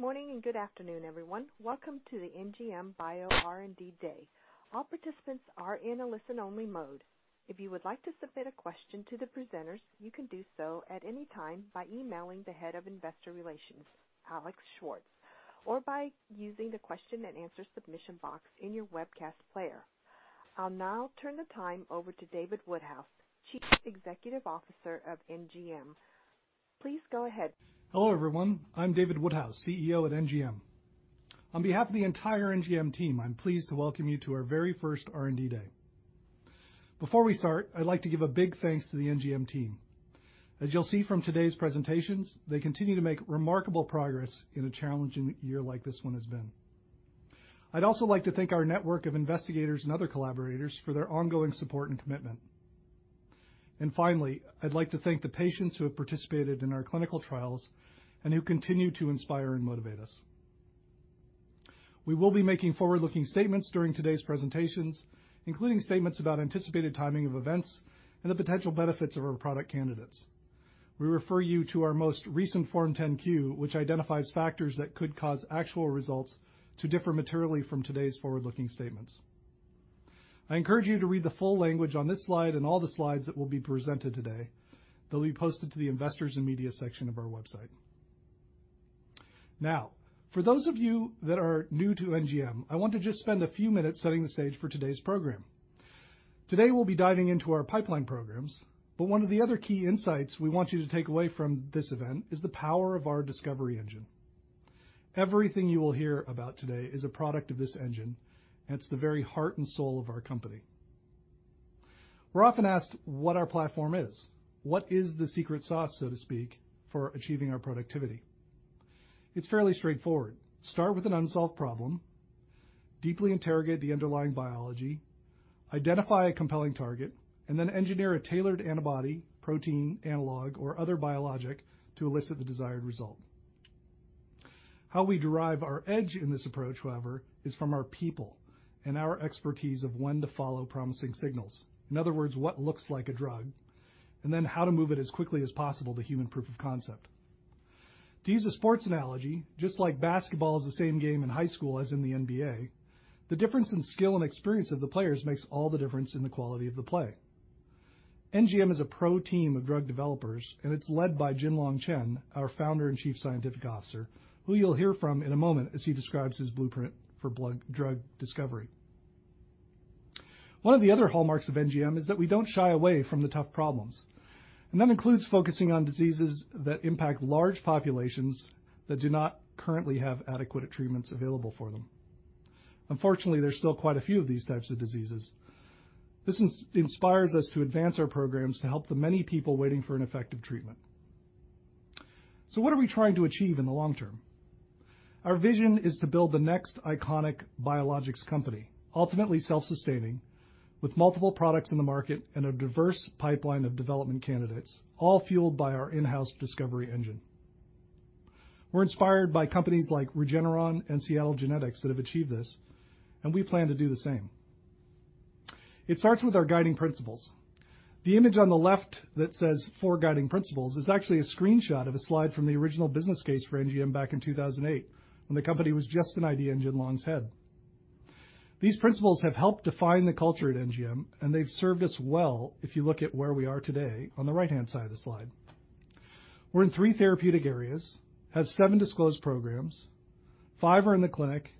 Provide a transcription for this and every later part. Morning. Good afternoon, everyone. Welcome to the NGM Bio R&D Day. All participants are in a listen-only mode. If you would like to submit a question to the presenters, you can do so at any time by emailing the Head of Investor Relations, Alex Schwartz, or by using the question and answer submission box in your webcast player. I'll now turn the time over to David Woodhouse, Chief Executive Officer of NGM. Please go ahead. Hello, everyone. I'm David Woodhouse, CEO at NGM. On behalf of the entire NGM team, I'm pleased to welcome you to our very first R&D Day. Before we start, I'd like to give a big thanks to the NGM team. As you'll see from today's presentations, they continue to make remarkable progress in a challenging year like this one has been. I'd also like to thank our network of investigators and other collaborators for their ongoing support and commitment. Finally, I'd like to thank the patients who have participated in our clinical trials and who continue to inspire and motivate us. We will be making forward-looking statements during today's presentations, including statements about anticipated timing of events and the potential benefits of our product candidates. We refer you to our most recent Form 10-Q, which identifies factors that could cause actual results to differ materially from today's forward-looking statements. I encourage you to read the full language on this slide and all the slides that will be presented today. They'll be posted to the Investors and Media section of our website. For those of you that are new to NGM, I want to just spend a few minutes setting the stage for today's program. Today, we'll be diving into our pipeline programs, one of the other key insights we want you to take away from this event is the power of our discovery engine. Everything you will hear about today is a product of this engine, it's the very heart and soul of our company. We're often asked what our platform is. What is the secret sauce, so to speak, for achieving our productivity? It's fairly straightforward. Start with an unsolved problem, deeply interrogate the underlying biology, identify a compelling target, and then engineer a tailored antibody, protein analog, or other biologic to elicit the desired result. How we derive our edge in this approach, however, is from our people and our expertise of when to follow promising signals. In other words, what looks like a drug, and then how to move it as quickly as possible to human proof of concept. To use a sports analogy, just like basketball is the same game in high school as in the NBA, the difference in skill and experience of the players makes all the difference in the quality of the play. NGM is a pro team of drug developers, and it's led by Jin-Long Chen, our Founder and Chief Scientific Officer, who you'll hear from in a moment as he describes his blueprint for biologic drug discovery. One of the other hallmarks of NGM is that we don't shy away from the tough problems, and that includes focusing on diseases that impact large populations that do not currently have adequate treatments available for them. Unfortunately, there's still quite a few of these types of diseases. This inspires us to advance our programs to help the many people waiting for an effective treatment. What are we trying to achieve in the long term? Our vision is to build the next iconic biologics company, ultimately self-sustaining, with multiple products in the market and a diverse pipeline of development candidates, all fueled by our in-house discovery engine. We're inspired by companies like Regeneron and Seattle Genetics that have achieved this, and we plan to do the same. It starts with our guiding principles. The image on the left that says "Four Guiding Principles" is actually a screenshot of a slide from the original business case for NGM back in 2008 when the company was just an idea in Jin-Long's head. These principles have helped define the culture at NGM, and they've served us well if you look at where we are today on the right-hand side of the slide. We're in three therapeutic areas, have seven disclosed programs, five are in the clinic,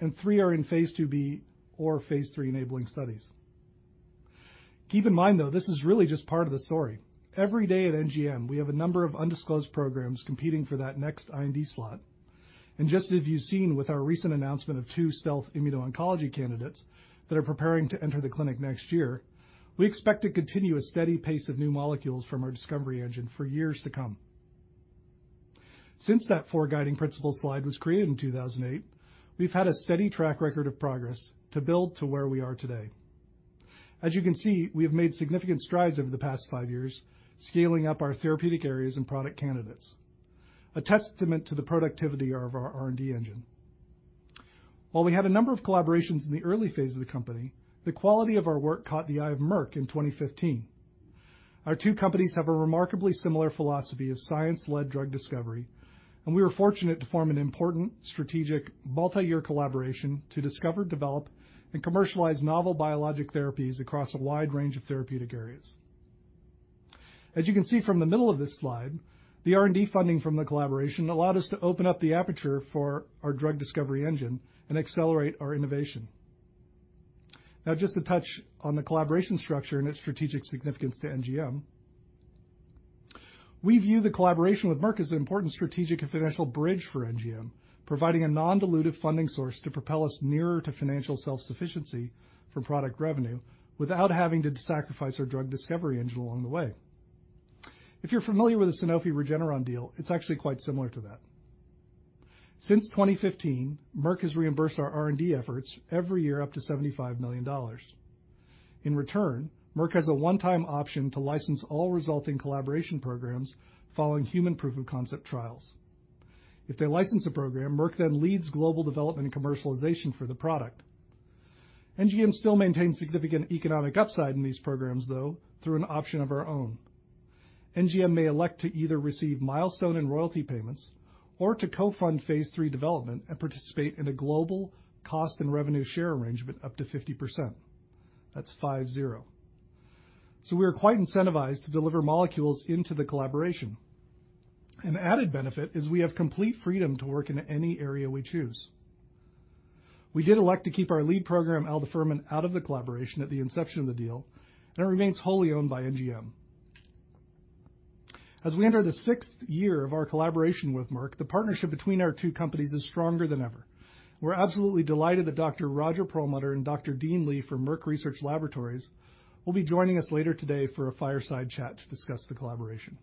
and three are in phase IIb or phase III enabling studies. Keep in mind, though, this is really just part of the story. Every day at NGM, we have a number of undisclosed programs competing for that next IND slot. Just as you've seen with our recent announcement of two stealth immuno-oncology candidates that are preparing to enter the clinic next year, we expect to continue a steady pace of new molecules from our discovery engine for years to come. Since that four guiding principle slide was created in 2008, we've had a steady track record of progress to build to where we are today. As you can see, we have made significant strides over the past five years, scaling up our therapeutic areas and product candidates, a testament to the productivity of our R&D engine. While we had a number of collaborations in the early phase of the company, the quality of our work caught the eye of Merck in 2015. Our two companies have a remarkably similar philosophy of science-led drug discovery, and we were fortunate to form an important strategic multi-year collaboration to discover, develop, and commercialize novel biologic therapies across a wide range of therapeutic areas. As you can see from the middle of this slide, the R&D funding from the collaboration allowed us to open up the aperture for our drug discovery engine and accelerate our innovation. Now, just to touch on the collaboration structure and its strategic significance to NGM, we view the collaboration with Merck as an important strategic and financial bridge for NGM, providing a non-dilutive funding source to propel us nearer to financial self-sufficiency from product revenue without having to sacrifice our drug discovery engine along the way. If you're familiar with the Sanofi Regeneron deal, it's actually quite similar to that. Since 2015, Merck has reimbursed our R&D efforts every year up to $75 million. In return, Merck has a one-time option to license all resulting collaboration programs following human proof of concept trials. If they license a program, Merck then leads global development and commercialization for the product. NGM still maintains significant economic upside in these programs, though, through an option of our own. NGM may elect to either receive milestone and royalty payments or to co-fund Phase III development and participate in a global cost and revenue share arrangement up to 50%. That's 50. We are quite incentivized to deliver molecules into the collaboration. An added benefit is we have complete freedom to work in any area we choose. We did elect to keep our lead program, aldafermin, out of the collaboration at the inception of the deal, and it remains wholly owned by NGM. As we enter the sixth year of our collaboration with Merck, the partnership between our two companies is stronger than ever. We're absolutely delighted that Dr. Roger Perlmutter and Dr. Dean Li from Merck Research Laboratories will be joining us later today for a fireside chat to discuss the collaboration.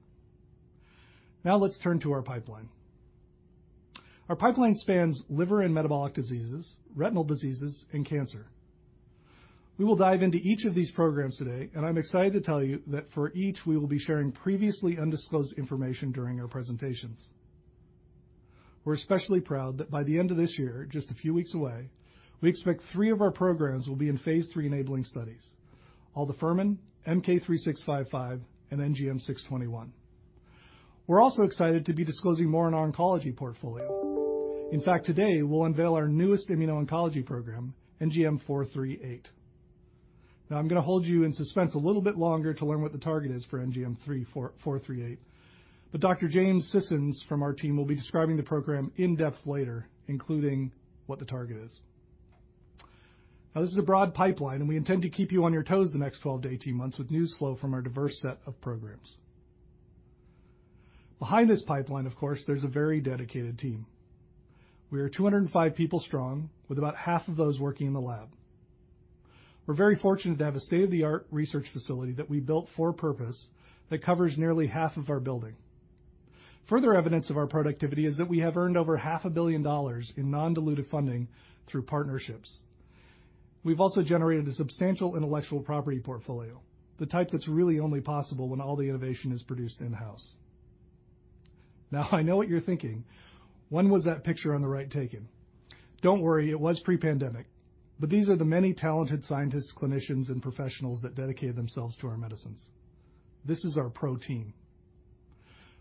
Let's turn to our pipeline. Our pipeline spans liver and metabolic diseases, retinal diseases, and cancer. We will dive into each of these programs today, and I'm excited to tell you that for each, we will be sharing previously undisclosed information during our presentations. We're especially proud that by the end of this year, just a few weeks away, we expect three of our programs will be in phase III-enabling studies, aldafermin, MK-3655, and NGM621. We're also excited to be disclosing more on our oncology portfolio. In fact, today we'll unveil our newest immuno-oncology program, NGM438. I'm going to hold you in suspense a little bit longer to learn what the target is for NGM438. Dr. James Sissons from our team will be describing the program in depth later, including what the target is. This is a broad pipeline and we intend to keep you on your toes the next 12-18 months with news flow from our diverse set of programs. Behind this pipeline, of course, there's a very dedicated team. We are 205 people strong, with about half of those working in the lab. We're very fortunate to have a state-of-the-art research facility that we built for a purpose that covers nearly half of our building. Further evidence of our productivity is that we have earned over half a billion dollars in non-dilutive funding through partnerships. I've also generated a substantial intellectual property portfolio, the type that's really only possible when all the innovation is produced in-house. I know what you're thinking. When was that picture on the right taken? Don't worry, it was pre-pandemic. These are the many talented scientists, clinicians, and professionals that dedicated themselves to our medicines. This is our pro team.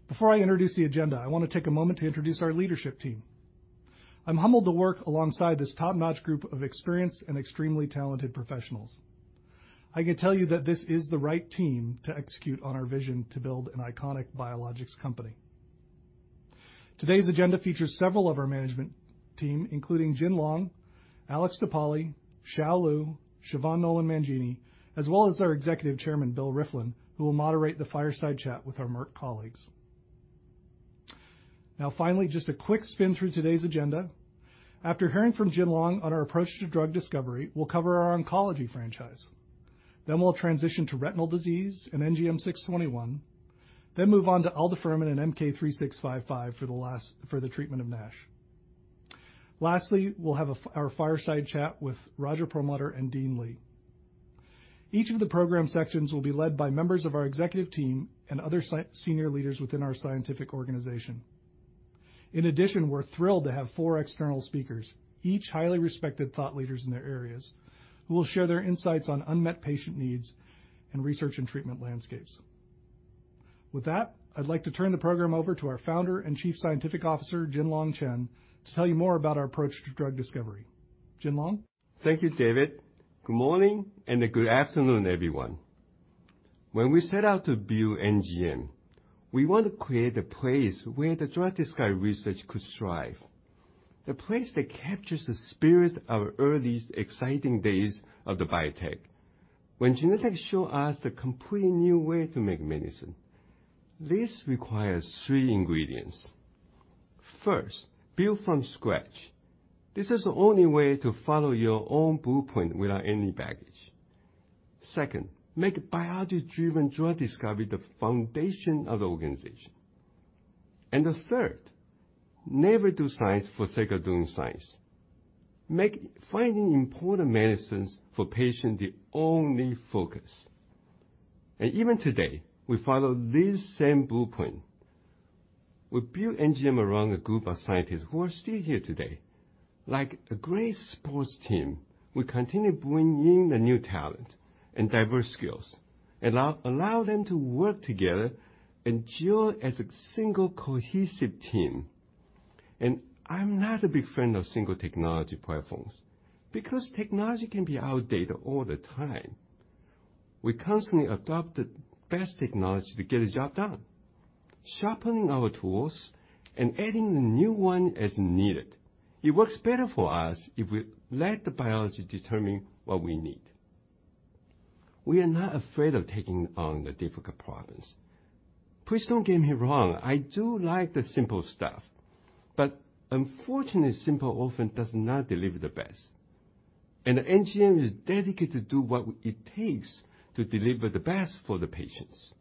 Before I introduce the agenda, I want to take a moment to introduce our leadership team. I'm humbled to work alongside this top-notch group of experienced and extremely talented professionals. I can tell you that this is the right team to execute on our vision to build an iconic biologics company. Today's agenda features several of our management team, including Jin-Long, Alex DePaoli, Hsiao Lieu, Siobhan Nolan Mangini, as well as our Executive Chairman, Bill Rieflin, who will moderate the fireside chat with our Merck colleagues. Finally, just a quick spin through today's agenda. After hearing from Jin-Long on our approach to drug discovery, we'll cover our oncology franchise. We'll transition to retinal disease and NGM621, move on to aldafermin and MK-3655 for the treatment of NASH. Lastly, we'll have our fireside chat with Roger Perlmutter and Dean Li. Each of the program sections will be led by members of our executive team and other senior leaders within our scientific organization. In addition, we're thrilled to have four external speakers, each highly respected thought leaders in their areas, who will share their insights on unmet patient needs and research and treatment landscapes. With that, I'd like to turn the program over to our Founder and Chief Scientific Officer, Jin-Long Chen, to tell you more about our approach to drug discovery. Jin-Long? Thank you, David. Good morning and good afternoon, everyone. When we set out to build NGM, we want to create a place where the drug discovery research could strive, a place that captures the spirit of early exciting days of the biotech when Genentech show us a completely new way to make medicine. This requires three ingredients. First, build from scratch. This is the only way to follow your own blueprint without any baggage. Second, make biology-driven drug discovery the foundation of the organization. The third, never do science for sake of doing science. Make finding important medicines for patients the only focus. Even today, we follow this same blueprint. We built NGM around a group of scientists who are still here today. Like a great sports team, we continue bringing the new talent and diverse skills and allow them to work together and join as a single cohesive team. I'm not a big fan of single technology platforms because technology can be outdated all the time. We constantly adopt the best technology to get the job done, sharpening our tools and adding new one as needed. It works better for us if we let the biology determine what we need. We are not afraid of taking on the difficult problems. Please don't get me wrong. I do like the simple stuff, but unfortunately, simple often does not deliver the best, and NGM is dedicated to do what it takes to deliver the best for the patients.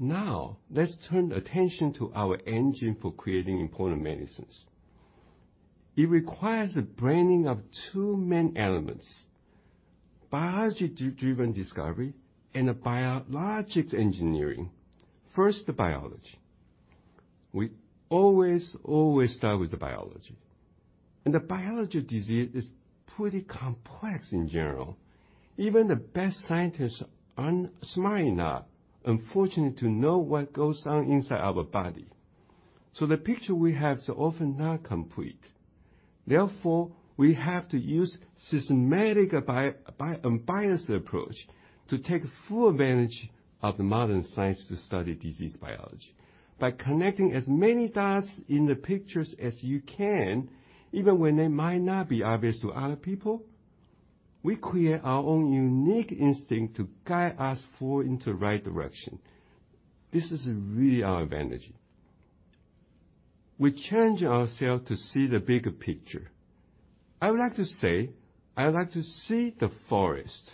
Now, let's turn attention to our engine for creating important medicines. It requires a blending of two main elements, biology-driven discovery and a biologics engineering. First, the biology. We always start with the biology. The biology disease is pretty complex in general. Even the best scientists aren't smart enough, unfortunately, to know what goes on inside our body. The picture we have is often not complete. Therefore, we have to use systematic unbiased approach to take full advantage of the modern science to study disease biology. By connecting as many dots in the pictures as you can, even when they might not be obvious to other people, we create our own unique instinct to guide us forward into the right direction. This is really our advantage. We challenge ourselves to see the bigger picture. I would like to say, I would like to see the forest,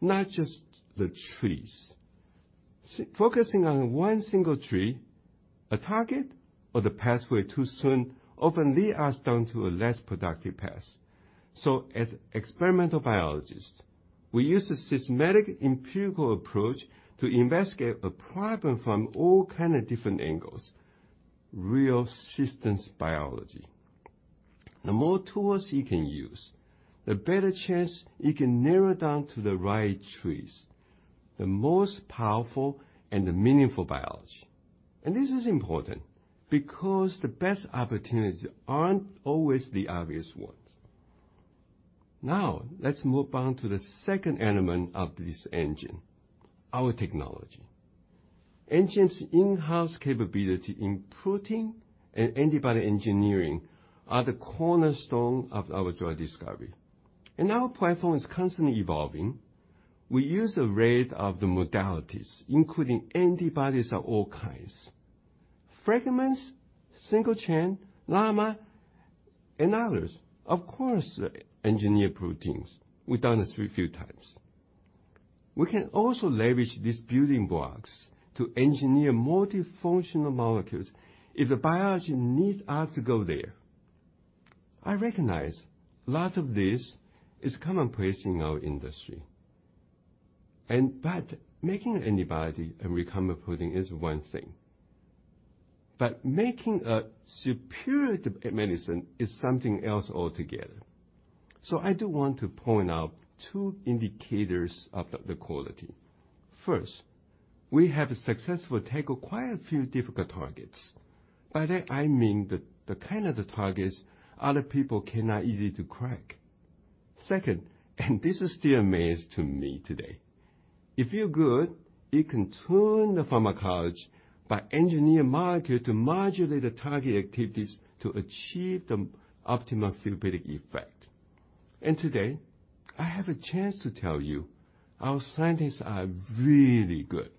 not just the trees. Focusing on one single tree, a target or the pathway too soon, often lead us down to a less productive path. As experimental biologists, we use a systematic empirical approach to investigate a problem from all kind of different angles, real systems biology. The more tools you can use, the better chance you can narrow down to the right trees, the most powerful and the meaningful biology. This is important because the best opportunities aren't always the obvious ones. Now, let's move on to the second element of this engine, our technology. Engine's in-house capability in protein and antibody engineering are the cornerstone of our drug discovery. Our platform is constantly evolving. We use an array of the modalities, including antibodies of all kinds, fragments, single chain, llama, and others. Of course, engineered proteins. We've done this a few times. We can also leverage these building blocks to engineer multifunctional molecules if the biology needs us to go there. I recognize lots of this is commonplace in our industry. Making antibody a recombinant protein is one thing. Making a superior medicine is something else altogether. I do want to point out two indicators of the quality. First, we have successfully tackled quite a few difficult targets. By that, I mean the kind of the targets other people cannot easy to crack. Second, this still amaze to me today. If you're good, you can tune the pharmacology by engineer molecule to modulate the target activities to achieve the optimal therapeutic effect. Today, I have a chance to tell you our scientists are really good.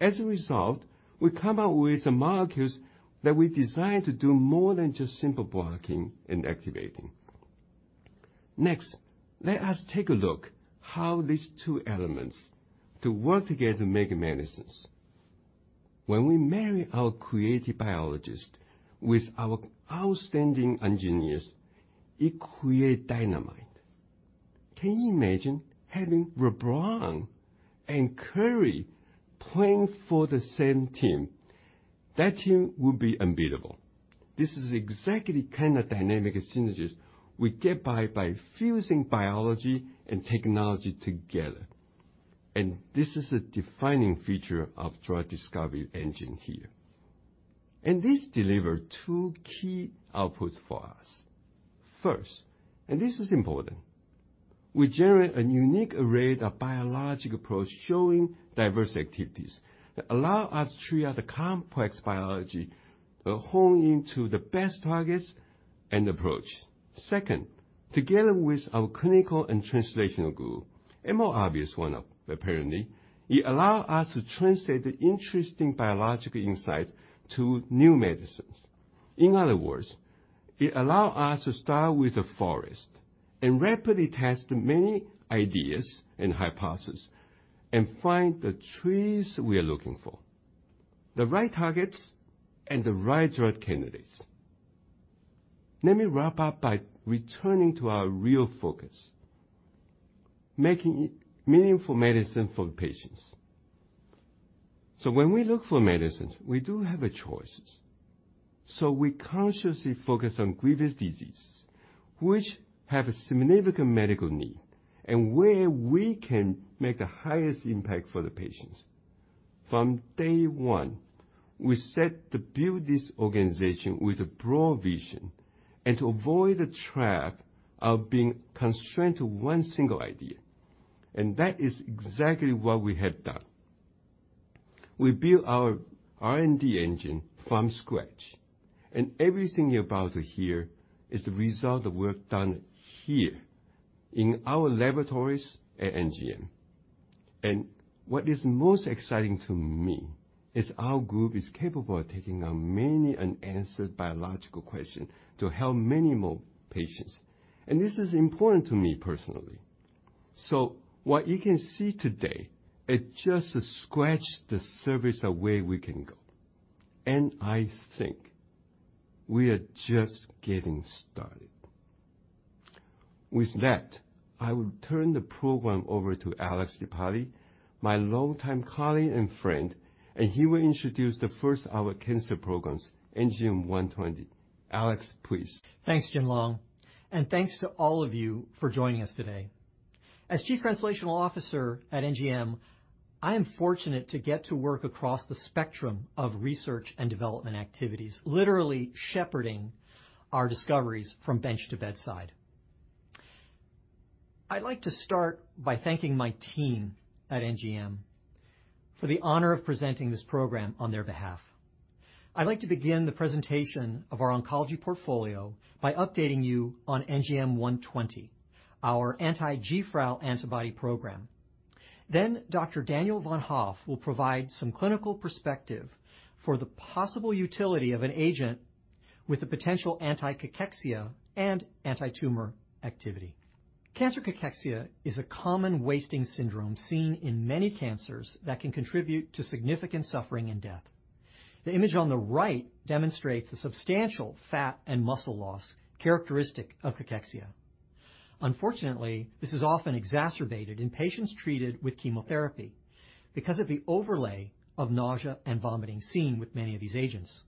As a result, we come up with the molecules that we designed to do more than just simple blocking and activating. Next, let us take a look how these two elements to work together to make medicines. When we marry our creative biologists with our outstanding engineers, it create dynamite. Can you imagine having LeBron and Curry playing for the same team? That team would be unbeatable. This is exactly kind of dynamic synergies we get by fusing biology and technology together. This is a defining feature of drug discovery engine here. This deliver two key outputs for us. First, and this is important, we generate a unique array of biologic approach showing diverse activities that allow us to figure out the complex biology, hone into the best targets and approach. Second, together with our clinical and translational group, a more obvious one, apparently, it allow us to translate the interesting biological insights to new medicines. In other words, it allows us to start with the forest and rapidly test many ideas and hypotheses and find the trees we are looking for, the right targets and the right drug candidates. Let me wrap up by returning to our real focus, making meaningful medicine for patients. When we look for medicines, we do have choices. We consciously focus on grievous diseases, which have a significant medical need, and where we can make the highest impact for the patients. From day one, we set to build this organization with a broad vision and to avoid the trap of being constrained to one single idea. That is exactly what we have done. We built our R&D engine from scratch, and everything you're about to hear is the result of work done here in our laboratories at NGM. What is most exciting to me is our group is capable of taking on many unanswered biological questions to help many more patients. This is important to me personally. What you can see today is just to scratch the surface of where we can go. I think we are just getting started. With that, I will turn the program over to Alex DePaoli, my longtime colleague and friend, and he will introduce the first of our cancer programs, NGM120. Alex, please. Thanks, Jin-Long. Thanks to all of you for joining us today. As Chief Translational Officer at NGM, I am fortunate to get to work across the spectrum of research and development activities, literally shepherding our discoveries from bench to bedside. I'd like to start by thanking my team at NGM for the honor of presenting this program on their behalf. I'd like to begin the presentation of our oncology portfolio by updating you on NGM120, our anti-GFRAL antibody program. Dr. Daniel Von Hoff will provide some clinical perspective for the possible utility of an agent with a potential anti-cachexia and anti-tumor activity. Cancer cachexia is a common wasting syndrome seen in many cancers that can contribute to significant suffering and death. The image on the right demonstrates the substantial fat and muscle loss characteristic of cachexia. Unfortunately, this is often exacerbated in patients treated with chemotherapy because of the overlay of nausea and vomiting seen with many of these agents.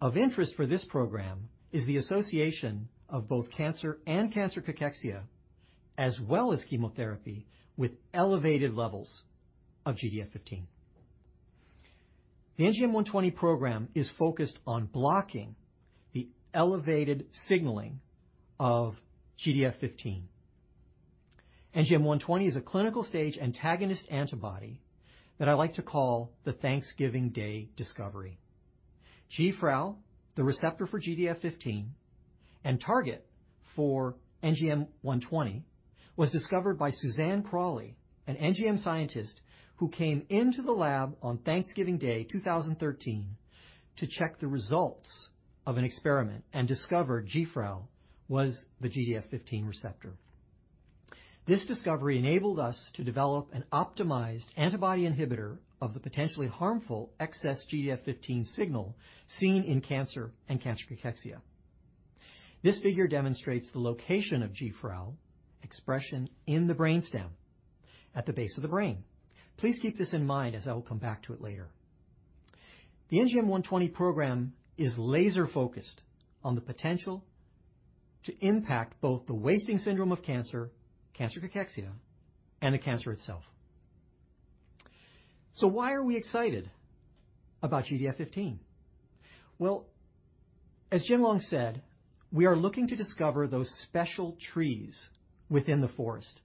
Of interest for this program is the association of both cancer and cancer cachexia, as well as chemotherapy, with elevated levels of GDF15. The NGM-120 program is focused on blocking the elevated signaling of GDF15. NGM-120 is a clinical stage antagonist antibody that I like to call the Thanksgiving Day discovery. GFRAL, the receptor for GDF15 and target for NGM-120, was discovered by Suzanne Crawley, an NGM scientist who came into the lab on Thanksgiving Day 2013 to check the results of an experiment and discovered GFRAL was the GDF15 receptor. This discovery enabled us to develop an optimized antibody inhibitor of the potentially harmful excess GDF15 signal seen in cancer and cancer cachexia. This figure demonstrates the location of GFRAL expression in the brainstem at the base of the brain. Please keep this in mind as I will come back to it later. The NGM-120 program is laser-focused on the potential to impact both the wasting syndrome of cancer cachexia, and the cancer itself. Why are we excited about GDF15? Well, as Jin-Long said, we are looking to discover those special trees within the forest,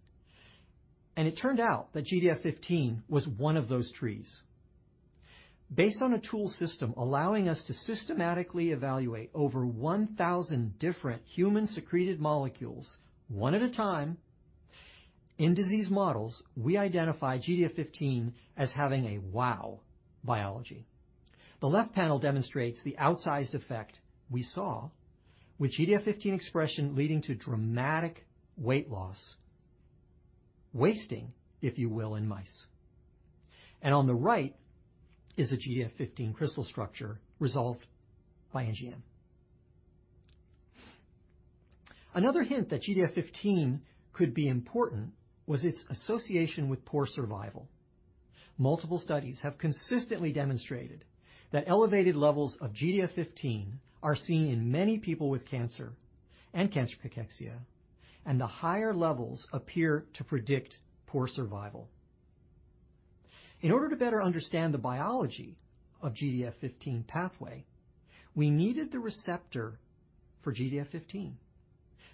and it turned out that GDF15 was one of those trees. Based on a tool system allowing us to systematically evaluate over 1,000 different human-secreted molecules, one at a time in disease models, we identify GDF15 as having a wow biology. The left panel demonstrates the outsized effect we saw with GDF15 expression leading to dramatic weight loss, wasting, if you will, in mice. On the right is the GDF15 crystal structure resolved by NGM. Another hint that GDF15 could be important was its association with poor survival. Multiple studies have consistently demonstrated that elevated levels of GDF15 are seen in many people with cancer and cancer cachexia, and the higher levels appear to predict poor survival. In order to better understand the biology of GDF15 pathway, we needed the receptor for GDF15.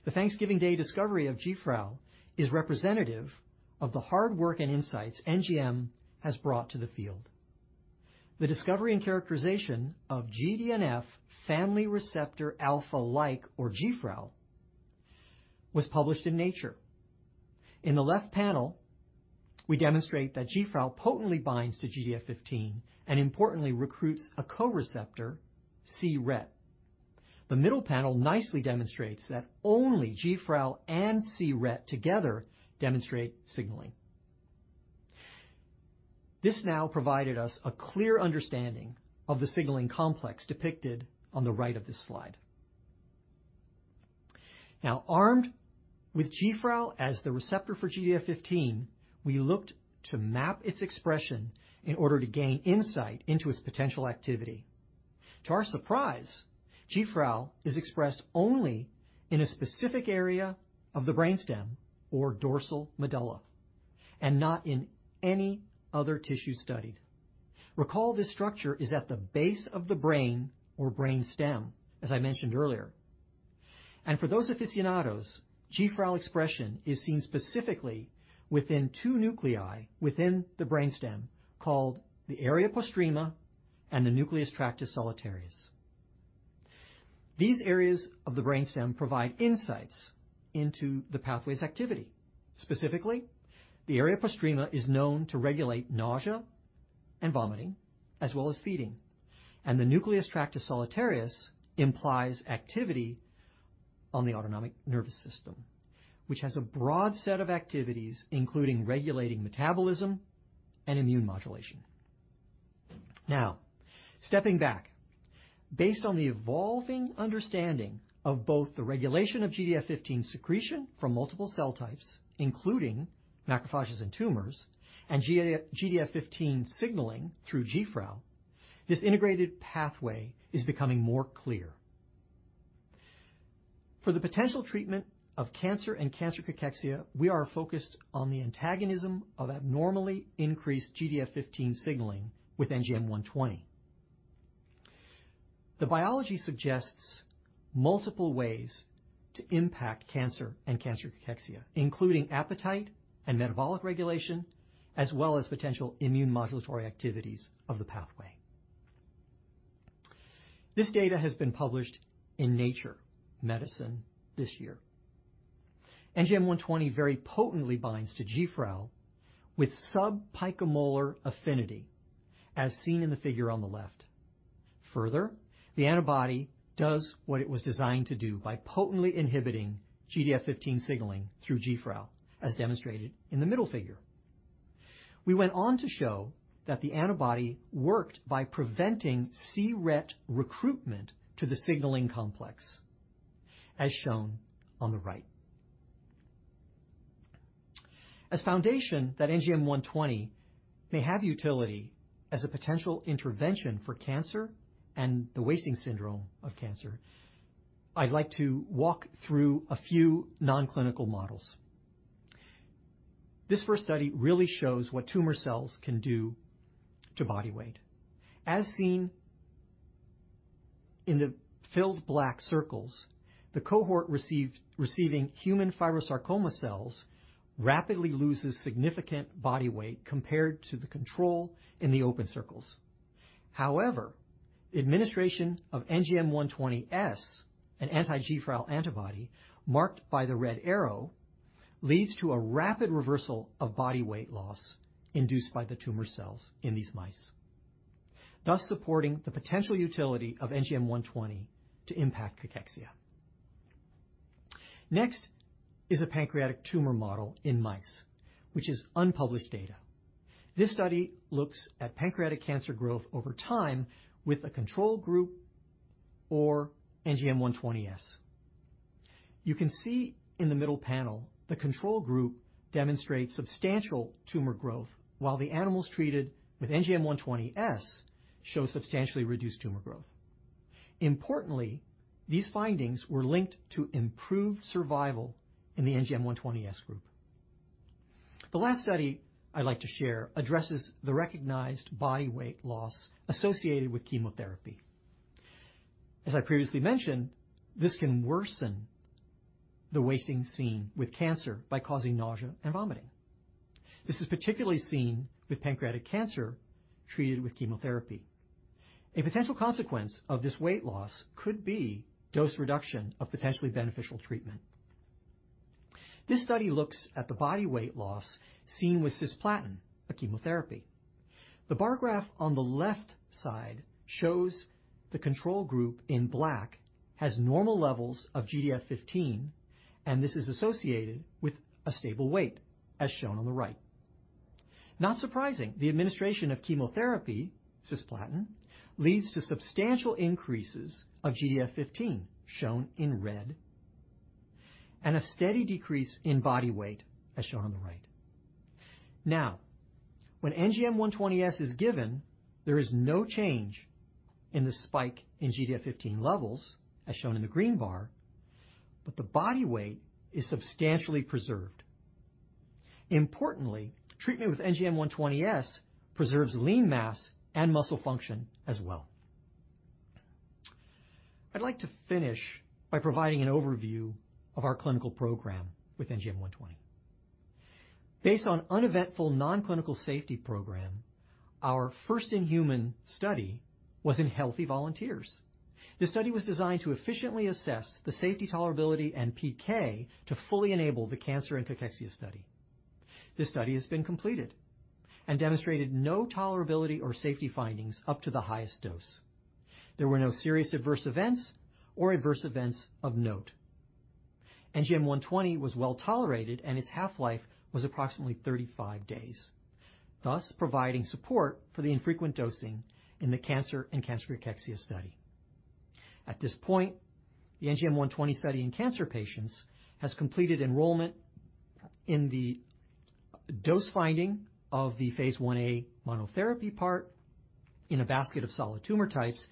The Thanksgiving Day discovery of GFRAL is representative of the hard work and insights NGM has brought to the field. The discovery and characterization of GDNF family receptor alpha-like, or GFRAL, was published in Nature. In the left panel, we demonstrate that GFRAL potently binds to GDF15 and importantly recruits a co-receptor, RET. The middle panel nicely demonstrates that only GFRAL and RET together demonstrate signaling. This now provided us a clear understanding of the signaling complex depicted on the right of this slide. Now armed with GFRAL as the receptor for GDF15, we looked to map its expression in order to gain insight into its potential activity. To our surprise, GFRAL is expressed only in a specific area of the brainstem or dorsal medulla, and not in any other tissue studied. Recall, this structure is at the base of the brain or brainstem, as I mentioned earlier. For those aficionados, GFRAL expression is seen specifically within two nuclei within the brainstem, called the area postrema and the nucleus tractus solitarius. These areas of the brainstem provide insights into the pathway's activity. Specifically, the area postrema is known to regulate nausea and vomiting, as well as feeding, and the nucleus tractus solitarius implies activity on the autonomic nervous system, which has a broad set of activities, including regulating metabolism and immune modulation. Now, stepping back. Based on the evolving understanding of both the regulation of GDF15 secretion from multiple cell types, including macrophages in tumors, and GDF15 signaling through GFRA, this integrated pathway is becoming more clear. For the potential treatment of cancer and cancer cachexia, we are focused on the antagonism of abnormally increased GDF15 signaling with NGM120. The biology suggests multiple ways to impact cancer and cancer cachexia, including appetite and metabolic regulation, as well as potential immune modulatory activities of the pathway. This data has been published in Nature Medicine this year. NGM120 very potently binds to GFRA with sub-picomolar affinity, as seen in the figure on the left. The antibody does what it was designed to do by potently inhibiting GDF15 signaling through GFRA, as demonstrated in the middle figure. We went on to show that the antibody worked by preventing RET recruitment to the signaling complex, as shown on the right. As foundation that NGM-120 may have utility as a potential intervention for cancer and the wasting syndrome of cancer, I'd like to walk through a few non-clinical models. This first study really shows what tumor cells can do to body weight. As seen in the filled black circles, the cohort receiving human fibrosarcoma cells rapidly loses significant body weight compared to the control in the open circles. However, the administration of NGM120S, an anti-GFRAL antibody, marked by the red arrow, leads to a rapid reversal of body weight loss induced by the tumor cells in these mice, thus supporting the potential utility of NGM-120 to impact cachexia. Next is a pancreatic tumor model in mice, which is unpublished data. This study looks at pancreatic cancer growth over time with a control group or NGM120. You can see in the middle panel, the control group demonstrates substantial tumor growth, while the animals treated with NGM120 show substantially reduced tumor growth. Importantly, these findings were linked to improved survival in the NGM120 group. The last study I'd like to share addresses the recognized body weight loss associated with chemotherapy. As I previously mentioned, this can worsen the wasting seen with cancer by causing nausea and vomiting. This is particularly seen with pancreatic cancer treated with chemotherapy. A potential consequence of this weight loss could be dose reduction of potentially beneficial treatment. This study looks at the body weight loss seen with cisplatin, a chemotherapy. The bar graph on the left side shows the control group in black has normal levels of GDF15, and this is associated with a stable weight, as shown on the right. Not surprising, the administration of chemotherapy, cisplatin, leads to substantial increases of GDF15, shown in red, and a steady decrease in body weight, as shown on the right. When NGM-120S is given, there is no change in the spike in GDF15 levels, as shown in the green bar, the body weight is substantially preserved. Importantly, treatment with NGM-120S preserves lean mass and muscle function as well. I'd like to finish by providing an overview of our clinical program with NGM-120. Based on uneventful non-clinical safety program, our first-in-human study was in healthy volunteers. This study was designed to efficiently assess the safety tolerability and PK to fully enable the cancer and cachexia study. This study has been completed and demonstrated no tolerability or safety findings up to the highest dose. There were no serious adverse events or adverse events of note. NGM120 was well-tolerated, and its half-life was approximately 35 days, thus providing support for the infrequent dosing in the cancer and cancer cachexia study. At this point, the NGM120 study in cancer patients has completed enrollment in the dose finding of the phase I-A monotherapy part in a basket of solid tumor types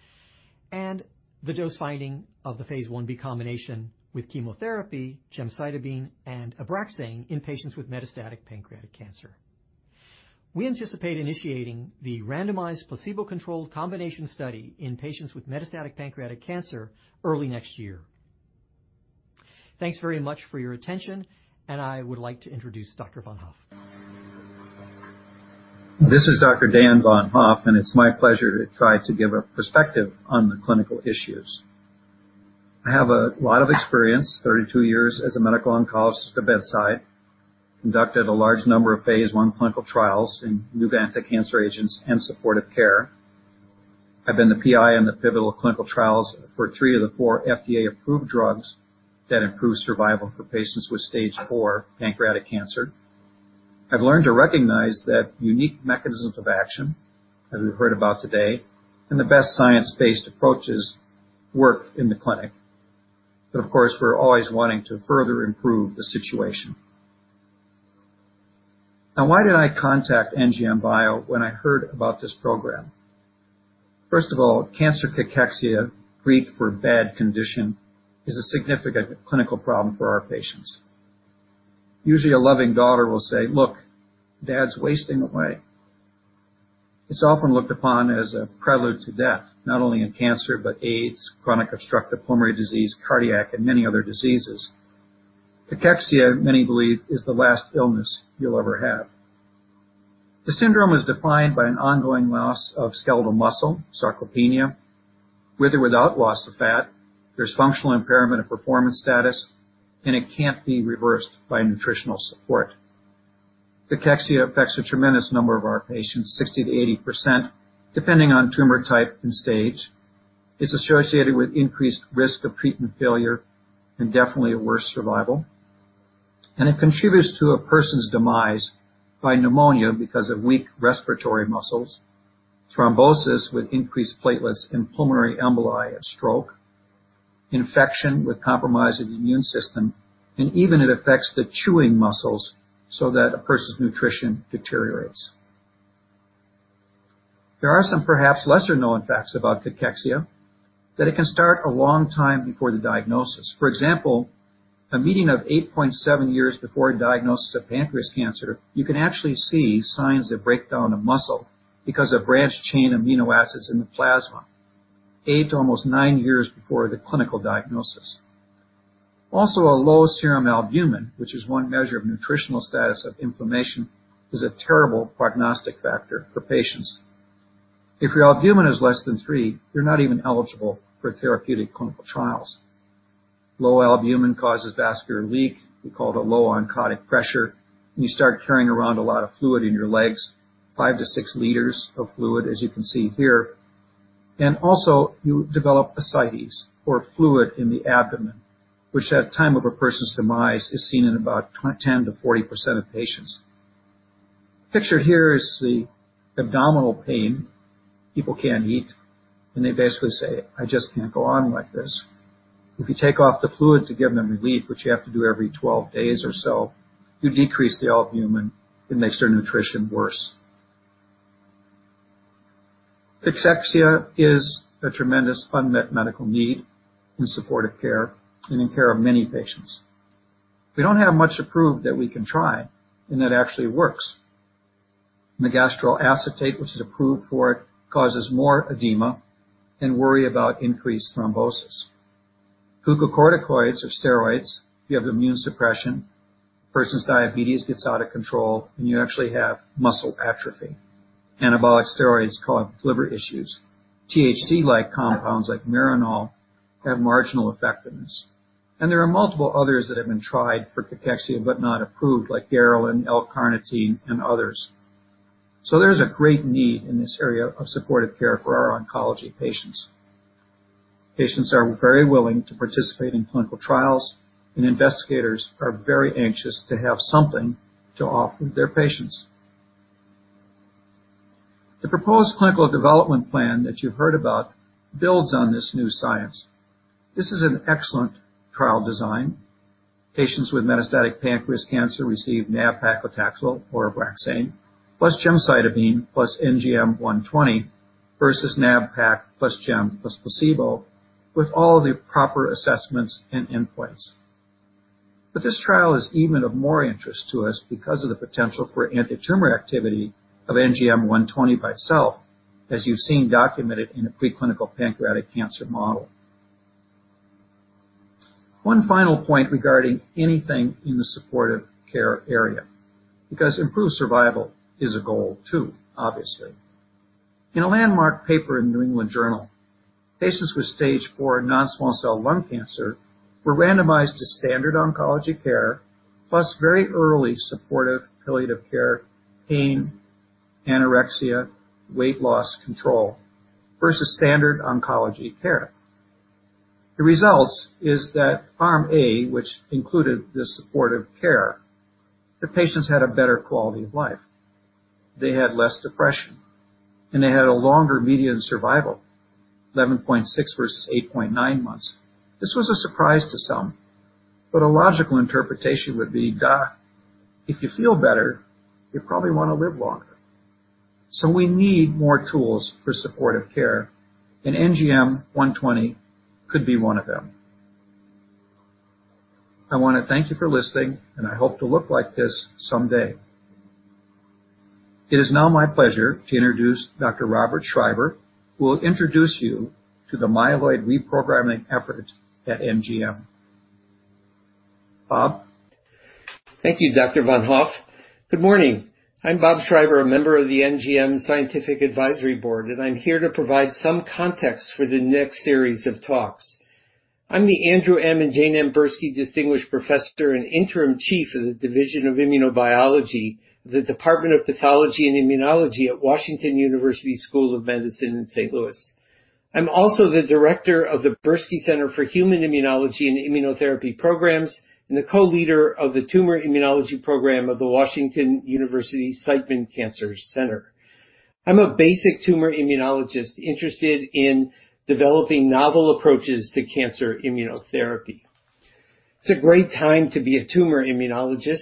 and the dose finding of the phase I-B combination with chemotherapy gemcitabine and ABRAXANE in patients with metastatic pancreatic cancer. We anticipate initiating the randomized placebo-controlled combination study in patients with metastatic pancreatic cancer early next year. Thanks very much for your attention. I would like to introduce Dr. Von Hoff. This is Dr. Dan Von Hoff, it's my pleasure to try to give a perspective on the clinical issues. I have a lot of experience, 32 years as a medical oncologist at the bedside. Conducted a large number of phase I clinical trials in new anticancer agents and supportive care. I've been the PI on the pivotal clinical trials for three of the four FDA-approved drugs that improve survival for patients with stage 4 pancreatic cancer. I've learned to recognize that unique mechanisms of action, as we've heard about today, the best science-based approaches work in the clinic. Of course, we're always wanting to further improve the situation. Now, why did I contact NGM Bio when I heard about this program? First of all, cancer cachexia, Greek for bad condition, is a significant clinical problem for our patients. Usually, a loving daughter will say, "Look, Dad's wasting away." It's often looked upon as a prelude to death, not only in cancer, but AIDS, chronic obstructive pulmonary disease, cardiac, and many other diseases. Cachexia, many believe, is the last illness you'll ever have. The syndrome is defined by an ongoing loss of skeletal muscle, sarcopenia, with or without loss of fat. There's functional impairment of performance status, and it can't be reversed by nutritional support. Cachexia affects a tremendous number of our patients, 60%-80%, depending on tumor type and stage. It's associated with increased risk of treatment failure and definitely a worse survival. It contributes to a person's demise by pneumonia because of weak respiratory muscles, thrombosis with increased platelets and pulmonary emboli and stroke, infection with compromise of the immune system, and even it affects the chewing muscles so that a person's nutrition deteriorates. There are some perhaps lesser-known facts about cachexia, that it can start a long time before the diagnosis. For example, a median of 8.7 years before a diagnosis of pancreas cancer, you can actually see signs of breakdown of muscle because of branched-chain amino acids in the plasma, eight to almost nine years before the clinical diagnosis. Also, a low serum albumin, which is one measure of nutritional status of inflammation, is a terrible prognostic factor for patients. If your albumin is less than three, you're not even eligible for therapeutic clinical trials. Low albumin causes vascular leak. We call that low oncotic pressure, and you start carrying around a lot of fluid in your legs, five-six liters of fluid, as you can see here. Also you develop ascites or fluid in the abdomen, which at time of a person's demise, is seen in about 10%-40% of patients. Pictured here is the abdominal pain. People can't eat, and they basically say, "I just can't go on like this." If you take off the fluid to give them relief, which you have to do every 12 days or so, you decrease the albumin. It makes their nutrition worse. Cachexia is a tremendous unmet medical need in supportive care and in care of many patients. We don't have much approved that we can try and that actually works. megestrol acetate, which is approved for it, causes more edema and worry about increased thrombosis. Glucocorticoids or steroids, you have immune suppression. A person's diabetes gets out of control, and you actually have muscle atrophy. Anabolic steroids cause liver issues. THC-like compounds like MARINOL have marginal effectiveness. There are multiple others that have been tried for cachexia but not approved, like megestrol acetate and L-carnitine and others. There's a great need in this area of supportive care for our oncology patients. Patients are very willing to participate in clinical trials, and investigators are very anxious to have something to offer their patients. The proposed clinical development plan that you've heard about builds on this new science. This is an excellent trial design. Patients with metastatic pancreas cancer receive nab-paclitaxel or ABRAXANE plus gemcitabine plus NGM120 versus nab-pac plus gem plus placebo with all the proper assessments and endpoints. This trial is even of more interest to us because of the potential for antitumor activity of NGM120 by itself, as you've seen documented in a preclinical pancreatic cancer model. One final point regarding anything in the supportive care area, because improved survival is a goal, too, obviously. In a landmark paper in New England Journal, patients with stage 4 non-small cell lung cancer were randomized to standard oncology care plus very early supportive palliative care, pain, anorexia, weight loss control, versus standard oncology care. The results is that arm A, which included the supportive care, the patients had a better quality of life. They had less depression, and they had a longer median survival, 11.6 versus 8.9 months. This was a surprise to some, but a logical interpretation would be, duh, if you feel better, you probably want to live longer. We need more tools for supportive care, and NGM120 could be one of them. I want to thank you for listening, and I hope to look like this someday. It is now my pleasure to introduce Dr. Robert Schreiber, who will introduce you to the myeloid reprogramming efforts at NGM. Bob? Thank you, Dr. Von Hoff. Good morning. I'm Bob Schreiber, a member of the NGM Scientific Advisory Board, and I'm here to provide some context for the next series of talks. I'm the Andrew M. and Jane M. Bursky Distinguished Professor and Interim Chief of the Division of Immunobiology, the Department of Pathology and Immunology at Washington University School of Medicine in St. Louis. I'm also the director of the Bursky Center for Human Immunology and Immunotherapy Programs and the co-leader of the Tumor Immunology Program of the Alvin J. Siteman Cancer Center. I'm a basic tumor immunologist interested in developing novel approaches to cancer immunotherapy. It's a great time to be a tumor immunologist.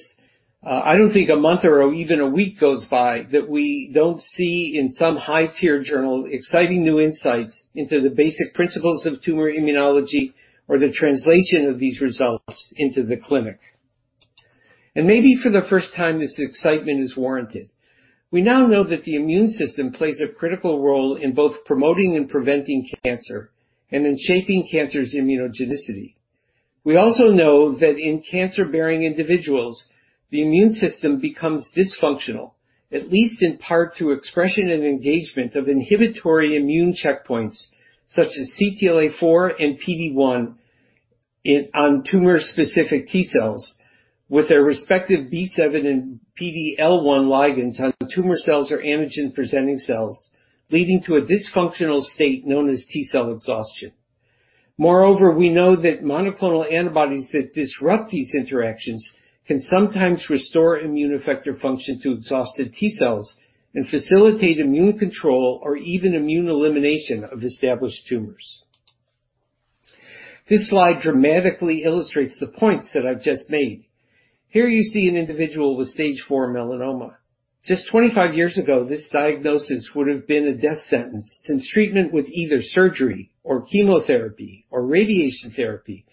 I don't think a month or even a week goes by that we don't see in some high-tier journal exciting new insights into the basic principles of tumor immunology or the translation of these results into the clinic. Maybe for the first time, this excitement is warranted. We now know that the immune system plays a critical role in both promoting and preventing cancer and in shaping cancer's immunogenicity. We also know that in cancer-bearing individuals, the immune system becomes dysfunctional, at least in part through expression and engagement of inhibitory immune checkpoints such as CTLA-4 and PD-1 on tumor-specific T cells with their respective B7 and PD-L1 ligands on tumor cells or antigen-presenting cells, leading to a dysfunctional state known as T cell exhaustion. Moreover, we know that monoclonal antibodies that disrupt these interactions can sometimes restore immune effector function to exhausted T cells and facilitate immune control or even immune elimination of established tumors. This slide dramatically illustrates the points that I've just made. Here you see an individual with stage 4 melanoma. Just 25 years ago, this diagnosis would have been a death sentence, since treatment with either surgery or chemotherapy or radiation therapy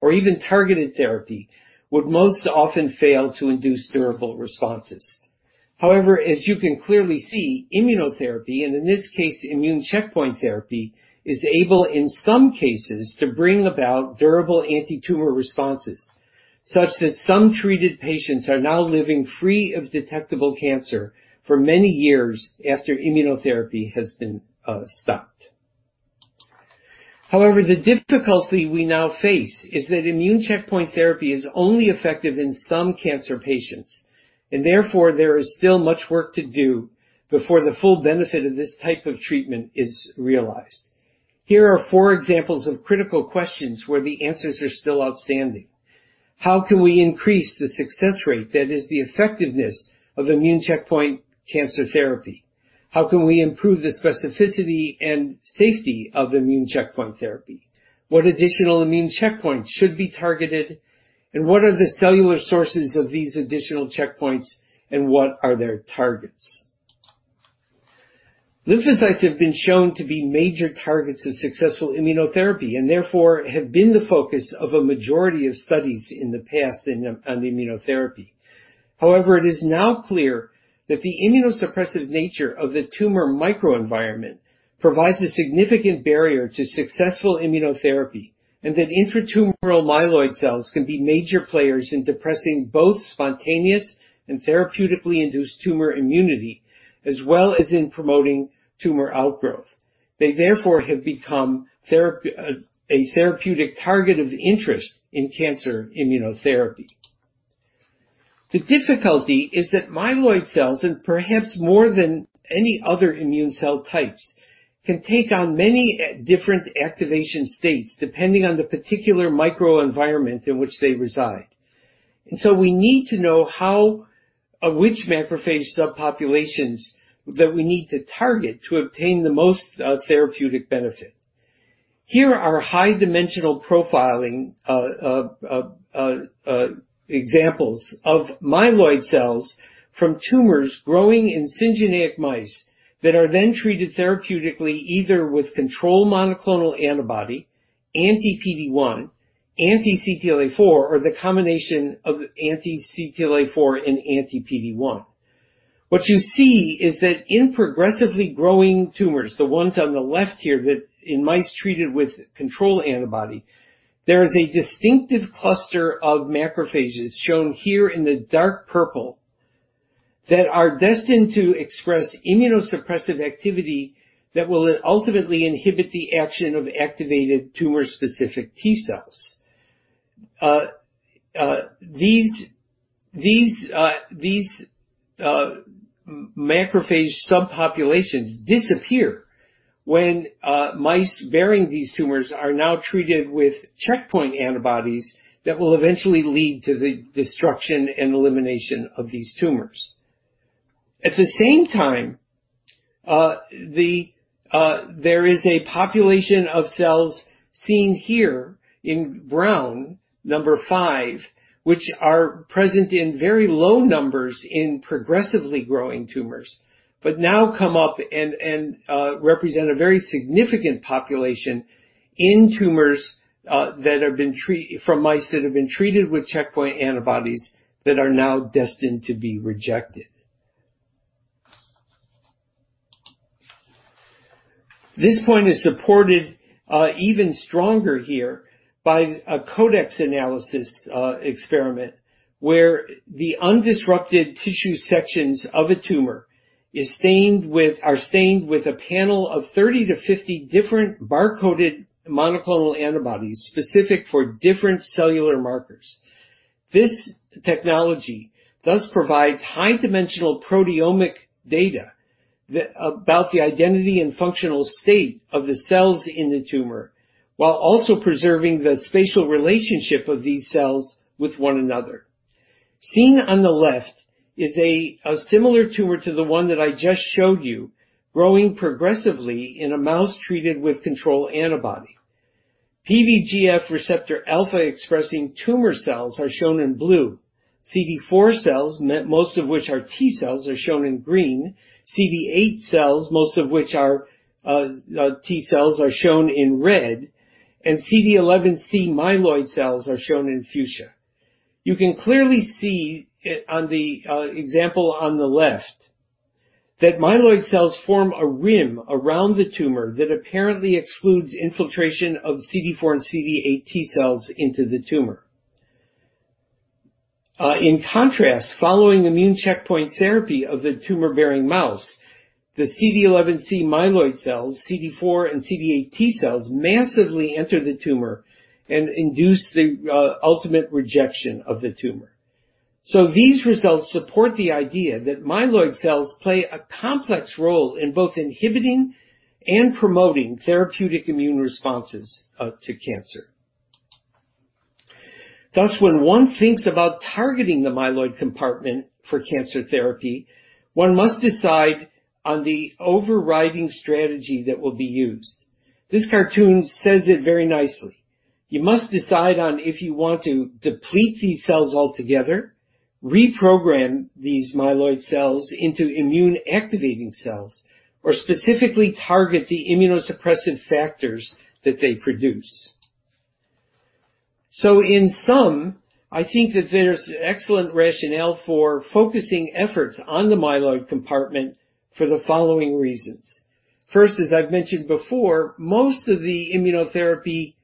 or even targeted therapy would most often fail to induce durable responses. As you can clearly see, immunotherapy, and in this case, immune checkpoint therapy, is able, in some cases, to bring about durable anti-tumor responses such that some treated patients are now living free of detectable cancer for many years after immunotherapy has been stopped. However, the difficulty we now face is that immune checkpoint therapy is only effective in some cancer patients. Therefore, there is still much work to do before the full benefit of this type of treatment is realized. Here are four examples of critical questions where the answers are still outstanding. How can we increase the success rate that is the effectiveness of immune checkpoint cancer therapy? How can we improve the specificity and safety of immune checkpoint therapy? What additional immune checkpoints should be targeted? What are the cellular sources of these additional checkpoints, and what are their targets? Lymphocytes have been shown to be major targets of successful immunotherapy. Therefore, have been the focus of a majority of studies in the past on immunotherapy. However, it is now clear that the immunosuppressive nature of the tumor microenvironment provides a significant barrier to successful immunotherapy and that intratumoral myeloid cells can be major players in depressing both spontaneous and therapeutically induced tumor immunity, as well as in promoting tumor outgrowth. They therefore have become a therapeutic target of interest in cancer immunotherapy. The difficulty is that myeloid cells, and perhaps more than any other immune cell types, can take on many different activation states depending on the particular microenvironment in which they reside. We need to know which macrophage subpopulations that we need to target to obtain the most therapeutic benefit. Here are high dimensional profiling examples of myeloid cells from tumors growing in syngeneic mice that are then treated therapeutically either with control monoclonal antibody, anti-PD-1, anti-CTLA-4, or the combination of anti-CTLA-4 and anti-PD-1. What you see is that in progressively growing tumors, the ones on the left here, that in mice treated with control antibody, there is a distinctive cluster of macrophages shown here in the dark purple that are destined to express immunosuppressive activity that will ultimately inhibit the action of activated tumor-specific T cells. These macrophage subpopulations disappear when mice bearing these tumors are now treated with checkpoint antibodies that will eventually lead to the destruction and elimination of these tumors. At the same time, there is a population of cells seen here in brown, number five, which are present in very low numbers in progressively growing tumors. Now come up and represent a very significant population in tumors from mice that have been treated with checkpoint antibodies that are now destined to be rejected. This point is supported even stronger here by a CODEX analysis experiment, where the undisrupted tissue sections of a tumor are stained with a panel of 30 to 50 different bar-coded monoclonal antibodies specific for different cellular markers. This technology thus provides high dimensional proteomic data about the identity and functional state of the cells in the tumor, while also preserving the spatial relationship of these cells with one another. Seen on the left is a similar tumor to the one that I just showed you, growing progressively in a mouse treated with control antibody. PDGF receptor alpha expressing tumor cells are shown in blue. CD4 cells, most of which are T cells, are shown in green. CD8 cells, most of which are T cells, are shown in red, and CD11c myeloid cells are shown in fuchsia. You can clearly see on the example on the left that myeloid cells form a rim around the tumor that apparently excludes infiltration of CD4 and CD8 T cells into the tumor. In contrast, following immune checkpoint therapy of the tumor-bearing mouse, the CD11c myeloid cells, CD4, and CD8 T cells massively enter the tumor and induce the ultimate rejection of the tumor. These results support the idea that myeloid cells play a complex role in both inhibiting and promoting therapeutic immune responses to cancer. Thus, when one thinks about targeting the myeloid compartment for cancer therapy, one must decide on the overriding strategy that will be used. This cartoon says it very nicely. You must decide on if you want to deplete these cells altogether, reprogram these myeloid cells into immune activating cells, or specifically target the immunosuppressant factors that they produce. In sum, I think that there's excellent rationale for focusing efforts on the myeloid compartment for the following reasons. First, as I've mentioned before, most of the immunotherapy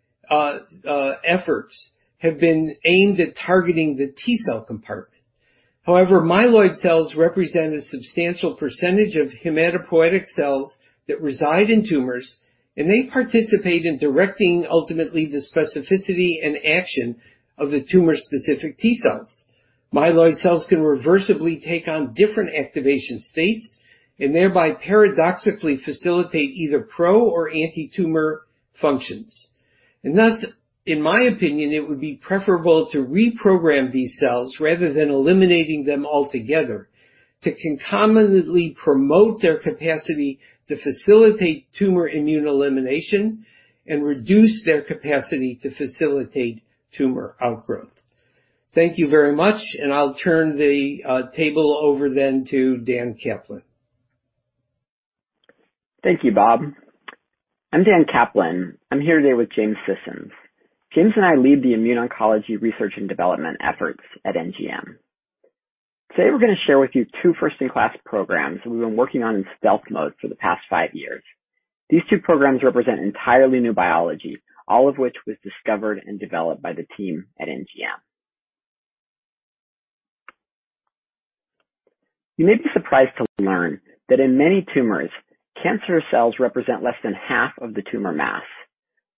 efforts have been aimed at targeting the T cell compartment. However, myeloid cells represent a substantial percentage of hematopoietic cells that reside in tumors, and they participate in directing ultimately the specificity and action of the tumor-specific T cells. Myeloid cells can reversibly take on different activation states, and thereby paradoxically facilitate either pro or anti-tumor functions. Thus, in my opinion, it would be preferable to reprogram these cells rather than eliminating them altogether to concomitantly promote their capacity to facilitate tumor immune elimination and reduce their capacity to facilitate tumor outgrowth. Thank you very much, and I'll turn the table over then to Dan Kaplan. Thank you, Bob. I'm Dan Kaplan. I'm here today with James Sissons. James and I lead the Immuno-Oncology research and development efforts at NGM. Today, we're going to share with you two first-in-class programs that we've been working on in stealth mode for the past five years. These two programs represent entirely new biology, all of which was discovered and developed by the team at NGM. You may be surprised to learn that in many tumors, cancer cells represent less than half of the tumor mass.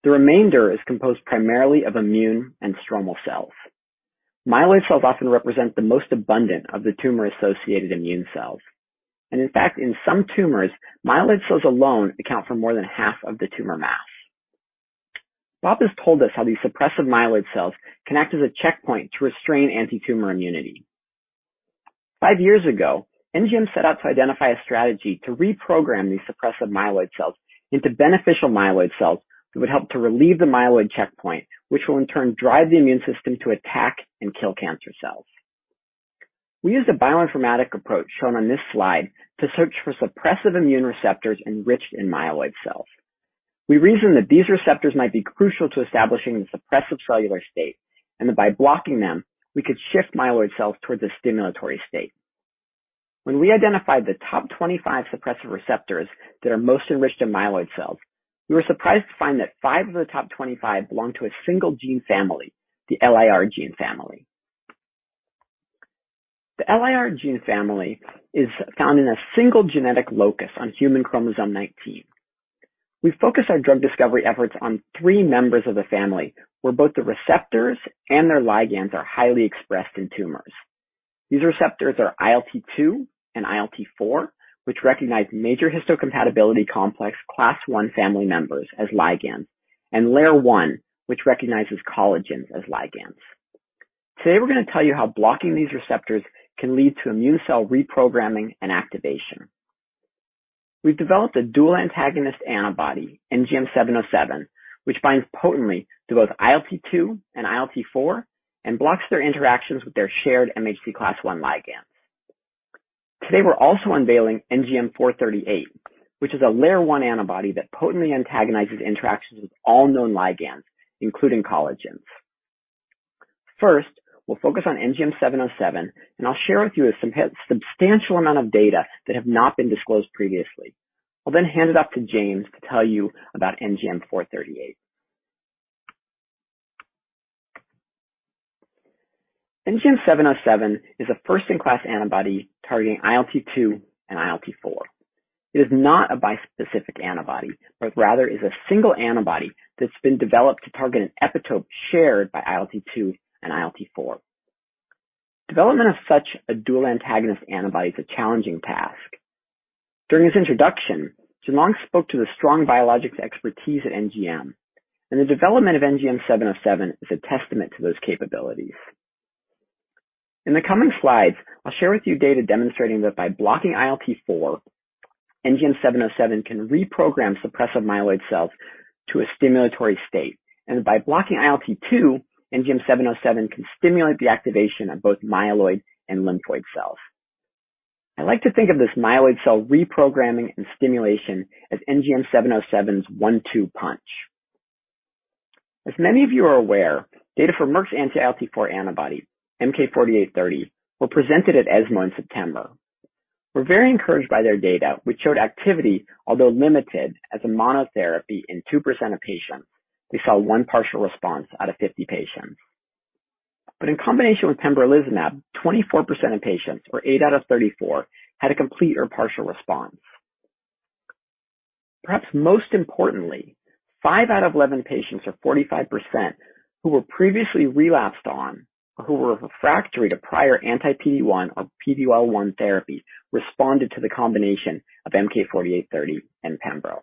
The remainder is composed primarily of immune and stromal cells. Myeloid cells often represent the most abundant of the tumor-associated immune cells. In fact, in some tumors, myeloid cells alone account for more than half of the tumor mass. Bob has told us how these suppressive myeloid cells can act as a checkpoint to restrain anti-tumor immunity. Five years ago, NGM set out to identify a strategy to reprogram these suppressive myeloid cells into beneficial myeloid cells that would help to relieve the myeloid checkpoint, which will in turn drive the immune system to attack and kill cancer cells. We used a bioinformatic approach shown on this slide to search for suppressive immune receptors enriched in myeloid cells. We reasoned that these receptors might be crucial to establishing the suppressive cellular state, and that by blocking them, we could shift myeloid cells towards a stimulatory state. When we identified the top 25 suppressive receptors that are most enriched in myeloid cells, we were surprised to find that five of the top 25 belong to a single gene family, the LILR gene family. The LILR gene family is found in a single genetic locus on human chromosome 19. We focused our drug discovery efforts on three members of the family, where both the receptors and their ligands are highly expressed in tumors. These receptors are ILT2 and ILT4, which recognize MHC class I family members as ligands, and LAIR-1, which recognizes collagens as ligands. Today, we're going to tell you how blocking these receptors can lead to immune cell reprogramming and activation. We've developed a dual antagonist antibody, NGM707, which binds potently to both ILT2 and ILT4 and blocks their interactions with their shared MHC class I ligands. Today, we're also unveiling NGM438, which is a LAIR-1 antibody that potently antagonizes interactions with all known ligands, including collagens. First, we'll focus on NGM707, and I'll share with you a substantial amount of data that have not been disclosed previously. I'll then hand it up to James to tell you about NGM-438. NGM-707 is a first-in-class antibody targeting ILT2 and ILT4. It is not a bispecific antibody, rather is a single antibody that's been developed to target an epitope shared by ILT2 and ILT4. Development of such a dual antagonist antibody is a challenging task. During his introduction, Jin-Long spoke to the strong biologics expertise at NGM, the development of NGM-707 is a testament to those capabilities. In the coming slides, I'll share with you data demonstrating that by blocking ILT4, NGM-707 can reprogram suppressive myeloid cells to a stimulatory state, by blocking ILT2, NGM-707 can stimulate the activation of both myeloid and lymphoid cells. I like to think of this myeloid cell reprogramming and stimulation as NGM-707's one-two punch. As many of you are aware, data for Merck's anti-ILT4 antibody, MK-4830, were presented at ESMO in September. We're very encouraged by their data, which showed activity, although limited, as a monotherapy in 2% of patients. We saw one partial response out of 50 patients. In combination with pembrolizumab, 24% of patients, or eight out of 34, had a complete or partial response. Perhaps most importantly, five out of 11 patients, or 45%, who were previously relapsed on or who were refractory to prior anti-PD-1 or PD-L1 therapy responded to the combination of MK-4830 and pembro.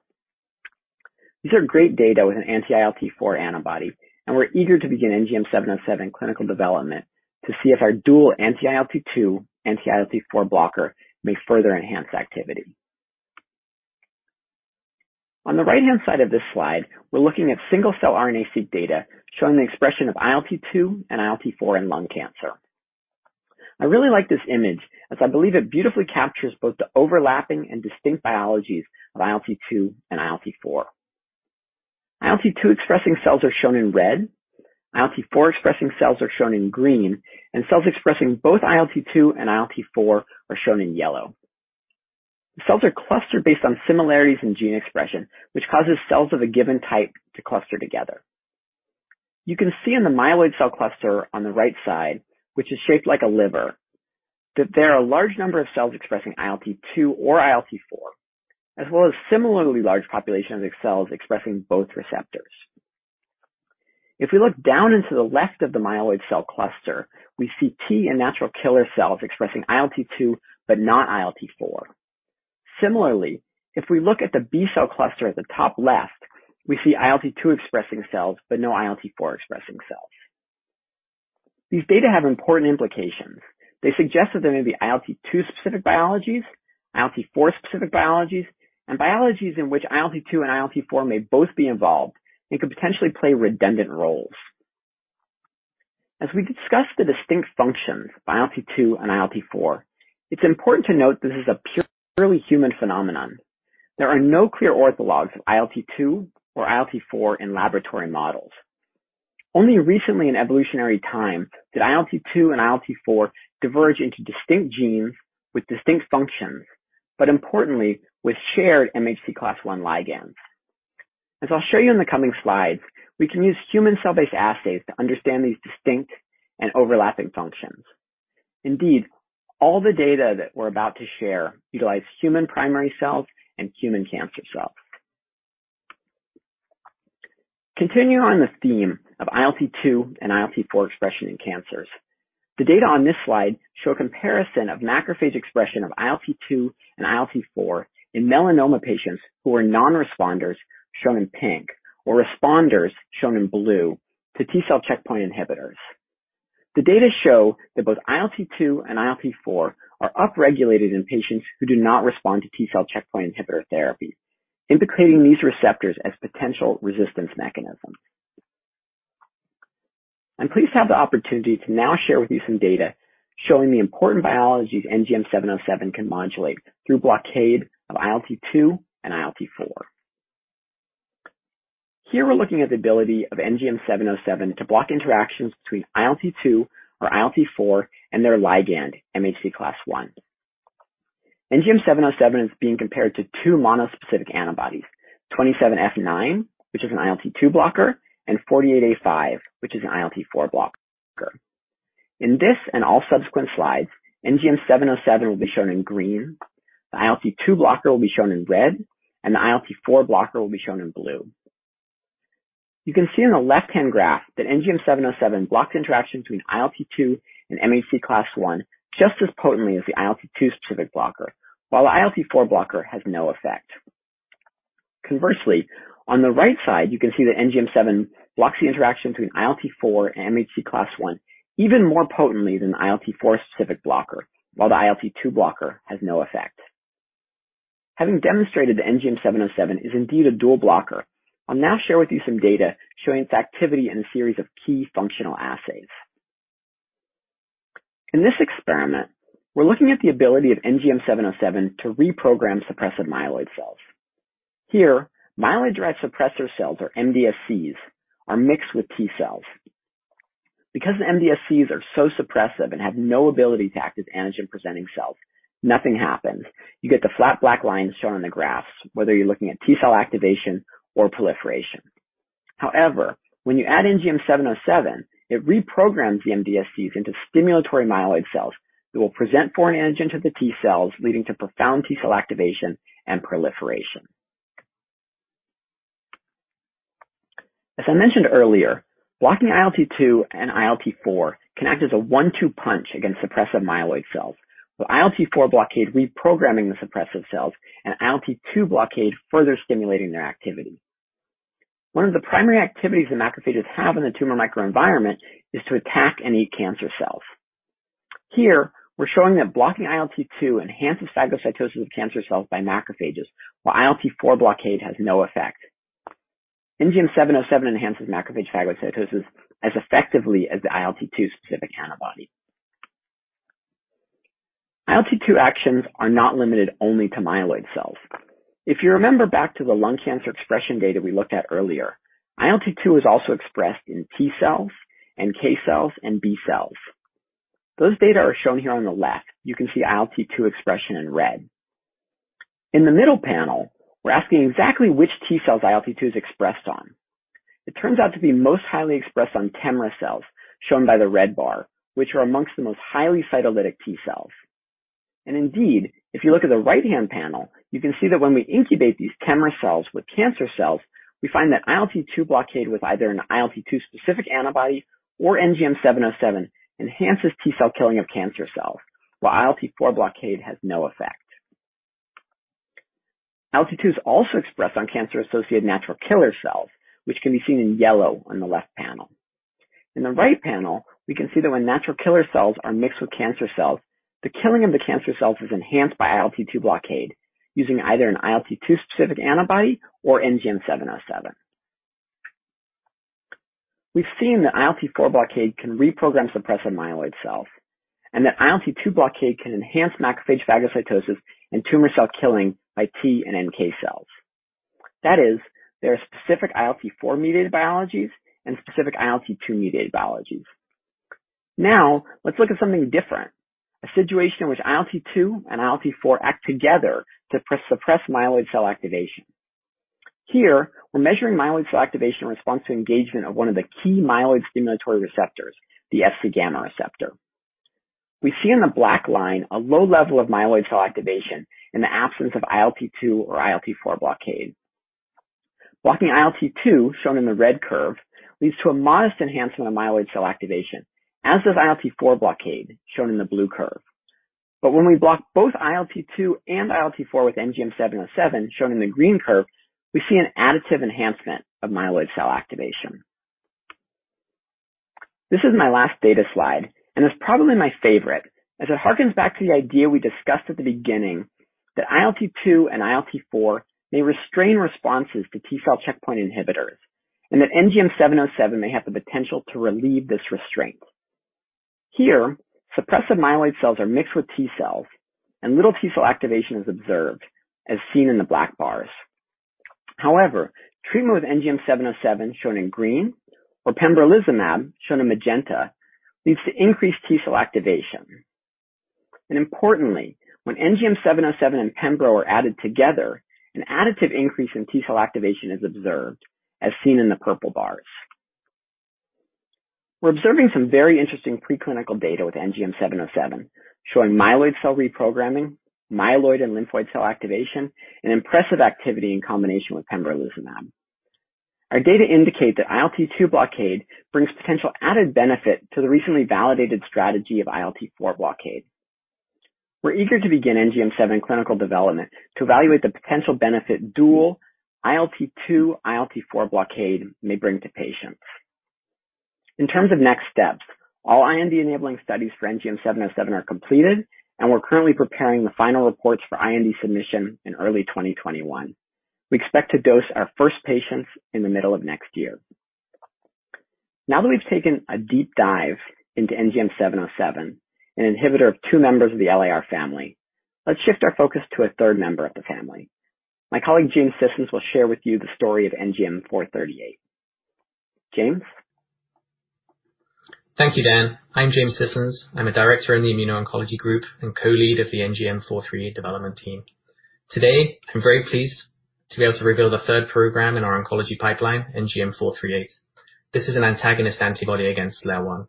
These are great data with an anti-ILT4 antibody, and we're eager to begin NGM707 clinical development to see if our dual anti-ILT2, anti-ILT4 blocker may further enhance activity. On the right-hand side of this slide, we're looking at single-cell RNA-seq data showing the expression of ILT2 and ILT4 in lung cancer. I really like this image, as I believe it beautifully captures both the overlapping and distinct biologies of ILT2 and ILT4. ILT2-expressing cells are shown in red, ILT4-expressing cells are shown in green, and cells expressing both ILT2 and ILT4 are shown in yellow. The cells are clustered based on similarities in gene expression, which causes cells of a given type to cluster together. You can see in the myeloid cell cluster on the right side, which is shaped like a liver, that there are a large number of cells expressing ILT2 or ILT4, as well as similarly large populations of cells expressing both receptors. If we look down and to the left of the myeloid cell cluster, we see T and natural killer cells expressing ILT2, but not ILT4. Similarly, if we look at the B cell cluster at the top left, we see ILT2-expressing cells but no ILT4-expressing cells. These data have important implications. They suggest that there may be ILT2-specific biologies, ILT4-specific biologies, and biologies in which ILT2 and ILT4 may both be involved and could potentially play redundant roles. As we discuss the distinct functions of ILT2 and ILT4, it's important to note this is a purely human phenomenon. There are no clear orthologs of ILT2 or ILT4 in laboratory models. Only recently in evolutionary time did ILT2 and ILT4 diverge into distinct genes with distinct functions, but importantly, with shared MHC class I ligands. As I'll show you in the coming slides, we can use human cell-based assays to understand these distinct and overlapping functions. Indeed, all the data that we're about to share utilize human primary cells and human cancer cells. Continuing on the theme of ILT2 and ILT4 expression in cancers, the data on this slide show a comparison of macrophage expression of ILT2 and ILT4 in melanoma patients who are non-responders, shown in pink, or responders, shown in blue, to T cell checkpoint inhibitors. The data show that both ILT2 and ILT4 are upregulated in patients who do not respond to T cell checkpoint inhibitor therapy, implicating these receptors as potential resistance mechanisms. I'm pleased to have the opportunity to now share with you some data showing the important biologies NGM-707 can modulate through blockade of ILT2 and ILT4. Here we're looking at the ability of NGM-707 to block interactions between ILT2 or ILT4 and their ligand, MHC class I. NGM-707 is being compared to two monospecific antibodies, 27F9, which is an ILT2 blocker, and 48A5, which is an ILT4 blocker. In this and all subsequent slides, NGM707 will be shown in green, the ILT2 blocker will be shown in red, and the ILT4 blocker will be shown in blue. You can see in the left-hand graph that NGM707 blocks interaction between ILT2 and MHC class I just as potently as the ILT2-specific blocker, while the ILT4 blocker has no effect. Conversely, on the right side, you can see that NGM707 blocks the interaction between ILT4 and MHC class I even more potently than the ILT4-specific blocker, while the ILT2 blocker has no effect. Having demonstrated that NGM707 is indeed a dual blocker, I'll now share with you some data showing its activity in a series of key functional assays. In this experiment, we're looking at the ability of NGM707 to reprogram suppressive myeloid cells. Here, myeloid-derived suppressor cells, or MDSCs, are mixed with T cells. Because the MDSCs are so suppressive and have no ability to activate antigen-presenting cells, nothing happens. You get the flat black lines shown in the graphs, whether you're looking at T cell activation or proliferation. When you add NGM-707, it reprograms the MDSCs into stimulatory myeloid cells that will present foreign antigen to the T cells, leading to profound T cell activation and proliferation. As I mentioned earlier, blocking ILT2 and ILT4 can act as a one-two punch against suppressive myeloid cells, with ILT4 blockade reprogramming the suppressive cells and ILT2 blockade further stimulating their activity. One of the primary activities that macrophages have in the tumor microenvironment is to attack any cancer cells. Here, we're showing that blocking ILT2 enhances phagocytosis of cancer cells by macrophages, while ILT4 blockade has no effect. NGM-707 enhances macrophage phagocytosis as effectively as the ILT2-specific antibody. ILT2 actions are not limited only to myeloid cells. If you remember back to the lung cancer expression data we looked at earlier, ILT2 is also expressed in T cells and NK cells and B cells. Those data are shown here on the left. You can see ILT2 expression in red. In the middle panel, we're asking exactly which T cells ILT2 is expressed on. It turns out to be most highly expressed on TEMRA cells, shown by the red bar, which are amongst the most highly cytolytic T cells. Indeed, if you look at the right-hand panel, you can see that when we incubate these TEMRA cells with cancer cells, we find that ILT2 blockade with either an ILT2 specific antibody or NGM-707 enhances T cell killing of cancer cells, while ILT4 blockade has no effect. ILT2 is also expressed on cancer-associated natural killer cells, which can be seen in yellow on the left panel. In the right panel, we can see that when natural killer cells are mixed with cancer cells, the killing of the cancer cells is enhanced by ILT2 blockade using either an ILT2 specific antibody or NGM707. We've seen that ILT4 blockade can reprogram suppressive myeloid cells, and that ILT2 blockade can enhance macrophage phagocytosis and tumor cell killing by T and NK cells. That is, there are specific ILT4-mediated biologies and specific ILT2-mediated biologies. Now, let's look at something different, a situation in which ILT2 and ILT4 act together to suppress myeloid cell activation. Here, we're measuring myeloid cell activation in response to engagement of one of the key myeloid stimulatory receptors, the Fc gamma receptor. We see in the black line a low level of myeloid cell activation in the absence of ILT2 or ILT4 blockade. Blocking ILT2, shown in the red curve, leads to a modest enhancement of myeloid cell activation, as does ILT4 blockade, shown in the blue curve. When we block both ILT2 and ILT4 with NGM707, shown in the green curve, we see an additive enhancement of myeloid cell activation. This is my last data slide, and it's probably my favorite, as it harkens back to the idea we discussed at the beginning that ILT2 and ILT4 may restrain responses to T cell checkpoint inhibitors, and that NGM707 may have the potential to relieve this restraint. Here, suppressive myeloid cells are mixed with T cells, and little T cell activation is observed, as seen in the black bars. Treatment with NGM-707, shown in green, or pembrolizumab, shown in magenta, leads to increased T cell activation. Importantly, when NGM-707 and pembro are added together, an additive increase in T cell activation is observed, as seen in the purple bars. We're observing some very interesting preclinical data with NGM-707, showing myeloid cell reprogramming, myeloid and lymphoid cell activation, and impressive activity in combination with pembrolizumab. Our data indicate that ILT2 blockade brings potential added benefit to the recently validated strategy of ILT4 blockade. We're eager to begin NGM-707 clinical development to evaluate the potential benefit dual ILT2/ILT4 blockade may bring to patients. In terms of next steps, all IND-enabling studies for NGM-707 are completed, and we're currently preparing the final reports for IND submission in early 2021. We expect to dose our first patients in the middle of next year. Now that we've taken a deep dive into NGM707, an inhibitor of two members of the LILR family, let's shift our focus to a third member of the family. My colleague, James Sissons, will share with you the story of NGM438. James? Thank you, Dan. I'm James Sissons. I'm a director in the immuno-oncology group and co-lead of the NGM438 development team. Today, I'm very pleased to be able to reveal the third program in our oncology pipeline, NGM438. This is an antagonist antibody against LAIR1.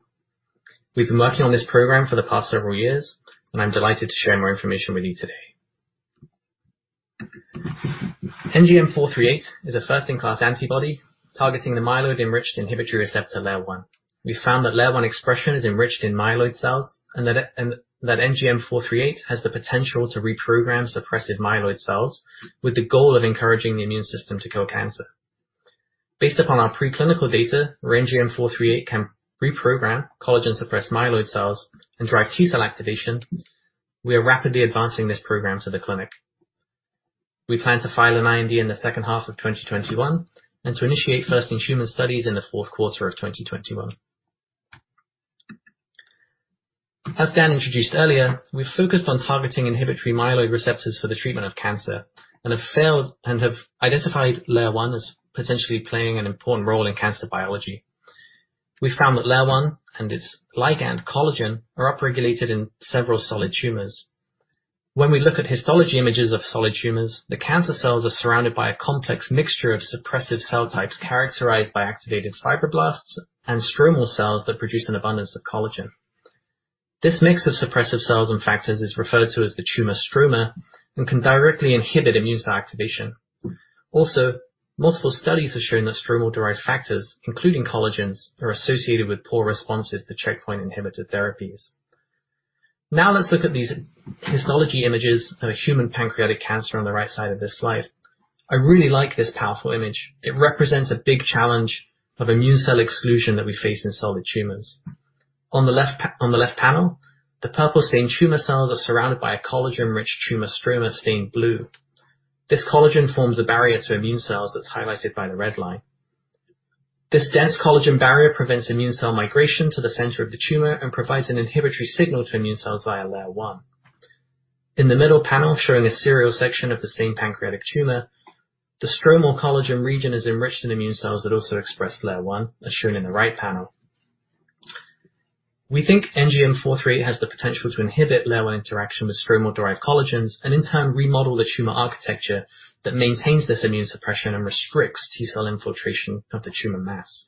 We've been working on this program for the past several years, and I'm delighted to share more information with you today. NGM438 is a first-in-class antibody targeting the myeloid-enriched inhibitory receptor, LAIR1. We found that LAIR1 expression is enriched in myeloid cells and that NGM438 has the potential to reprogram suppressive myeloid cells with the goal of encouraging the immune system to kill cancer. Based upon our preclinical data where NGM438 can reprogram collagen-suppressed myeloid cells and drive T cell activation, we are rapidly advancing this program to the clinic. We plan to file an IND in the second half of 2021 and to initiate first-in-human studies in the fourth quarter of 2021. As Dan introduced earlier, we've focused on targeting inhibitory myeloid receptors for the treatment of cancer and have identified LAIR1 as potentially playing an important role in cancer biology. We found that LAIR1 and its ligand collagen are upregulated in several solid tumors. When we look at histology images of solid tumors, the cancer cells are surrounded by a complex mixture of suppressive cell types characterized by activated fibroblasts and stromal cells that produce an abundance of collagen. This mix of suppressive cells and factors is referred to as the tumor stroma and can directly inhibit immune cell activation. Also, multiple studies have shown that stromal-derived factors, including collagens, are associated with poor responses to checkpoint inhibitor therapies. Now let's look at these histology images of a human pancreatic cancer on the right side of this slide. I really like this powerful image. It represents a big challenge of immune cell exclusion that we face in solid tumors. On the left panel, the purple-stained tumor cells are surrounded by a collagen-rich tumor stroma, stained blue. This collagen forms a barrier to immune cells that's highlighted by the red line. This dense collagen barrier prevents immune cell migration to the center of the tumor and provides an inhibitory signal to immune cells via LAIR1. In the middle panel, showing a serial section of the same pancreatic tumor, the stromal collagen region is enriched in immune cells that also express LAIR1, as shown in the right panel. We think NGM438 has the potential to inhibit LAIR1 interaction with stromal-derived collagens, in turn remodel the tumor architecture that maintains this immune suppression and restricts T cell infiltration of the tumor mass.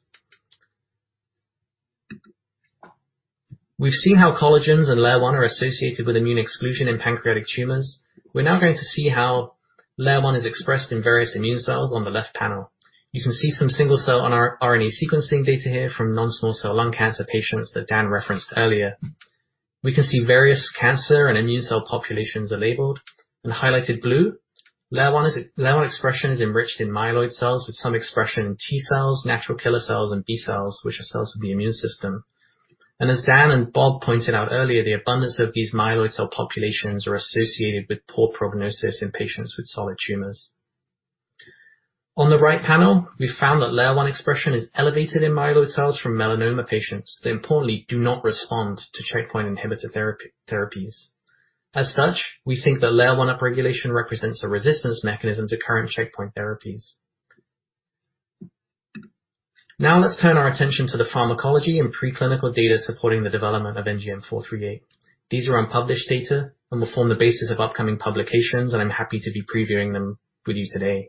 We've seen how collagens and LAIR1 are associated with immune exclusion in pancreatic tumors. We're now going to see how LAIR1 is expressed in various immune cells on the left panel. You can see some single-cell RNA sequencing data here from non-small cell lung cancer patients that Dan referenced earlier. We can see various cancer and immune cell populations are labeled. In highlighted blue, LAIR1 expression is enriched in myeloid cells with some expression in T cells, natural killer cells, and B cells, which are cells of the immune system. As Dan and Bob pointed out earlier, the abundance of these myeloid cell populations are associated with poor prognosis in patients with solid tumors. On the right panel, we found that LAIR1 expression is elevated in myeloid cells from melanoma patients. They importantly do not respond to checkpoint inhibitor therapies. As such, we think that LAIR1 upregulation represents a resistance mechanism to current checkpoint therapies. Now let's turn our attention to the pharmacology and preclinical data supporting the development of NGM438. These are unpublished data and will form the basis of upcoming publications, and I'm happy to be previewing them with you today.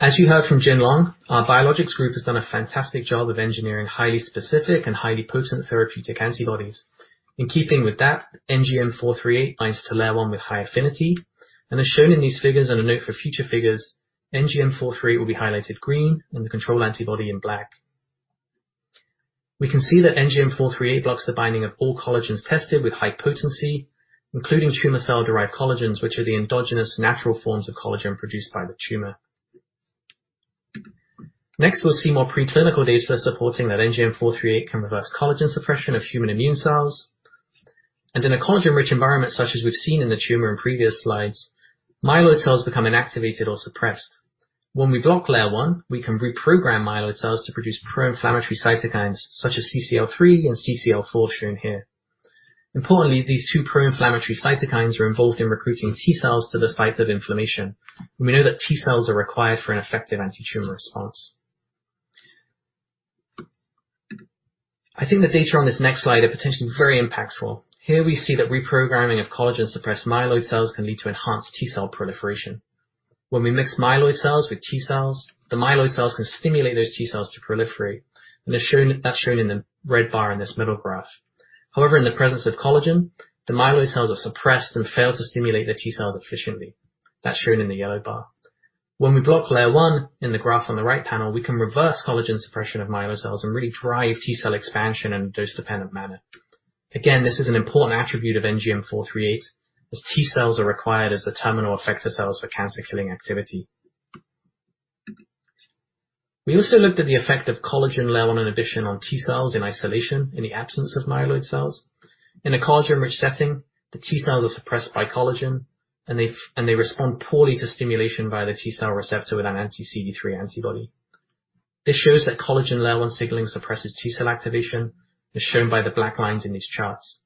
As you heard from Jin-Long, our biologics group has done a fantastic job of engineering highly specific and highly potent therapeutic antibodies. In keeping with that, NGM438 binds to LAIR1 with high affinity. As shown in these figures and a note for future figures, NGM438 will be highlighted green and the control antibody in black. We can see that NGM438 blocks the binding of all collagens tested with high potency, including tumor cell-derived collagens, which are the endogenous natural forms of collagen produced by the tumor. Next, we'll see more preclinical data supporting that NGM438 can reverse collagen suppression of human immune cells. In a collagen-rich environment, such as we've seen in the tumor in previous slides, myeloid cells become inactivated or suppressed. When we block LAIR1, we can reprogram myeloid cells to produce pro-inflammatory cytokines such as CCL3 and CCL4 shown here. Importantly, these two pro-inflammatory cytokines are involved in recruiting T cells to the site of inflammation. We know that T cells are required for an effective antitumor response. I think the data on this next slide are potentially very impactful. Here we see that reprogramming of collagen-suppressed myeloid cells can lead to enhanced T cell proliferation. When we mix myeloid cells with T cells, the myeloid cells can stimulate those T cells to proliferate, and that's shown in the red bar in this middle graph. In the presence of collagen, the myeloid cells are suppressed and fail to stimulate the T cells efficiently. That's shown in the yellow bar. When we block LAIR1 in the graph on the right panel, we can reverse collagen suppression of myeloid cells and really drive T cell expansion in a dose-dependent manner. This is an important attribute of NGM438, as T cells are required as the terminal effector cells for cancer-killing activity. We also looked at the effect of collagen level and addition on T cells in isolation in the absence of myeloid cells. In a collagen-rich setting, the T cells are suppressed by collagen, and they respond poorly to stimulation via the T cell receptor with an anti-CD3 antibody. This shows that collagen LAIR1 signaling suppresses T cell activation, as shown by the black lines in these charts.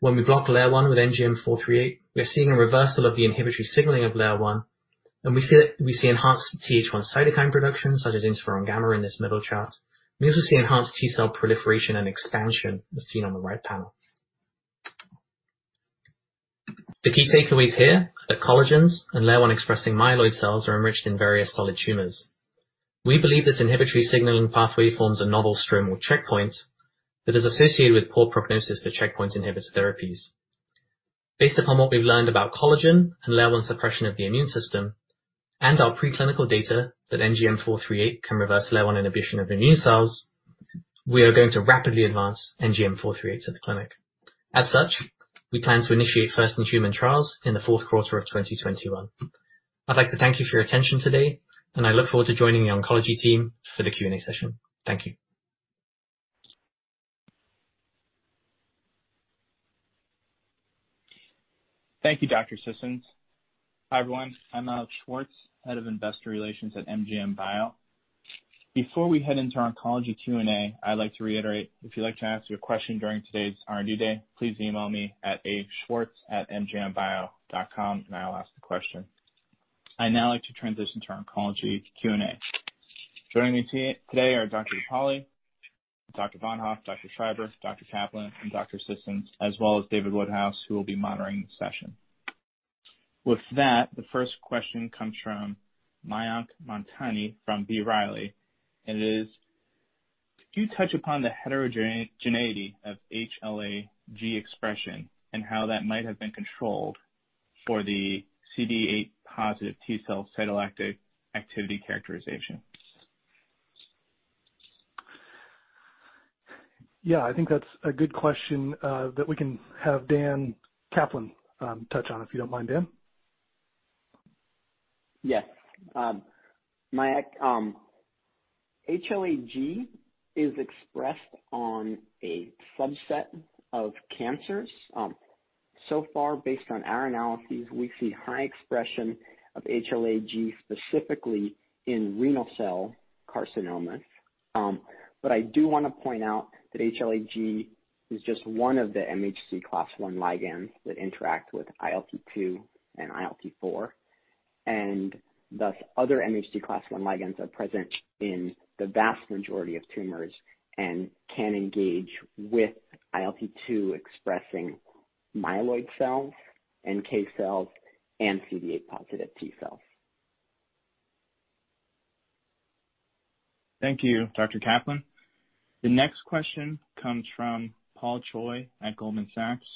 When we block LAIR1 with NGM438, we are seeing a reversal of the inhibitory signaling of LAIR1, and we see enhanced Th1 cytokine production, such as interferon gamma in this middle chart. We also see enhanced T cell proliferation and expansion, as seen on the right panel. The key takeaways here are that collagens and LAIR1-expressing myeloid cells are enriched in various solid tumors. We believe this inhibitory signaling pathway forms a novel stromal checkpoint that is associated with poor prognosis for checkpoint inhibitor therapies. Based upon what we've learned about collagen and LAIR1 suppression of the immune system and our preclinical data that NGM438 can reverse LAIR1 inhibition of immune cells, we are going to rapidly advance NGM438 to the clinic. As such, we plan to initiate first-in-human trials in the fourth quarter of 2021. I'd like to thank you for your attention today, and I look forward to joining the oncology team for the Q&A session. Thank you. Thank you, Dr. Sissons. Hi, everyone. I'm Alex Schwartz, Head of Investor Relations at NGM Bio. Before we head into our oncology Q&A, I'd like to reiterate, if you'd like to ask a question during today's R&D Day, please email me at aschwartz@ngmbio.com and I'll ask the question. I'd now like to transition to our oncology Q&A. Joining me today are Dr. DePaoli, Dr. Von Hoff, Dr. Schreiber, Dr. Kaplan, and Dr. Sissons, as well as David Woodhouse, who will be monitoring the session. With that, the first question comes from Mayank Mamtani from B. Riley. It is, "Could you touch upon the heterogeneity of HLA-G expression and how that might have been controlled for the CD8 positive T cell cytolytic activity characterization? Yeah, I think that's a good question that we can have Dan Kaplan touch on. If you don't mind, Dan? Yes. Mayank, HLA-G is expressed on a subset of cancers. So far, based on our analyses, we see high expression of HLA-G specifically in renal cell carcinomas. I do want to point out that HLA-G is just one of the MHC class I ligands that interact with ILT-2 and ILT-4, and thus other MHC class I ligands are present in the vast majority of tumors and can engage with ILT-2 expressing myeloid cells, NK cells, and CD8 positive T cells. Thank you, Dr. Kaplan. The next question comes from Paul Choi at Goldman Sachs.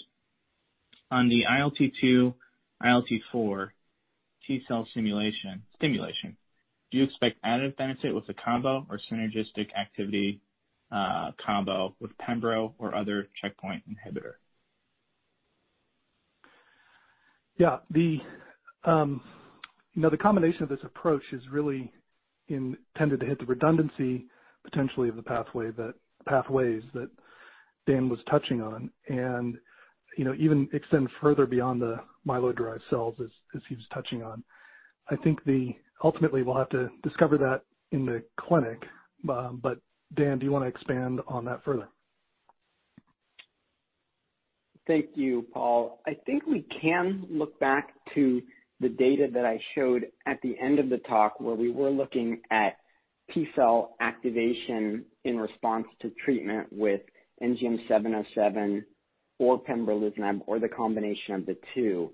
"On the ILT2/ILT4 T cell stimulation, do you expect additive benefit with the combo or synergistic activity combo with pembro or other checkpoint inhibitor? Yeah. The combination of this approach is really intended to hit the redundancy, potentially, of the pathways that Dan was touching on and even extend further beyond the myeloid-derived cells as he was touching on. I think ultimately we'll have to discover that in the clinic. Dan, do you want to expand on that further? Thank you, Paul. I think we can look back to the data that I showed at the end of the talk, where we were looking at T cell activation in response to treatment with NGM-707 or pembrolizumab or the combination of the two.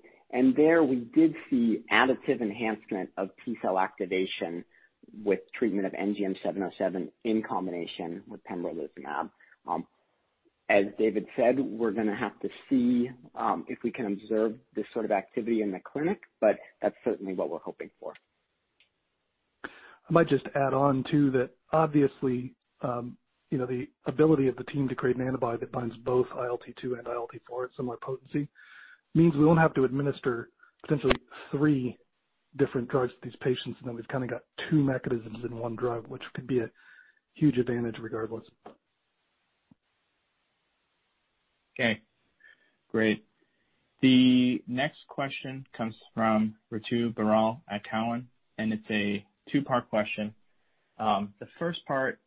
There we did see additive enhancement of T cell activation with treatment of NGM-707 in combination with pembrolizumab. As David said, we're going to have to see if we can observe this sort of activity in the clinic, but that's certainly what we're hoping for. I might just add on, too, that obviously, the ability of the team to create an antibody that binds both ILT2 and ILT4 at similar potency means we won't have to administer potentially three different drugs to these patients. We've kind of got two mechanisms in one drug, which could be a huge advantage regardless. Okay. Great. The next question comes from Ritu Baral at Cowen. It's a two-part question. The first part,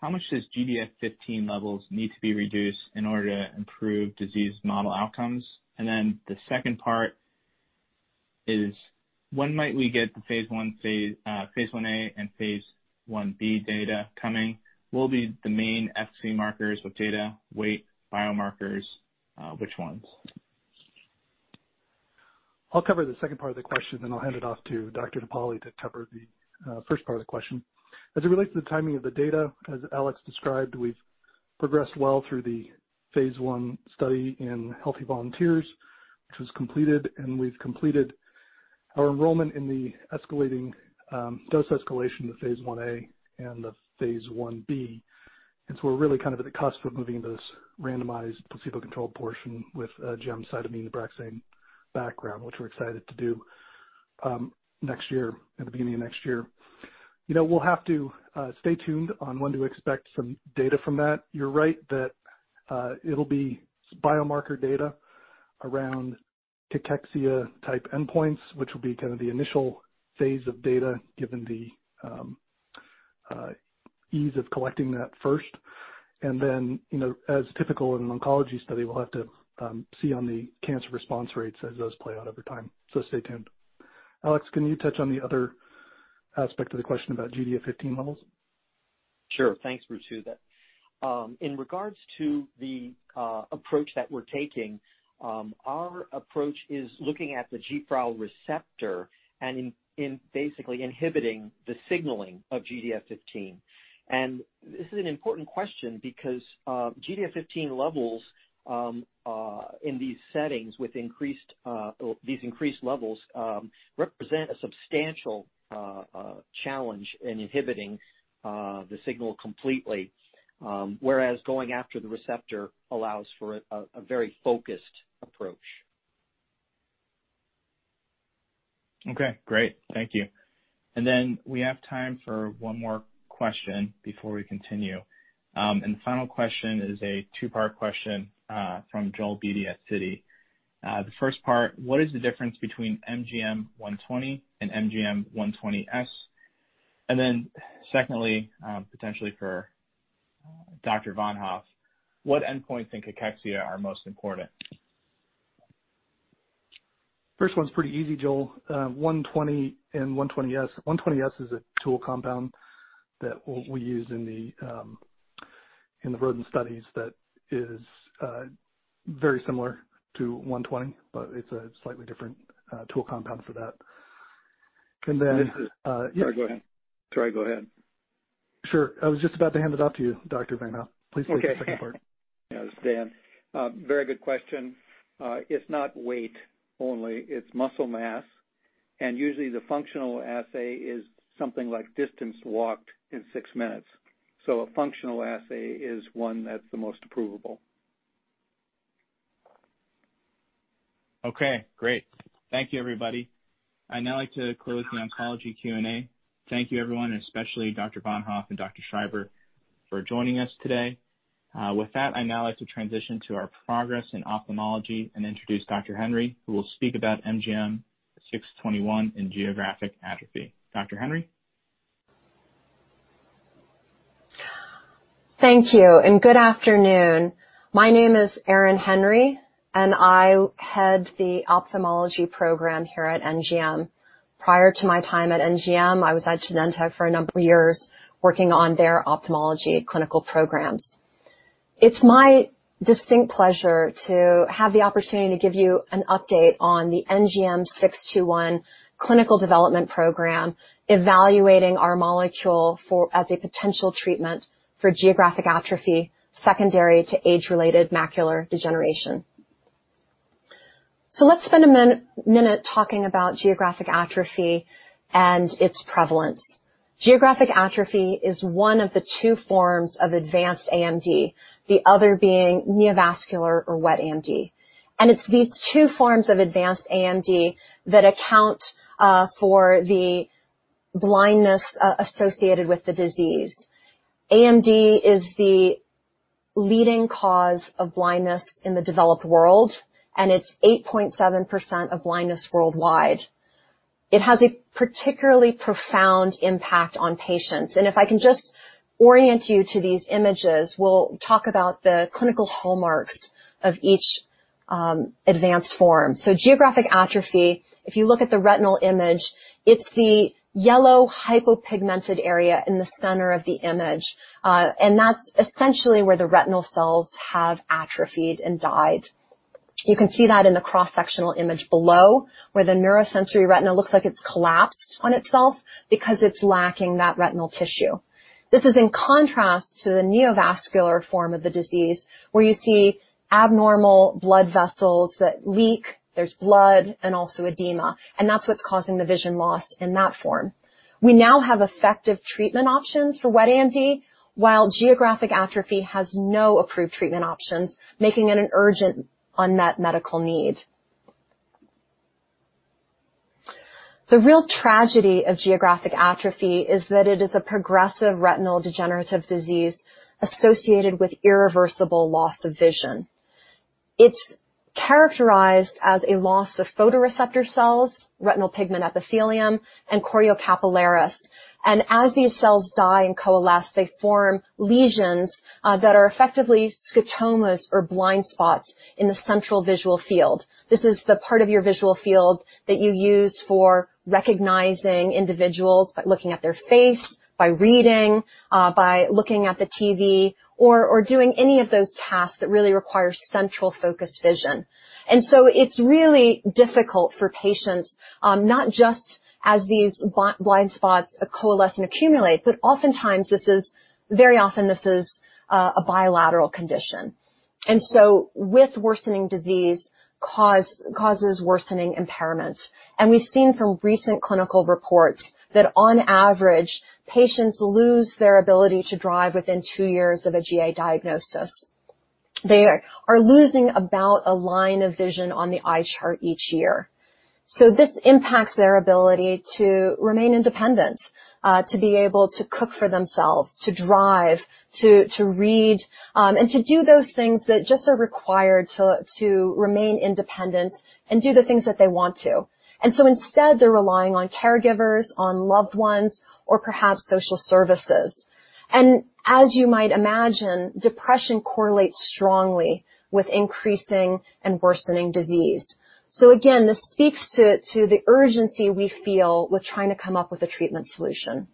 "How much does GDF15 levels need to be reduced in order to improve disease model outcomes?" The second part is, "When might we get the phase Ia and phase Ib data coming? What will be the main efficacy markers of data, weight, biomarkers? Which ones? I'll cover the second part of the question, then I'll hand it off to Dr. DePaoli to cover the first part of the question. As it relates to the timing of the data, as Alex described, we've progressed well through the phase I study in healthy volunteers, which was completed, and we've completed our enrollment in the escalating dose escalation, the phase I-A and the phase I-B. We're really at the cusp of moving this randomized placebo control portion with gemcitabine, the ABRAXANE background, which we're excited to do next year, at the beginning of next year. We'll have to stay tuned on when to expect some data from that. You're right that it'll be biomarker data around cachexia-type endpoints, which will be kind of the initial phase of data, given the ease of collecting that first. As typical in an oncology study, we'll have to see on the cancer response rates as those play out over time. Stay tuned. Alex, can you touch on the other aspect of the question about GDF15 levels? Sure. Thanks, Ritu. In regards to the approach that we're taking, our approach is looking at the GFRAL receptor and basically inhibiting the signaling of GDF15. This is an important question because GDF15 levels in these settings with these increased levels represent a substantial challenge in inhibiting the signal completely. Whereas going after the receptor allows for a very focused approach. Okay, great. Thank you. We have time for one more question before we continue. The final question is a two-part question from Joel Beatty at Citi. The first part, what is the difference between NGM120 and NGM120S? Secondly, potentially for Dr. Von Hoff, what endpoints in cachexia are most important? First one's pretty easy, Joel. NGM120 and 120S. 120S is a tool compound that we use in the rodent studies that is very similar to NGM120, but it's a slightly different tool compound for that. This is. Yeah. Sorry, go ahead. Sorry, go ahead. Sure. I was just about to hand it off to you, Dr. Von Hoff. Please take the second part. Okay. Yes, Dan. Very good question. It's not weight only, it's muscle mass, and usually the functional assay is something like distance walked in six minutes. A functional assay is one that's the most approvable. Okay, great. Thank you, everybody. I'd now like to close the oncology Q&A. Thank you everyone, and especially Dr. Von Hoff and Dr. Schreiber for joining us today. With that, I'd now like to transition to our progress in ophthalmology and introduce Dr. Henry, who will speak about NGM621 in geographic atrophy. Dr. Henry? Thank you. Good afternoon. My name is Erin Henry, and I head the Ophthalmology Program here at NGM. Prior to my time at NGM, I was at Genentech for a number of years working on their ophthalmology clinical programs. It's my distinct pleasure to have the opportunity to give you an update on the NGM621 clinical development program, evaluating our molecule as a potential treatment for geographic atrophy secondary to age-related macular degeneration. Let's spend a minute talking about geographic atrophy and its prevalence. Geographic atrophy is one of the two forms of advanced AMD, the other being neovascular or wet AMD. It's these two forms of advanced AMD that account for the blindness associated with the disease. AMD is the leading cause of blindness in the developed world, and it's 8.7% of blindness worldwide. It has a particularly profound impact on patients. If I can just orient you to these images, we'll talk about the clinical hallmarks of each advanced form. Geographic atrophy, if you look at the retinal image, it's the yellow hypopigmented area in the center of the image. That's essentially where the retinal cells have atrophied and died. You can see that in the cross-sectional image below, where the neurosensory retina looks like it's collapsed on itself because it's lacking that retinal tissue. This is in contrast to the neovascular form of the disease, where you see abnormal blood vessels that leak. There's blood and also edema, and that's what's causing the vision loss in that form. We now have effective treatment options for wet AMD, while geographic atrophy has no approved treatment options, making it an urgent unmet medical need. The real tragedy of geographic atrophy is that it is a progressive retinal degenerative disease associated with irreversible loss of vision. It's characterized as a loss of photoreceptor cells, retinal pigment epithelium, and choriocapillaris. As these cells die and coalesce, they form lesions that are effectively scotomas or blind spots in the central visual field. This is the part of your visual field that you use for recognizing individuals by looking at their face, by reading, by looking at the TV, or doing any of those tasks that really require central focused vision. It's really difficult for patients, not just as these blind spots coalesce and accumulate, but oftentimes this is a bilateral condition. With worsening disease causes worsening impairment. We've seen from recent clinical reports that on average, patients lose their ability to drive within two years of a GA diagnosis. They are losing about a line of vision on the eye chart each year. This impacts their ability to remain independent, to be able to cook for themselves, to drive, to read, and to do those things that just are required to remain independent and do the things that they want to. Instead, they're relying on caregivers, on loved ones, or perhaps social services. As you might imagine, depression correlates strongly with increasing and worsening disease. Again, this speaks to the urgency we feel with trying to come up with a treatment solution.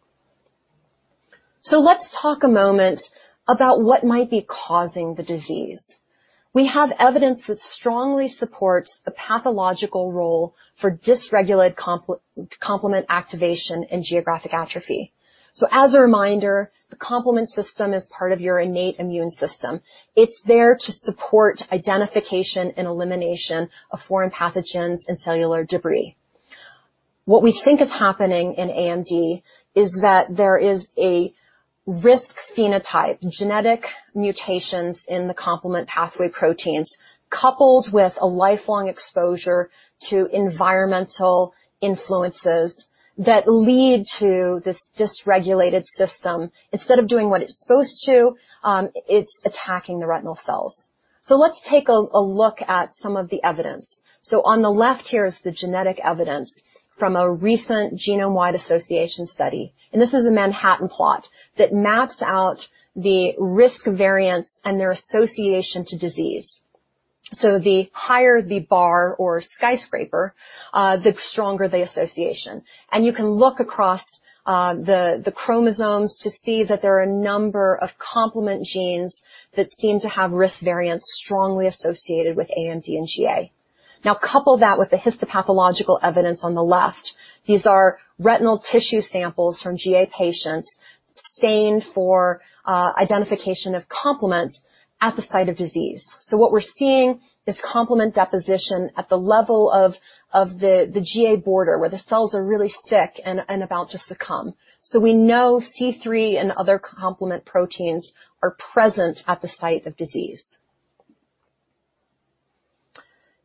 Let's talk a moment about what might be causing the disease. We have evidence that strongly supports the pathological role for dysregulated complement activation in geographic atrophy. As a reminder, the complement system is part of your innate immune system. It's there to support identification and elimination of foreign pathogens and cellular debris. What we think is happening in AMD is that there is a risk phenotype, genetic mutations in the complement pathway proteins, coupled with a lifelong exposure to environmental influences that lead to this dysregulated system. Instead of doing what it's supposed to, it's attacking the retinal cells. Let's take a look at some of the evidence. On the left here is the genetic evidence from a recent genome-wide association study. This is a Manhattan plot that maps out the risk variants and their association to disease. The higher the bar or skyscraper, the stronger the association. You can look across the chromosomes to see that there are a number of complement genes that seem to have risk variants strongly associated with AMD and GA. Now, couple that with the histopathological evidence on the left. These are retinal tissue samples from GA patients stained for identification of complements at the site of disease. What we're seeing is complement deposition at the level of the GA border, where the cells are really sick and about to succumb. We know C3 and other complement proteins are present at the site of disease.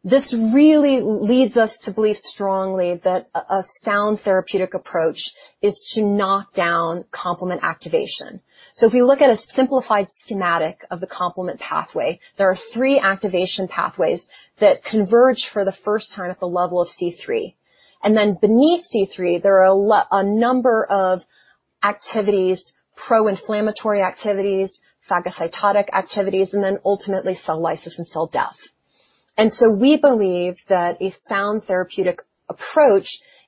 This really leads us to believe strongly that a sound therapeutic approach is to knock down complement activation. If you look at a simplified schematic of the complement pathway, there are three activation pathways that converge for the first time at the level of C3. Beneath C3, there are a number of activities, pro-inflammatory activities, phagocytotic activities, and then ultimately cell lysis and cell death. We believe that a sound therapeutic approach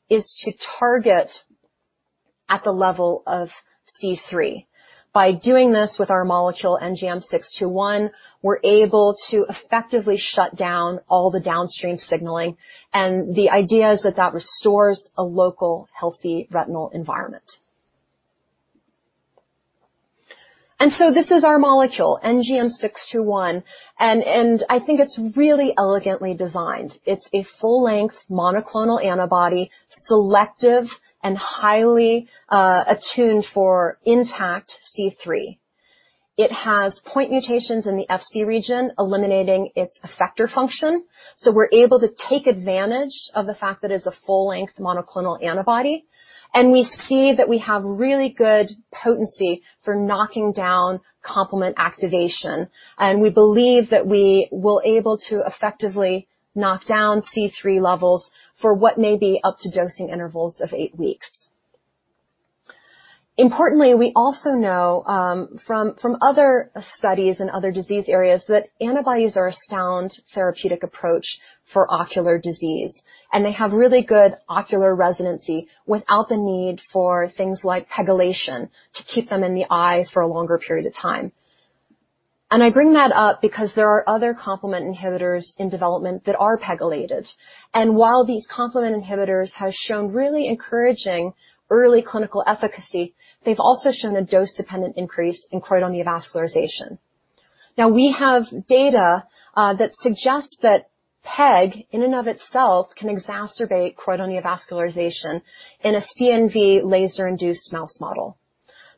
is to target at the level of C3. By doing this with our molecule, NGM621, we're able to effectively shut down all the downstream signaling, and the idea is that that restores a local, healthy retinal environment. This is our molecule, NGM621, and I think it's really elegantly designed. It's a full-length monoclonal antibody, selective and highly attuned for intact C3. It has point mutations in the Fc region, eliminating its effector function. We're able to take advantage of the fact that it's a full-length monoclonal antibody, and we see that we have really good potency for knocking down complement activation. We believe that we will able to effectively knock down C3 levels for what may be up to dosing intervals of eight weeks. Importantly, we also know, from other studies and other disease areas, that antibodies are a sound therapeutic approach for ocular disease, and they have really good ocular residency without the need for things like pegylation to keep them in the eyes for a longer period of time. I bring that up because there are other complement inhibitors in development that are pegylated. While these complement inhibitors have shown really encouraging early clinical efficacy, they've also shown a dose-dependent increase in choroidal neovascularization. We have data that suggests that PEG, in and of itself, can exacerbate choroidal neovascularization in a CNV laser-induced mouse model.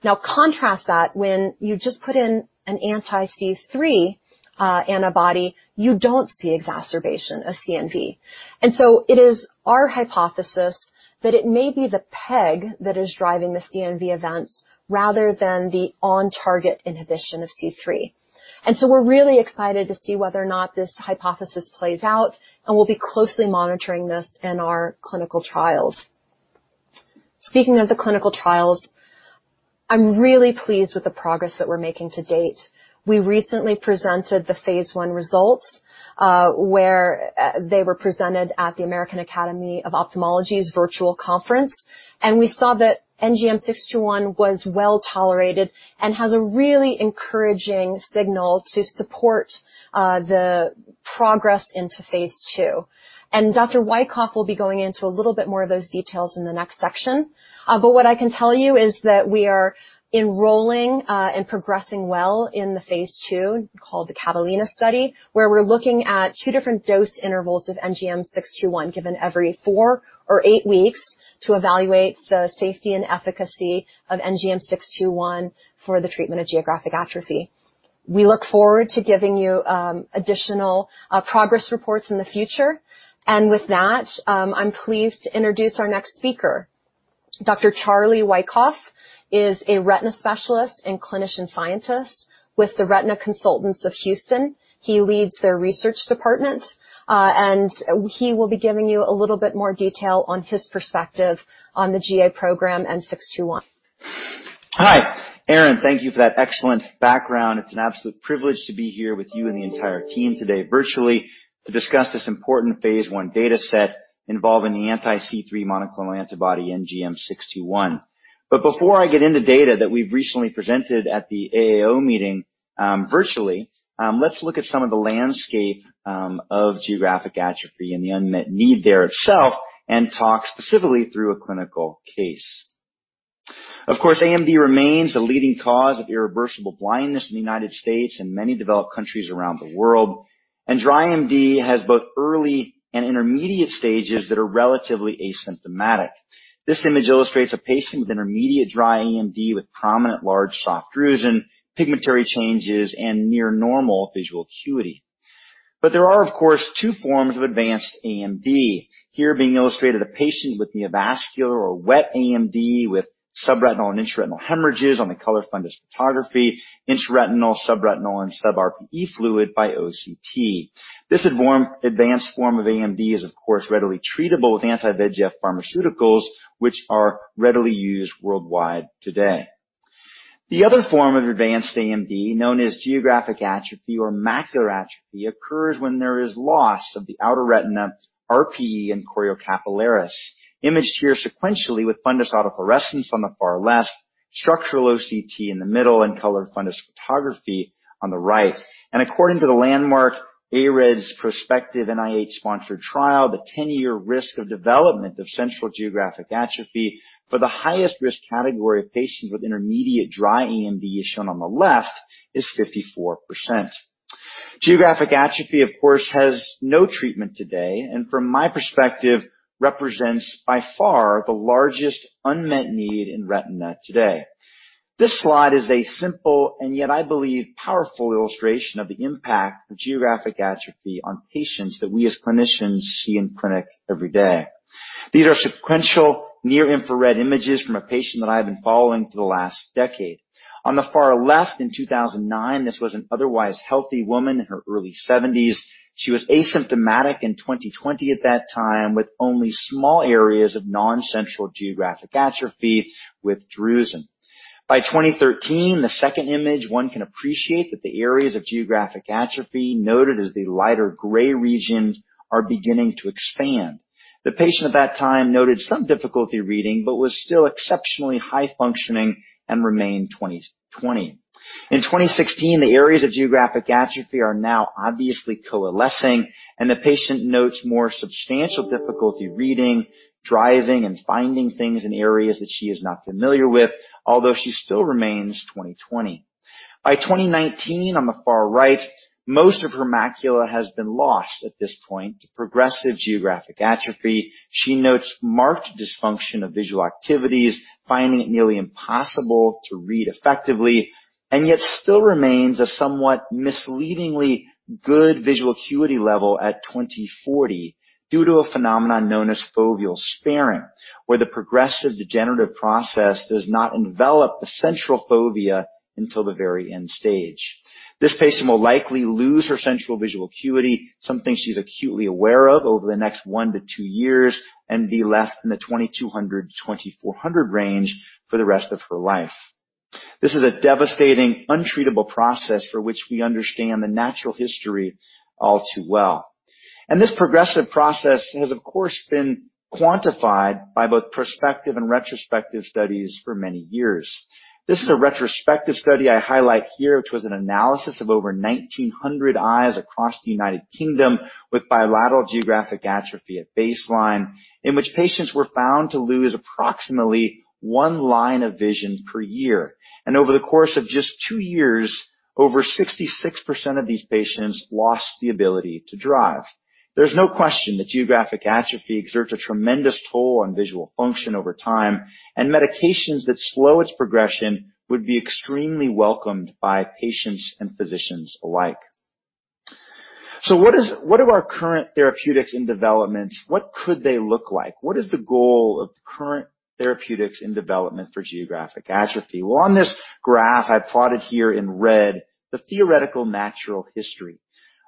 Contrast that when you just put in an anti-C3 antibody, you don't see exacerbation of CNV. It is our hypothesis that it may be the PEG that is driving the CNV events rather than the on-target inhibition of C3. We're really excited to see whether or not this hypothesis plays out, and we'll be closely monitoring this in our clinical trials. Speaking of the clinical trials, I'm really pleased with the progress that we're making to date. We recently presented the phase I results, where they were presented at the American Academy of Ophthalmology's virtual conference. We saw that NGM-621 was well-tolerated and has a really encouraging signal to support the progress into phase II. Dr. Wykoff will be going into a little bit more of those details in the next section. What I can tell you is that we are enrolling and progressing well in the phase II, called the CATALINA study, where we're looking at two different dose intervals of NGM-621 given every four or eight weeks to evaluate the safety and efficacy of NGM-621 for the treatment of geographic atrophy. We look forward to giving you additional progress reports in the future. With that, I'm pleased to introduce our next speaker. Dr. Charles Wykoff is a retina specialist and clinician scientist with the Retina Consultants of Houston. He leads their research department. He will be giving you a little bit more detail on his perspective on the GA program and 621. Hi. Erin, thank you for that excellent background. It's an absolute privilege to be here with you and the entire team today virtually to discuss this important phase I data set involving the anti-C3 monoclonal antibody NGM621. Before I get into data that we've recently presented at the AAO meeting, virtually, let's look at some of the landscape of geographic atrophy and the unmet need there itself and talk specifically through a clinical case. Of course, AMD remains a leading cause of irreversible blindness in the United States and many developed countries around the world. Dry AMD has both early and intermediate stages that are relatively asymptomatic. This image illustrates a patient with intermediate dry AMD with prominent large soft drusen, pigmentary changes, and near normal visual acuity. There are, of course, two forms of advanced AMD. Here being illustrated a patient with neovascular or wet AMD with subretinal and intraretinal hemorrhages on the color fundus photography, intraretinal, subretinal, and sub-RPE fluid by OCT. This advanced form of AMD is, of course, readily treatable with anti-VEGF pharmaceuticals, which are readily used worldwide today. The other form of advanced AMD, known as geographic atrophy or macular atrophy, occurs when there is loss of the outer retina, RPE, and choriocapillaris. Imaged here sequentially with fundus autofluorescence on the far left, structural OCT in the middle, color fundus photography on the right. According to the landmark AREDS prospective NIH-sponsored trial, the 10-year risk of development of central geographic atrophy for the highest risk category of patients with intermediate dry AMD, as shown on the left, is 54%. Geographic atrophy, of course, has no treatment today, and from my perspective, represents by far the largest unmet need in retina today. This slide is a simple, and yet I believe, powerful illustration of the impact of geographic atrophy on patients that we as clinicians see in clinic every day. These are sequential near-infrared images from a patient that I have been following for the last decade. On the far left in 2009, this was an otherwise healthy woman in her early 70s. She was asymptomatic in 20/20 at that time, with only small areas of non-central geographic atrophy with drusen. By 2013, the second image, one can appreciate that the areas of geographic atrophy noted as the lighter gray regions are beginning to expand. The patient at that time noted some difficulty reading but was still exceptionally high-functioning and remained 20/20. In 2016, the areas of geographic atrophy are now obviously coalescing, and the patient notes more substantial difficulty reading, driving, and finding things in areas that she is not familiar with, although she still remains 20/20. By 2019, on the far right, most of her macula has been lost at this point to progressive geographic atrophy. She notes marked dysfunction of visual activities, finding it nearly impossible to read effectively, and yet still remains a somewhat misleadingly good visual acuity level at 20/40 due to a phenomenon known as foveal sparing, where the progressive degenerative process does not envelop the central fovea until the very end stage. This patient will likely lose her central visual acuity, something she's acutely aware of, over the next one to two years, and be less than the 20/200 to 20/400 range for the rest of her life. This is a devastating, untreatable process for which we understand the natural history all too well. This progressive process has, of course, been quantified by both prospective and retrospective studies for many years. This is a retrospective study I highlight here, which was an analysis of over 1,900 eyes across the U.K. with bilateral geographic atrophy at baseline, in which patients were found to lose approximately one line of vision per year. Over the course of just two years, over 66% of these patients lost the ability to drive. There's no question that geographic atrophy exerts a tremendous toll on visual function over time, and medications that slow its progression would be extremely welcomed by patients and physicians alike. What of our current therapeutics in development? What could they look like? What is the goal of the current therapeutics in development for geographic atrophy? Well, on this graph, I plotted here in red the theoretical natural history.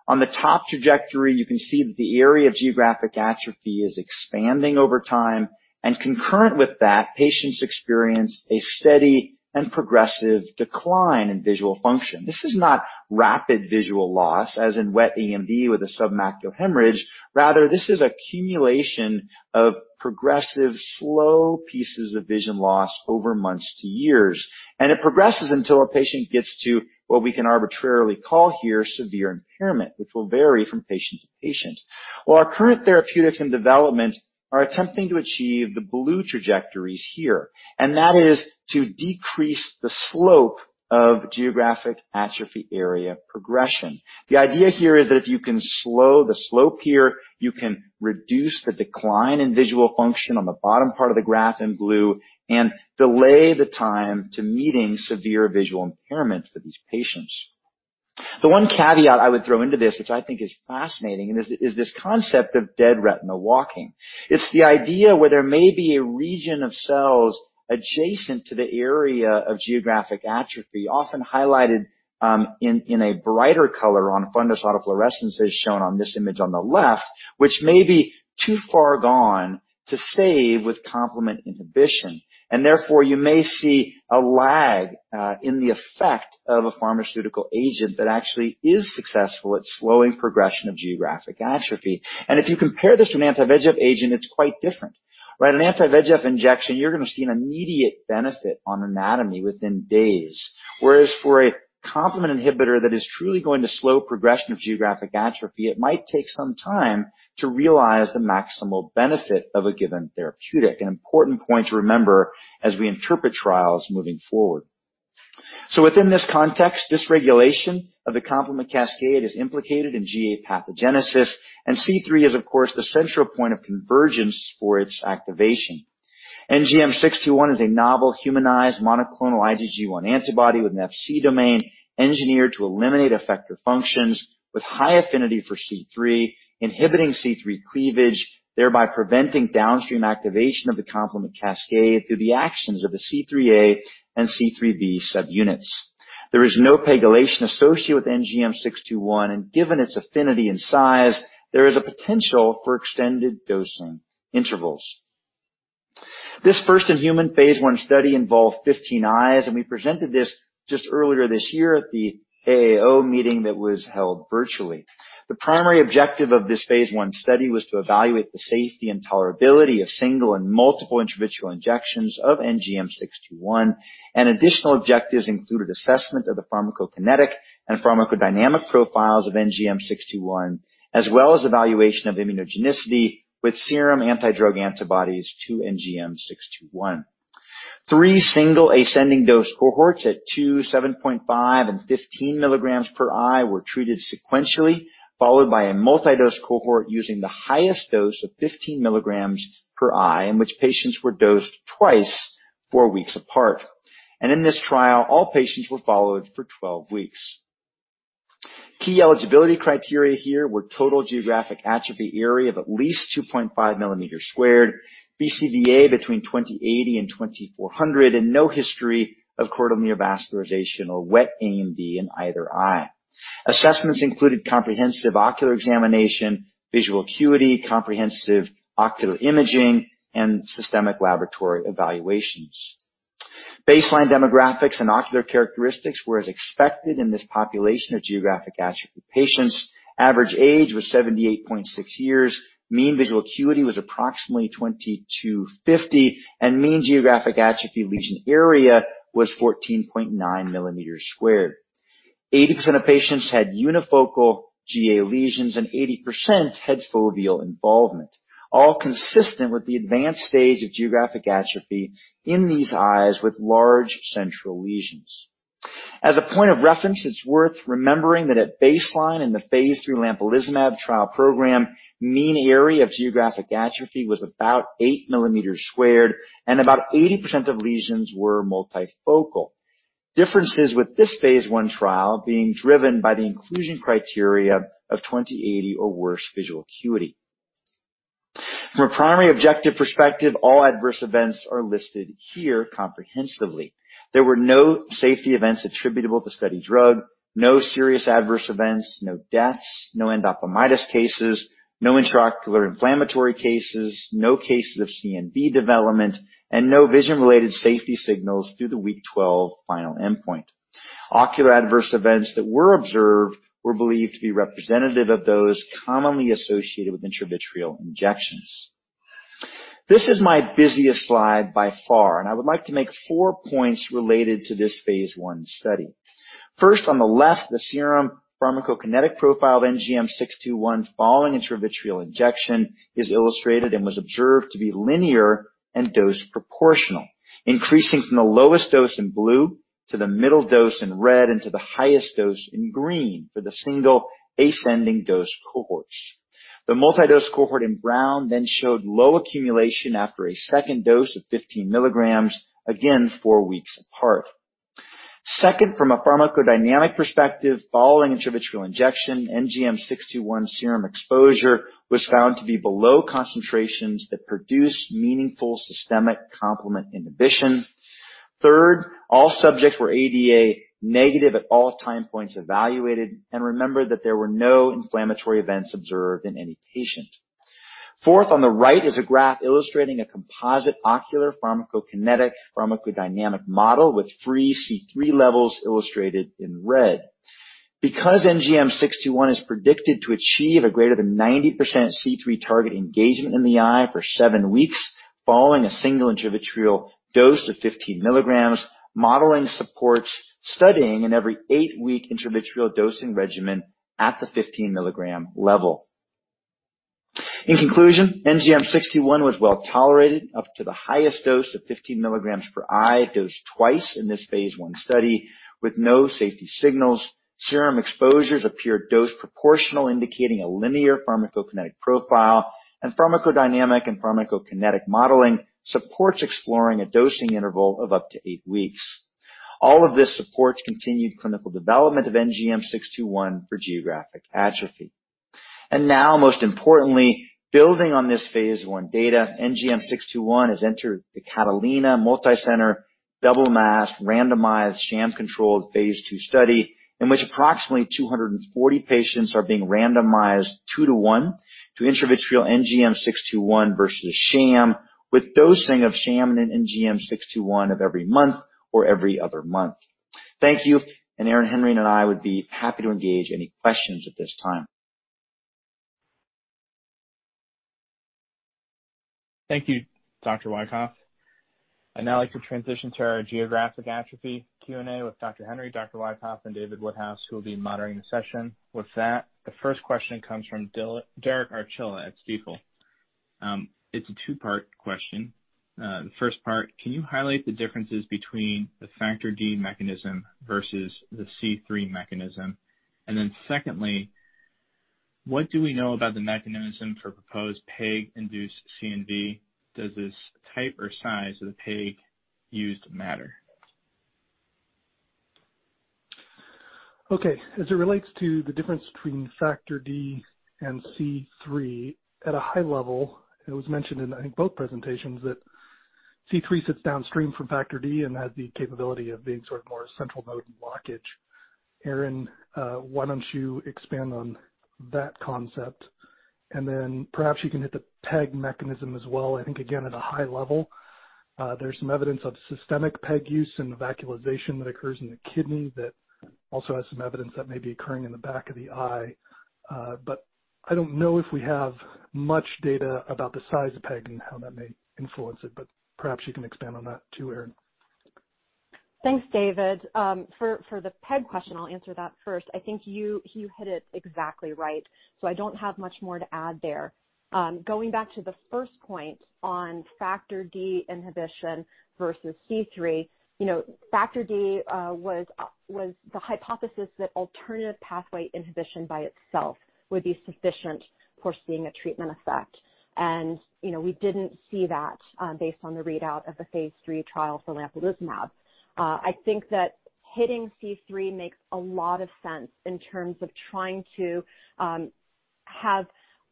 On the top trajectory, you can see that the area of geographic atrophy is expanding over time, and concurrent with that, patients experience a steady and progressive decline in visual function. This is not rapid visual loss as in wet AMD with a submacular hemorrhage. Rather, this is accumulation of progressive slow pieces of vision loss over months to years, and it progresses until a patient gets to what we can arbitrarily call here severe impairment, which will vary from patient to patient. Well, our current therapeutics and development are attempting to achieve the blue trajectories here, and that is to decrease the slope of geographic atrophy area progression. The idea here is that if you can slow the slope here, you can reduce the decline in visual function on the bottom part of the graph in blue and delay the time to meeting severe visual impairment for these patients. The one caveat I would throw into this, which I think is fascinating, is this concept of dead retina walking. It's the idea where there may be a region of cells adjacent to the area of geographic atrophy, often highlighted in a brighter color on fundus autofluorescence, as shown on this image on the left, which may be too far gone to save with complement inhibition. Therefore, you may see a lag in the effect of a pharmaceutical agent that actually is successful at slowing progression of geographic atrophy. If you compare this to an anti-VEGF agent, it's quite different. With an anti-VEGF injection, you're going to see an immediate benefit on anatomy within days. Whereas for a complement inhibitor that is truly going to slow progression of geographic atrophy, it might take some time to realize the maximal benefit of a given therapeutic, an important point to remember as we interpret trials moving forward. Within this context, dysregulation of the complement cascade is implicated in GA pathogenesis, and C3 is, of course, the central point of convergence for its activation. NGM621 is a novel humanized monoclonal IgG1 antibody with an Fc domain engineered to eliminate effector functions with high affinity for C3, inhibiting C3 cleavage, thereby preventing downstream activation of the complement cascade through the actions of the C3a and C3b subunits. There is no pegylation associated with NGM621, and given its affinity and size, there is a potential for extended dosing intervals. This first-in-human phase I study involved 15 eyes. We presented this just earlier this year at the AAO meeting that was held virtually. The primary objective of this phase I study was to evaluate the safety and tolerability of single and multiple intravitreal injections of NGM621. Additional objectives included assessment of the pharmacokinetic and pharmacodynamic profiles of NGM621, as well as evaluation of immunogenicity with serum anti-drug antibodies to NGM621. Three single ascending dose cohorts at two, 7.5, and 15 milligrams per eye were treated sequentially, followed by a multi-dose cohort using the highest dose of 15 milligrams per eye, in which patients were dosed twice four weeks apart. In this trial, all patients were followed for 12 weeks. Key eligibility criteria here were total geographic atrophy area of at least 2.5 millimeters squared, BCVA between 20/80 and 20/400, and no history of choroidal neovascularization or wet AMD in either eye. Assessments included comprehensive ocular examination, visual acuity, comprehensive ocular imaging, and systemic laboratory evaluations. Baseline demographics and ocular characteristics were as expected in this population of geographic atrophy patients. Average age was 78.6 years, mean visual acuity was approximately 20/50, and mean geographic atrophy lesion area was 14.9 millimeters squared. 80% of patients had unifocal GA lesions and 80% had foveal involvement, all consistent with the advanced stage of geographic atrophy in these eyes with large central lesions. As a point of reference, it's worth remembering that at baseline in the phase III lampalizumab trial program, mean area of geographic atrophy was about eight millimeters squared, and about 80% of lesions were multifocal. Differences with this phase I trial being driven by the inclusion criteria of 20/80 or worse visual acuity. From a primary objective perspective, all adverse events are listed here comprehensively. There were no safety events attributable to study drug, no serious adverse events, no deaths, no endophthalmitis cases, no intraocular inflammatory cases, no cases of CNV development, and no vision-related safety signals through the week 12 final endpoint. Ocular adverse events that were observed were believed to be representative of those commonly associated with intravitreal injections. This is my busiest slide by far, and I would like to make four points related to this phase I study. First, on the left, the serum pharmacokinetic profile of NGM621 following intravitreal injection is illustrated and was observed to be linear and dose proportional, increasing from the lowest dose in blue to the middle dose in red, and to the highest dose in green for the single ascending dose cohorts. The multi-dose cohort in brown then showed low accumulation after a second dose of 15 milligrams, again, four weeks apart. Second, from a pharmacodynamic perspective, following intravitreal injection, NGM621 serum exposure was found to be below concentrations that produce meaningful systemic complement inhibition. Third, all subjects were ADA negative at all time points evaluated, and remember that there were no inflammatory events observed in any patient. Fourth, on the right is a graph illustrating a composite ocular pharmacokinetic/pharmacodynamic model with free C3 levels illustrated in red. Because NGM621 is predicted to achieve a greater than 90% C3 target engagement in the eye for seven weeks following a single intravitreal dose of 15 milligrams, modeling supports studying in every eight-week intravitreal dosing regimen at the 15-milligram level. In conclusion, NGM621 was well-tolerated up to the highest dose of 15 milligrams per eye dosed twice in this phase I study with no safety signals. Serum exposures appeared dose proportional, indicating a linear pharmacokinetic profile, and pharmacodynamic and pharmacokinetic modeling supports exploring a dosing interval of up to eight weeks. All of this supports continued clinical development of NGM621 for geographic atrophy. Now, most importantly, building on this phase I data, NGM621 has entered the CATALINA multi-center, double-masked, randomized, sham-controlled phase II study in which approximately 240 patients are being randomized two to one to intravitreal NGM621 versus sham with dosing of sham and then NGM621 of every month or every other month. Thank you. Erin Henry and I would be happy to engage any questions at this time. Thank you, Dr. Wykoff. I'd now like to transition to our geographic atrophy Q&A with Dr. Henry, Dr. Wykoff, and David Woodhouse, who will be monitoring the session. With that, the first question comes from Derek Archila at Stifel. It's a two-part question. The first part, can you highlight the differences between the factor D mechanism versus the C3 mechanism? Secondly, what do we know about the mechanism for proposed PEG-induced CNV? Does this type or size of the PEG used matter? Okay. As it relates to the difference between factor D and C3, at a high level, it was mentioned in, I think, both presentations that C3 sits downstream from factor D and has the capability of being more central mode of blockage. Erin, why don't you expand on that concept, and then perhaps you can hit the PEG mechanism as well. I think, again, at a high level, there's some evidence of systemic PEG use and vacuolization that occurs in the kidney that also has some evidence that may be occurring in the back of the eye. I don't know if we have much data about the size of PEG and how that may influence it, but perhaps you can expand on that too, Erin. Thanks, David. For the PEG question, I'll answer that first. I think you hit it exactly right. I don't have much more to add there. Going back to the first point on factor D inhibition versus C3, factor D was the hypothesis that alternative pathway inhibition by itself would be sufficient for seeing a treatment effect. We didn't see that based on the readout of the phase III trial for lampalizumab. I think that hitting C3 makes a lot of sense in terms of trying to have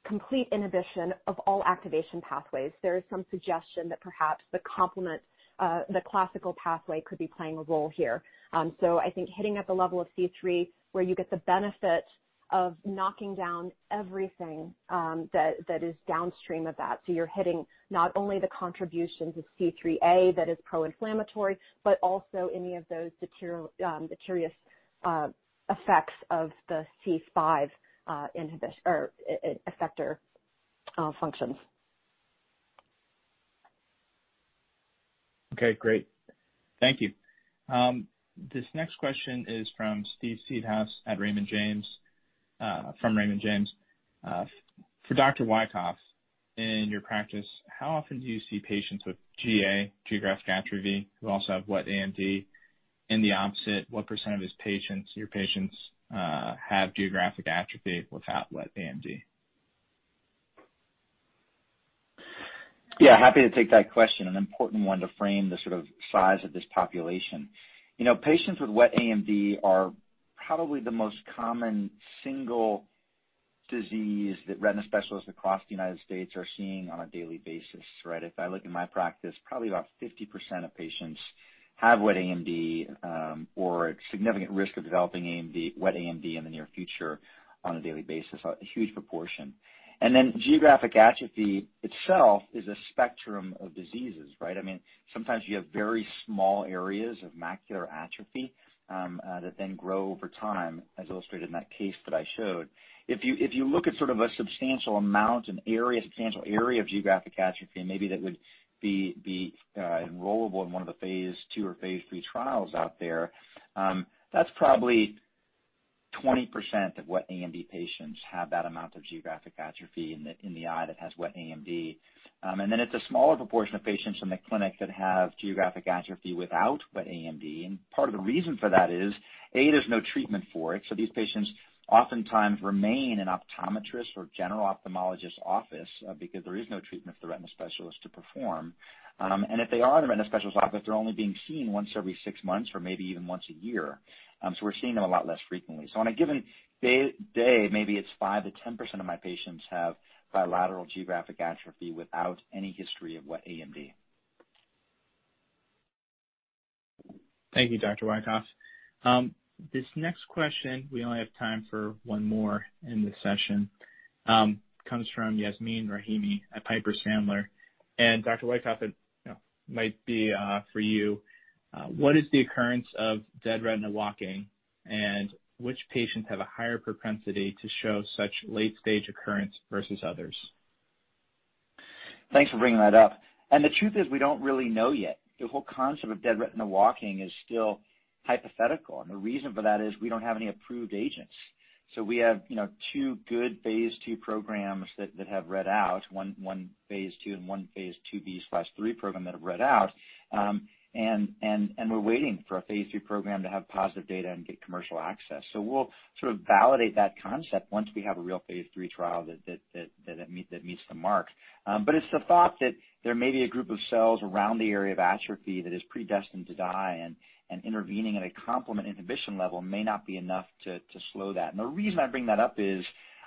complete inhibition of all activation pathways. There is some suggestion that perhaps the classical pathway could be playing a role here. I think hitting at the level of C3, where you get the benefit of knocking down everything that is downstream of that. You're hitting not only the contributions of C3a that is pro-inflammatory, but also any of those deleterious effects of the C5 effector functions. Okay, great. Thank you. This next question is from Steve Seedhouse from Raymond James. For Dr. Wykoff, in your practice, how often do you see patients with GA, geographic atrophy, who also have wet AMD? The opposite, what % of your patients have geographic atrophy without wet AMD? Yeah, happy to take that question, an important one to frame the size of this population. Patients with wet AMD are probably the most common single disease that retina specialists across the U.S. are seeing on a daily basis, right? If I look in my practice, probably about 50% of patients have wet AMD or at significant risk of developing wet AMD in the near future on a daily basis, a huge proportion. Geographic atrophy itself is a spectrum of diseases, right? Sometimes you have very small areas of macular atrophy that then grow over time, as illustrated in that case that I showed. If you look at a substantial amount, a substantial area of geographic atrophy, maybe that would be enrollable in one of the phase II or phase III trials out there. That's probably 20% of wet AMD patients have that amount of geographic atrophy in the eye that has wet AMD. It's a smaller proportion of patients in the clinic that have geographic atrophy without wet AMD. Part of the reason for that is, A, there's no treatment for it, so these patients oftentimes remain in optometrists' or general ophthalmologists' office because there is no treatment for the retina specialist to perform. If they are in the retina specialist's office, they're only being seen once every six months or maybe even once a year. We're seeing them a lot less frequently. On a given day, maybe it's 5%-10% of my patients have bilateral geographic atrophy without any history of wet AMD. Thank you, Dr. Wykoff. This next question, we only have time for one more in this session, comes from Yasmeen Rahimi at Piper Sandler. Dr. Wykoff, it might be for you. What is the occurrence of dead retina walking, and which patients have a higher propensity to show such late-stage occurrence versus others? Thanks for bringing that up. The truth is, we don't really know yet. The whole concept of dead retina walking is still hypothetical, and the reason for that is we don't have any approved agents. We have two good phase II programs that have read out, one phase II and one phase IIb/III program that have read out. We're waiting for a phase III program to have positive data and get commercial access. We'll validate that concept once we have a real phase III trial that meets the mark. It's the thought that there may be a group of cells around the area of atrophy that is predestined to die, and intervening at a complement inhibition level may not be enough to slow that. The reason I bring that up is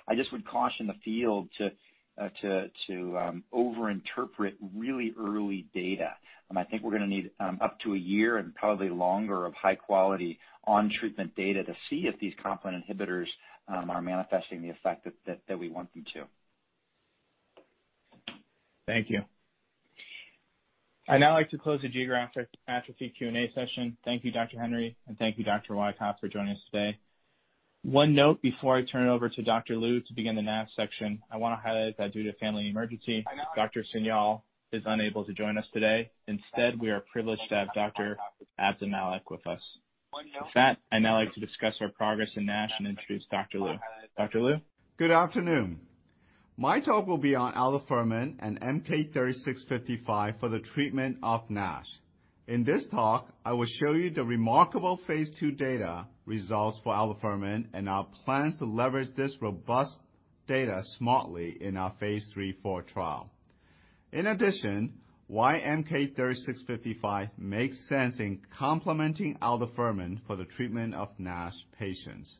I just would caution the field to over-interpret really early data. I think we're going to need up to a year and probably longer of high-quality on-treatment data to see if these complement inhibitors are manifesting the effect that we want them to. Thank you. I'd now like to close the geographic atrophy Q&A session. Thank you, Dr. Henry, and thank you, Dr. Wykoff, for joining us today. One note before I turn it over to Dr. Lieu to begin the NASH section. I want to highlight that due to family emergency, Dr. Sanyal is unable to join us today. Instead, we are privileged to have Dr. Abdelmalek with us. With that, I'd now like to discuss our progress in NASH and introduce Dr. Lieu. Dr. Lieu? Good afternoon. My talk will be on aldafermin and MK-3655 for the treatment of NASH. In this talk, I will show you the remarkable phase II data results for aldafermin and our plans to leverage this robust data smartly in our phase III/IV trial. Why MK-3655 makes sense in complementing aldafermin for the treatment of NASH patients.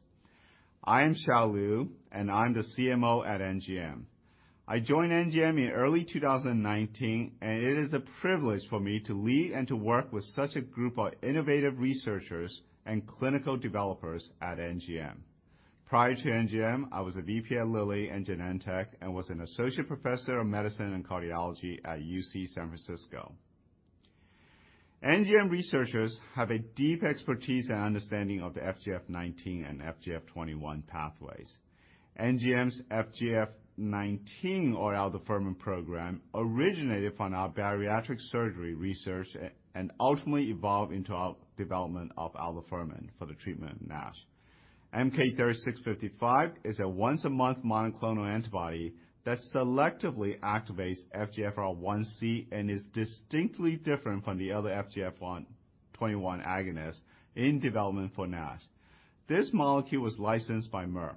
I am Hsiao Lieu, I'm the CMO at NGM. I joined NGM in early 2019, it is a privilege for me to lead and to work with such a group of innovative researchers and clinical developers at NGM. Prior to NGM, I was a VP at Lilly and Genentech and was an associate professor of medicine and cardiology at UC San Francisco. NGM researchers have a deep expertise and understanding of the FGF19 and FGF21 pathways. NGM's FGF19 or aldafermin program originated from our bariatric surgery research and ultimately evolved into our development of aldafermin for the treatment of NASH. MK-3655 is a once-a-month monoclonal antibody that selectively activates FGFR1c and is distinctly different from the other FGF21 agonists in development for NASH. This molecule was licensed by Merck.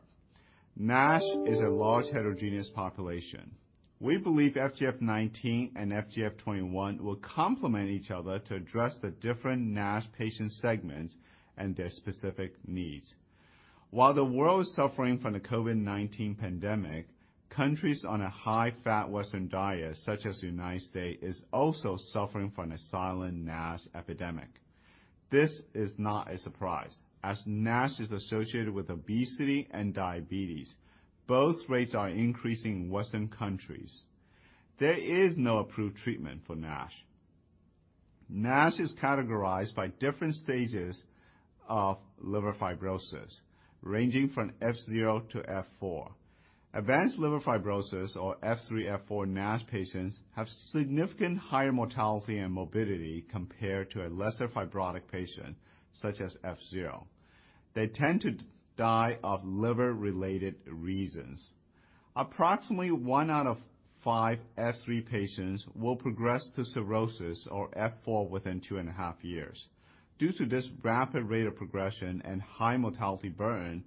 NASH is a large heterogeneous population. We believe FGF19 and FGF21 will complement each other to address the different NASH patient segments and their specific needs. While the world is suffering from the COVID-19 pandemic, countries on a high-fat Western diet, such as United States, is also suffering from a silent NASH epidemic. This is not a surprise, as NASH is associated with obesity and diabetes. Both rates are increasing in Western countries. There is no approved treatment for NASH. NASH is categorized by different stages of liver fibrosis, ranging from F0 to F4. Advanced liver fibrosis or F3, F4 NASH patients have significant higher mortality and morbidity compared to a lesser fibrotic patient, such as F0. They tend to die of liver-related reasons. Approximately one out of five F3 patients will progress to cirrhosis or F4 within two and a half years. Due to this rapid rate of progression and high mortality burden,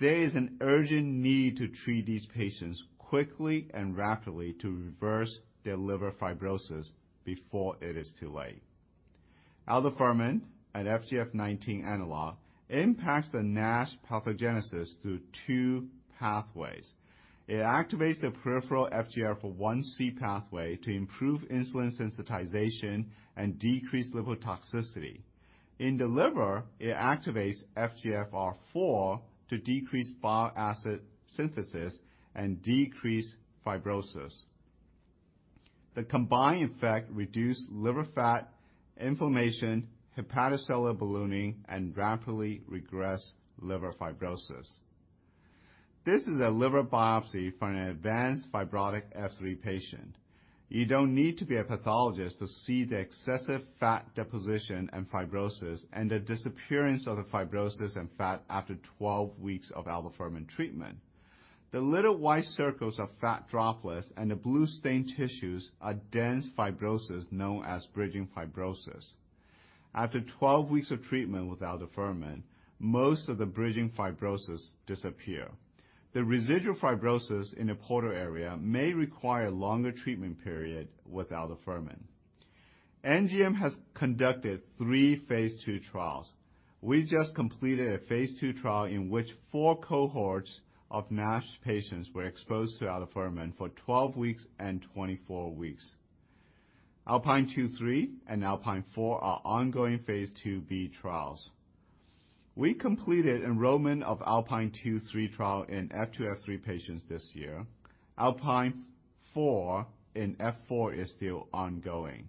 there is an urgent need to treat these patients quickly and rapidly to reverse their liver fibrosis before it is too late. aldafermin, an FGF19 analog, impacts the NASH pathogenesis through two pathways. It activates the peripheral FGFR1c pathway to improve insulin sensitization and decrease liver toxicity. In the liver, it activates FGFR4 to decrease bile acid synthesis and decrease fibrosis. The combined effect reduce liver fat, inflammation, hepatocellular ballooning, and rapidly regress liver fibrosis. This is a liver biopsy from an advanced fibrotic F3 patient. You don't need to be a pathologist to see the excessive fat deposition and fibrosis and the disappearance of the fibrosis and fat after 12 weeks of aldafermin treatment. The little white circles are fat droplets, the blue stained tissues are dense fibrosis known as bridging fibrosis. After 12 weeks of treatment with aldafermin, most of the bridging fibrosis disappear. The residual fibrosis in the portal area may require a longer treatment period with aldafermin. NGM has conducted three phase II trials. We just completed a phase II trial in which four cohorts of NASH patients were exposed to aldafermin for 12 weeks and 24 weeks. ALPINE 2/3 and ALPINE 4 are ongoing phase IIb trials. We completed enrollment of ALPINE 2/3 trial in F2, F3 patients this year. ALPINE 4 in F4 is still ongoing.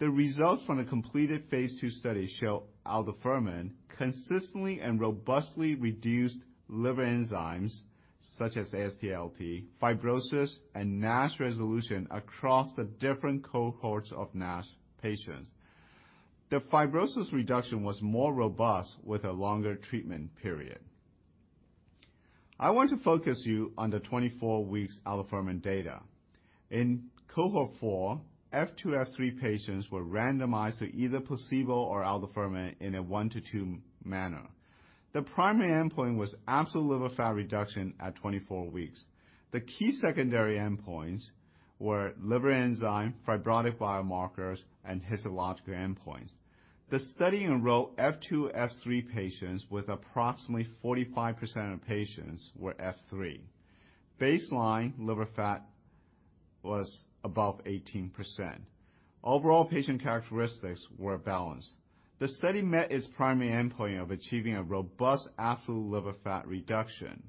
The results from the completed phase II study show aldafermin consistently and robustly reduced liver enzymes such as AST, ALT, fibrosis, and NASH resolution across the different cohorts of NASH patients. The fibrosis reduction was more robust with a longer treatment period. I want to focus you on the 24 weeks aldafermin data. In Cohort 4, F2, F3 patients were randomized to either placebo or aldafermin in a 1-to-2 manner. The primary endpoint was absolute liver fat reduction at 24 weeks. The key secondary endpoints were liver enzyme, fibrotic biomarkers, and histological endpoints. The study enrolled F2, F3 patients with approximately 45% of patients were F3. Baseline liver fat was above 18%. Overall patient characteristics were balanced. The study met its primary endpoint of achieving a robust absolute liver fat reduction.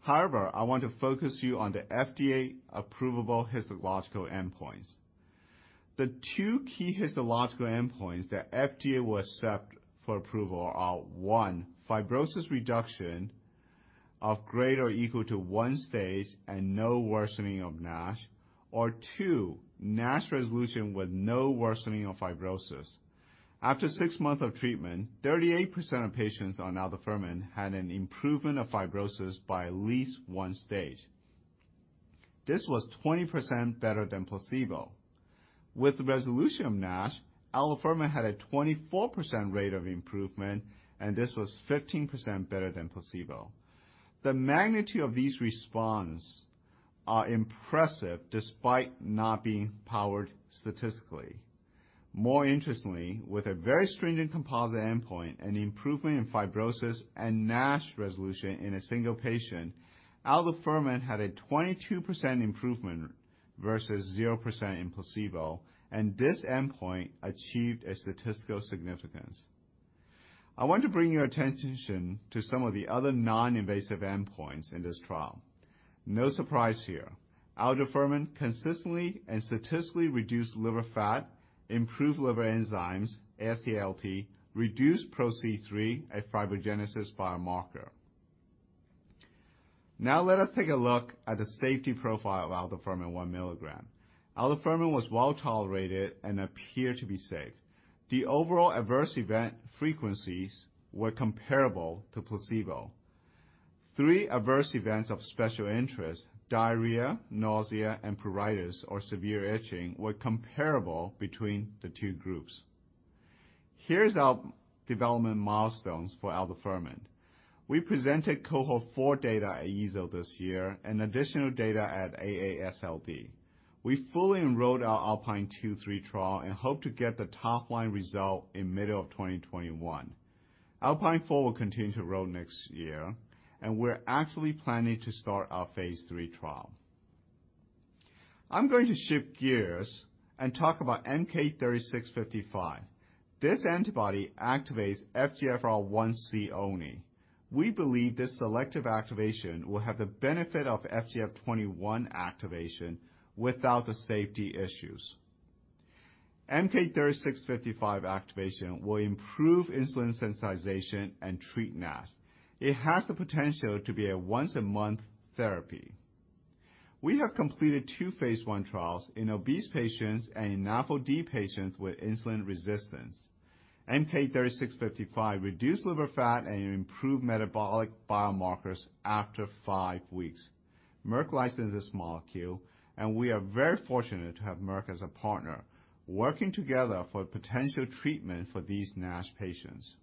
However, I want to focus you on the FDA approvable histological endpoints. The two key histological endpoints that FDA will accept for approval are, one, fibrosis reduction of greater or equal to one stage and no worsening of NASH, or two, NASH resolution with no worsening of fibrosis. After six months of treatment, 38% of patients on aldafermin had an improvement of fibrosis by at least one stage. This was 20% better than placebo. With the resolution of NASH, aldafermin had a 24% rate of improvement. This was 15% better than placebo. The magnitude of these response are impressive despite not being powered statistically. More interestingly, with a very stringent composite endpoint and improvement in fibrosis and NASH resolution in a single patient, aldafermin had a 22% improvement versus 0% in placebo. This endpoint achieved a statistical significance. I want to bring your attention to some of the other non-invasive endpoints in this trial. No surprise here. aldafermin consistently and statistically reduced liver fat, improved liver enzymes, AST/ALT, reduced PRO-C3, a fibrogenesis biomarker. Now let us take a look at the safety profile of aldafermin 1 mg. aldafermin was well-tolerated and appeared to be safe. The overall adverse event frequencies were comparable to placebo. Three adverse events of special interest, diarrhea, nausea, and pruritus or severe itching, were comparable between the two groups. Here's our development milestones for aldafermin. We presented cohort 4 data at EASL this year, and additional data at AASLD. We fully enrolled our ALPINE 2/3 trial and hope to get the top-line result in middle of 2021. ALPINE 4 will continue to enroll next year, and we're actually planning to start our phase III trial. I'm going to shift gears and talk about MK-3655. This antibody activates FGFR1c only. We believe this selective activation will have the benefit of FGF21 activation without the safety issues. MK-3655 activation will improve insulin sensitization and treat NASH. It has the potential to be a once-a-month therapy. We have completed two phase I trials in obese patients and in NAFLD patients with insulin resistance. MK-3655 reduced liver fat and improved metabolic biomarkers after five weeks. Merck licensed this molecule, and we are very fortunate to have Merck as a partner, working together for potential treatment for these NASH patients.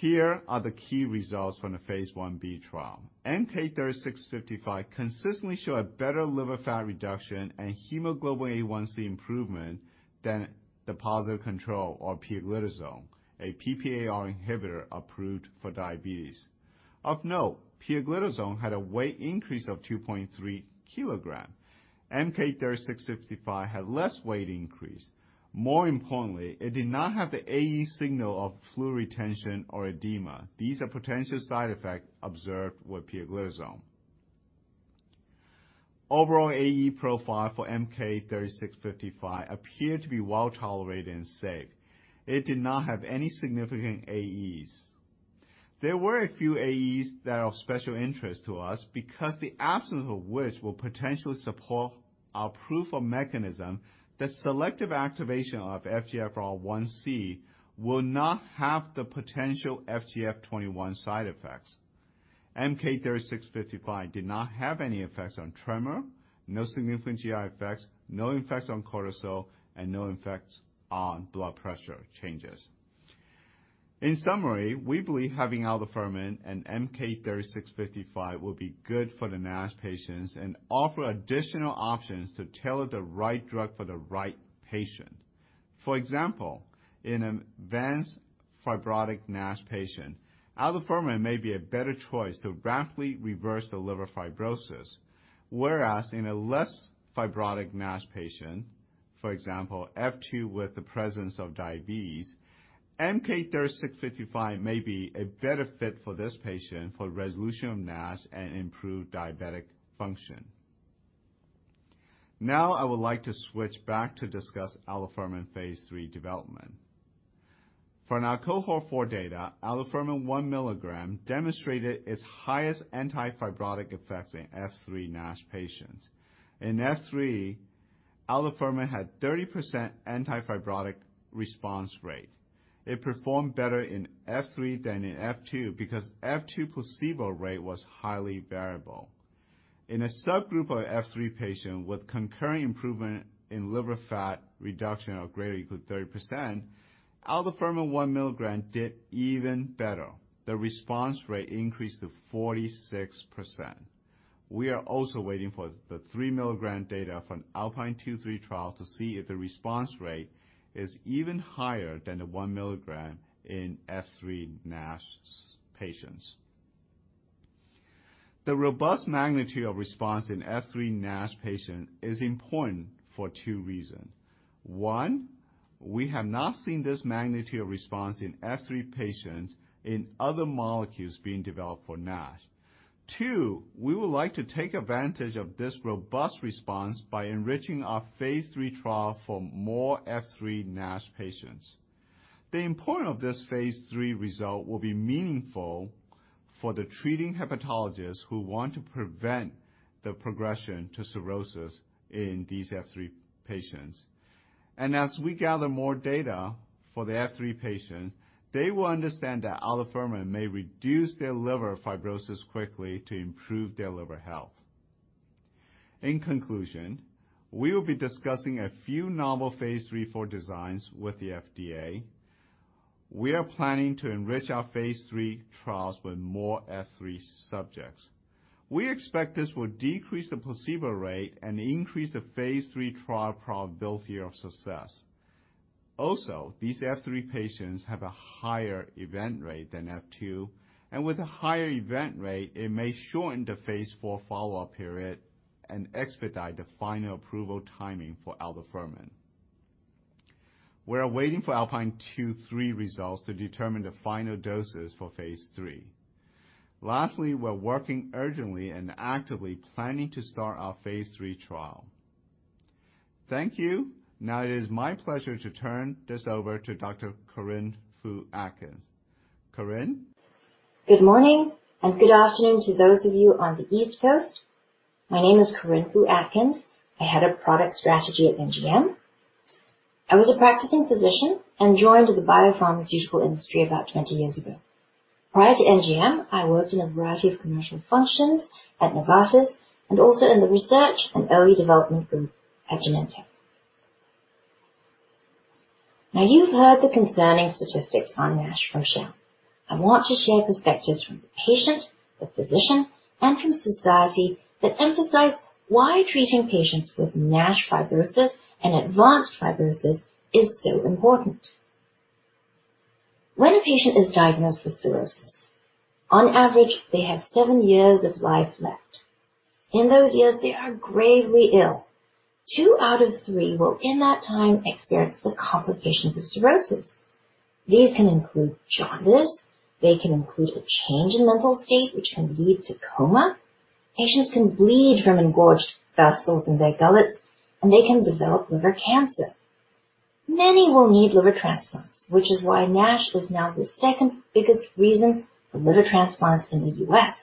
Here are the key results from the phase I-B trial. MK-3655 consistently show a better liver fat reduction and hemoglobin A1c improvement than the positive control or pioglitazone, a PPAR inhibitor approved for diabetes. Of note, pioglitazone had a weight increase of 2.3 kilograms. MK-3655 had less weight increase. More importantly, it did not have the AE signal of fluid retention or edema. These are potential side effects observed with pioglitazone. Overall AE profile for MK-3655 appeared to be well-tolerated and safe. It did not have any significant AEs. There were a few AEs that are of special interest to us because the absence of which will potentially support our proof of mechanism that selective activation of FGFR1c will not have the potential FGF21 side effects. MK-3655 did not have any effects on tremor, no significant GI effects, no effects on cortisol, and no effects on blood pressure changes. In summary, we believe having aldafermin and MK-3655 will be good for the NASH patients and offer additional options to tailor the right drug for the right patient. For example, in advanced fibrotic NASH patient, aldafermin may be a better choice to rapidly reverse the liver fibrosis. In a less fibrotic NASH patient, for example, F2 with the presence of diabetes, MK-3655 may be a better fit for this patient for resolution of NASH and improved diabetic function. I would like to switch back to discuss aldafermin phase III development. From our cohort four data, aldafermin one milligram demonstrated its highest anti-fibrotic effects in F3 NASH patients. In F3, aldafermin had 30% anti-fibrotic response rate. It performed better in F3 than in F2 because F2 placebo rate was highly variable. In a subgroup of F3 patient with concurrent improvement in liver fat reduction of greater or equal to 30%, aldafermin one milligram did even better. The response rate increased to 46%. We are also waiting for the three milligram data from ALPINE 2/3 trial to see if the response rate is even higher than the one milligram in F3 NASH patients. The robust magnitude of response in F3 NASH patients is important for two reasons. One, we have not seen this magnitude of response in F3 patients in other molecules being developed for NASH. Two, we would like to take advantage of this robust response by enriching our phase III trial for more F3 NASH patients. The importance of this phase III result will be meaningful for the treating hepatologists who want to prevent the progression to cirrhosis in these F3 patients. As we gather more data for the F3 patients, they will understand that aldafermin may reduce their liver fibrosis quickly to improve their liver health. In conclusion, we will be discussing a few novel phase III/IV designs with the FDA. We are planning to enrich our phase III trials with more F3 subjects. We expect this will decrease the placebo rate and increase the phase III trial probability of success. These F3 patients have a higher event rate than F2, and with a higher event rate, it may shorten the phase IV follow-up period and expedite the final approval timing for aldafermin. We are waiting for ALPINE 2/3 results to determine the final doses for phase III. Lastly, we are working urgently and actively planning to start our phase III trial. Thank you. Now it is my pleasure to turn this over to Dr. Corinne Foo-Atkins. Corinne? Good morning, good afternoon to those of you on the East Coast. My name is Corinne Foo-Atkins. I'm Head of Product Strategy at NGM. I was a practicing physician and joined the biopharmaceutical industry about 20 years ago. Prior to NGM, I worked in a variety of commercial functions at Novartis and also in the research and early development group at Genentech. You've heard the concerning statistics on NASH from Hsiao. I want to share perspectives from the patient, the physician, and from society that emphasize why treating patients with NASH fibrosis and advanced fibrosis is so important. When a patient is diagnosed with cirrhosis, on average, they have seven years of life left. In those years, they are gravely ill. Two out of three will, in that time, experience the complications of cirrhosis. These can include jaundice, they can include a change in mental state, which can lead to coma. Patients can bleed from engorged vessels in their gullets, they can develop liver cancer. Many will need liver transplants, which is why NASH is now the second biggest reason for liver transplants in the U.S.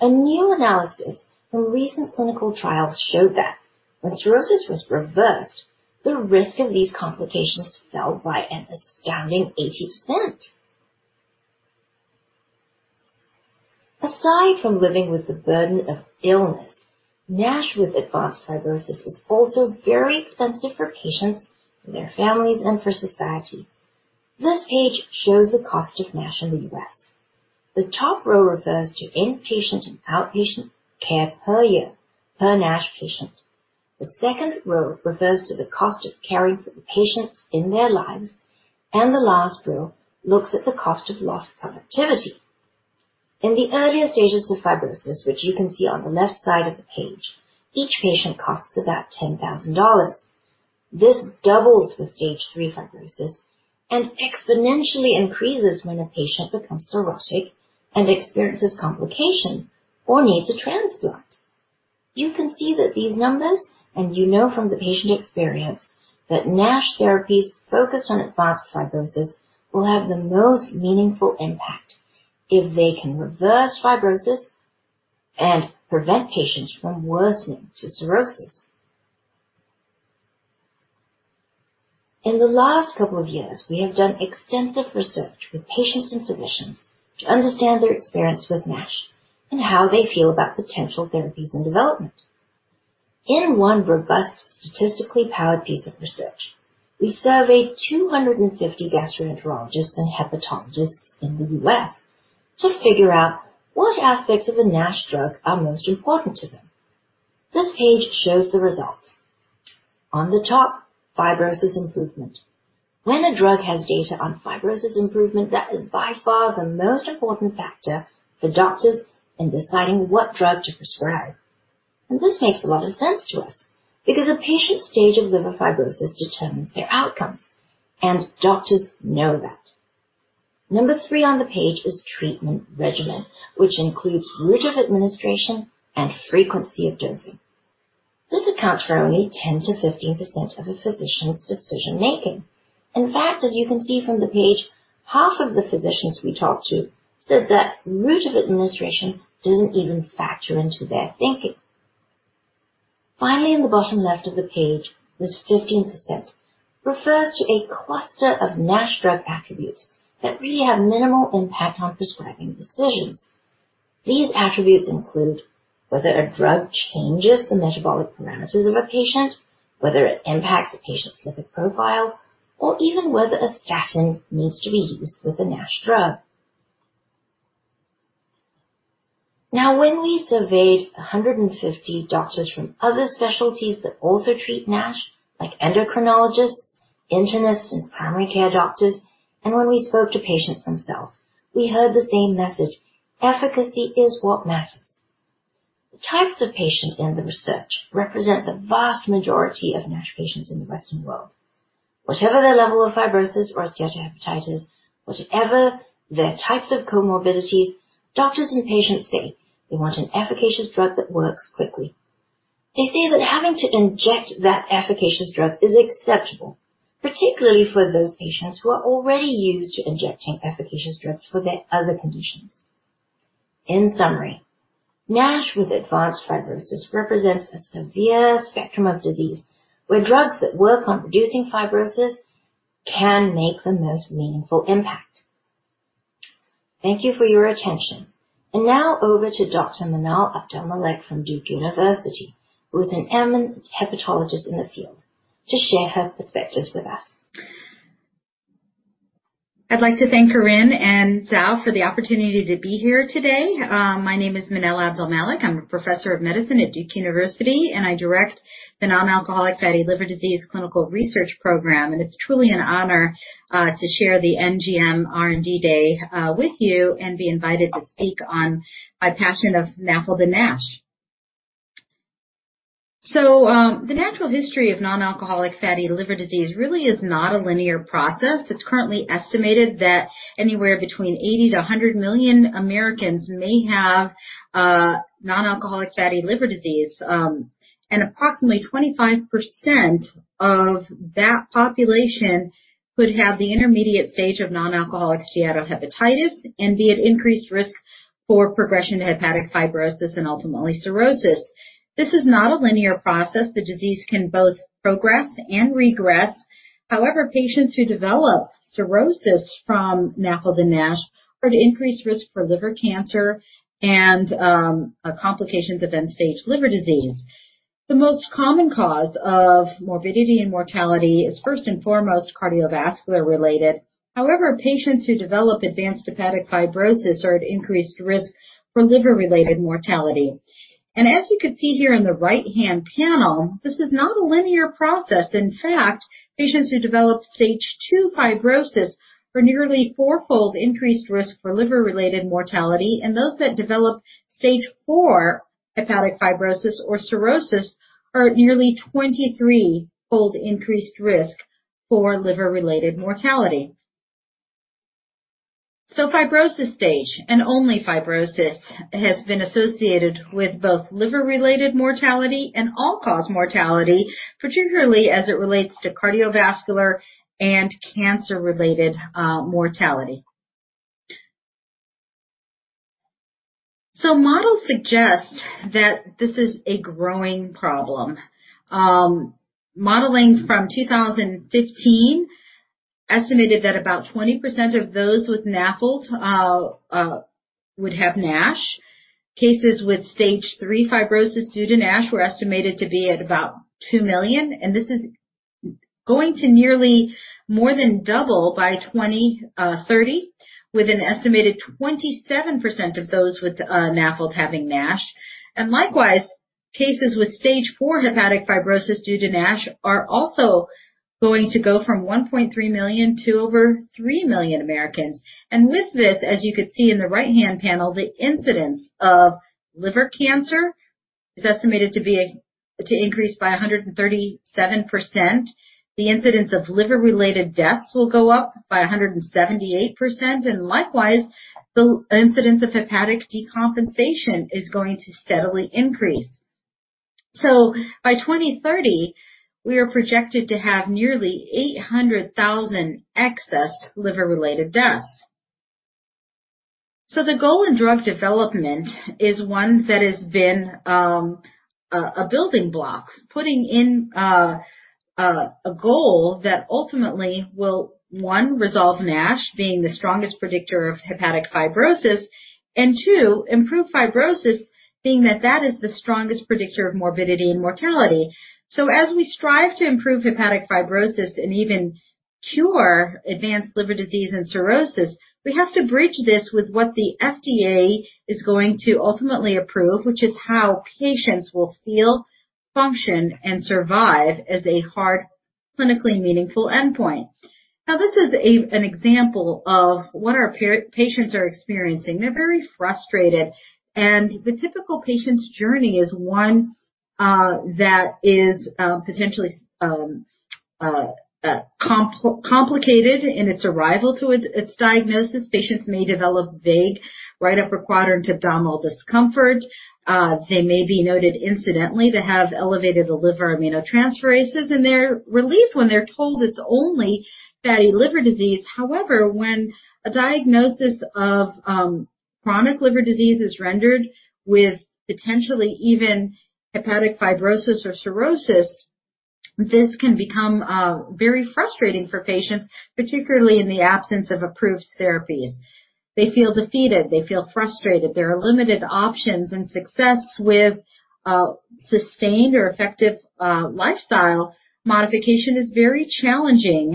A new analysis from recent clinical trials showed that when cirrhosis was reversed, the risk of these complications fell by an astounding 80%. Aside from living with the burden of illness, NASH with advanced fibrosis is also very expensive for patients, for their families, and for society. This page shows the cost of NASH in the U.S. The top row refers to inpatient and outpatient care per year per NASH patient. The second row refers to the cost of caring for the patients in their lives, and the last row looks at the cost of lost productivity. In the earlier stages of fibrosis, which you can see on the left side of the page, each patient costs about $10,000. This doubles with Stage 3 fibrosis and exponentially increases when a patient becomes cirrhotic and experiences complications or needs a transplant. You can see that these numbers, and you know from the patient experience, that NASH therapies focused on advanced fibrosis will have the most meaningful impact if they can reverse fibrosis and prevent patients from worsening to cirrhosis. In the last couple of years, we have done extensive research with patients and physicians to understand their experience with NASH and how they feel about potential therapies in development. In one robust, statistically powered piece of research, we surveyed 250 gastroenterologists and hepatologists in the U.S. to figure out what aspects of a NASH drug are most important to them. This page shows the results. On the top, fibrosis improvement. When a drug has data on fibrosis improvement, that is by far the most important factor for doctors in deciding what drug to prescribe. This makes a lot of sense to us because a patient's stage of liver fibrosis determines their outcomes, and doctors know that. Number three on the page is treatment regimen, which includes route of administration and frequency of dosing. This accounts for only 10%-15% of a physician's decision-making. In fact, as you can see from the page, half of the physicians we talked to said that route of administration didn't even factor into their thinking. Finally, in the bottom left of the page, this 15% refers to a cluster of NASH drug attributes that really have minimal impact on prescribing decisions. These attributes include whether a drug changes the metabolic parameters of a patient, whether it impacts a patient's lipid profile, or even whether a statin needs to be used with a NASH drug. Now, when we surveyed 150 doctors from other specialties that also treat NASH, like endocrinologists, internists, and primary care doctors, and when we spoke to patients themselves, we heard the same message: efficacy is what matters. The types of patients in the research represent the vast majority of NASH patients in the Western world. Whatever their level of fibrosis or steatohepatitis, whatever their types of comorbidities, doctors and patients say they want an efficacious drug that works quickly. They say that having to inject that efficacious drug is acceptable, particularly for those patients who are already used to injecting efficacious drugs for their other conditions. In summary, NASH with advanced fibrosis represents a severe spectrum of disease where drugs that work on reducing fibrosis can make the most meaningful impact. Thank you for your attention. Now over to Dr. Manal Abdelmalek from Duke University, who is an eminent hepatologist in the field, to share her perspectives with us. I'd like to thank Corinne and Hsiao for the opportunity to be here today. My name is Manal Abdelmalek. I'm a professor of medicine at Duke University, and I direct the Nonalcoholic Fatty Liver Disease Clinical Research Program. It's truly an honor to share the NGM R&D Day with you and be invited to speak on my passion of NAFLD and NASH. The natural history of non-alcoholic fatty liver disease really is not a linear process. It's currently estimated that anywhere between 80 million-100 million Americans may have non-alcoholic fatty liver disease, and approximately 25% of that population could have the intermediate stage of non-alcoholic steatohepatitis and be at increased risk for progression to hepatic fibrosis and ultimately cirrhosis. This is not a linear process. The disease can both progress and regress. Patients who develop cirrhosis from NAFLD and NASH are at increased risk for liver cancer and complications of end-stage liver disease. The most common cause of morbidity and mortality is first and foremost cardiovascular related. Patients who develop advanced hepatic fibrosis are at increased risk for liver-related mortality. As you can see here in the right-hand panel, this is not a linear process. In fact, patients who develop stage 2 fibrosis are nearly fourfold increased risk for liver-related mortality, and those that develop stage 4 hepatic fibrosis or cirrhosis are at nearly 23-fold increased risk for liver-related mortality. Fibrosis stage, and only fibrosis, has been associated with both liver-related mortality and all-cause mortality, particularly as it relates to cardiovascular and cancer-related mortality. Models suggest that this is a growing problem. Modeling from 2015 estimated that about 20% of those with NAFLD would have NASH. Cases with stage 3 fibrosis due to NASH were estimated to be at about 2 million. This is going to nearly more than double by 2030, with an estimated 27% of those with NAFLD having NASH. Likewise, cases with stage 4 hepatic fibrosis due to NASH are also going to go from 1.3 million to over 3 million Americans. With this, as you can see in the right-hand panel, the incidence of liver cancer is estimated to increase by 137%. The incidence of liver-related deaths will go up by 178%. Likewise, the incidence of hepatic decompensation is going to steadily increase. By 2030, we are projected to have nearly 800,000 excess liver-related deaths. The goal in drug development is one that has been a building blocks, putting in a goal that ultimately will, one, resolve NASH being the strongest predictor of hepatic fibrosis, and two, improve fibrosis being that that is the strongest predictor of morbidity and mortality. As we strive to improve hepatic fibrosis and even cure advanced liver disease and cirrhosis, we have to bridge this with what the FDA is going to ultimately approve, which is how patients will feel, function, and survive as a hard, clinically meaningful endpoint. This is an example of what our patients are experiencing. They're very frustrated, the typical patient's journey is one that is potentially complicated in its arrival to its diagnosis. Patients may develop vague right upper quadrant abdominal discomfort. They may be noted incidentally to have elevated liver aminotransferases, and they're relieved when they're told it's only fatty liver disease. However, when a diagnosis of chronic liver disease is rendered with potentially even hepatic fibrosis or cirrhosis, this can become very frustrating for patients, particularly in the absence of approved therapies. They feel defeated. They feel frustrated. There are limited options, and success with sustained or effective lifestyle modification is very challenging,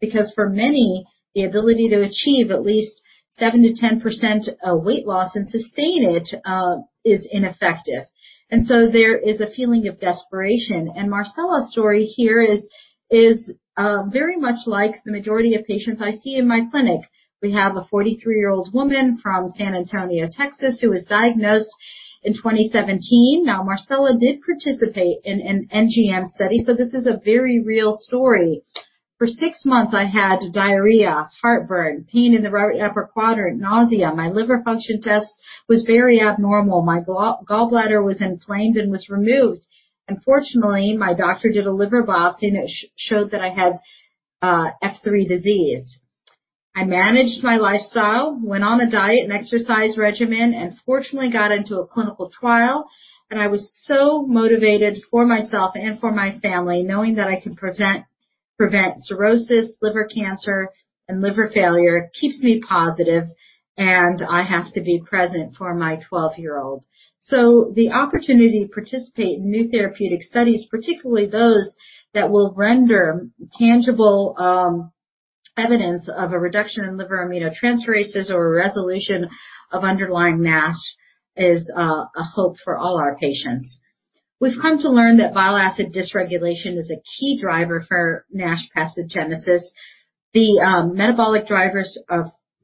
because for many, the ability to achieve at least 7%-10% weight loss and sustain it is ineffective. There is a feeling of desperation. Marcella's story here is very much like the majority of patients I see in my clinic. We have a 43-year-old woman from San Antonio, Texas, who was diagnosed in 2017. Marcella did participate in an NGM study, this is a very real story. For six months I had diarrhea, heartburn, pain in the right upper quadrant, nausea. My liver function test was very abnormal. My gallbladder was inflamed and was removed. Fortunately, my doctor did a liver biopsy and it showed that I had F3 disease. I managed my lifestyle, went on a diet and exercise regimen, fortunately got into a clinical trial. I was so motivated for myself and for my family, knowing that I can prevent cirrhosis, liver cancer, and liver failure keeps me positive, and I have to be present for my 12-year-old. The opportunity to participate in new therapeutic studies, particularly those that will render tangible evidence of a reduction in liver aminotransferases or a resolution of underlying NASH, is a hope for all our patients. We've come to learn that bile acid dysregulation is a key driver for NASH pathogenesis. The metabolic drivers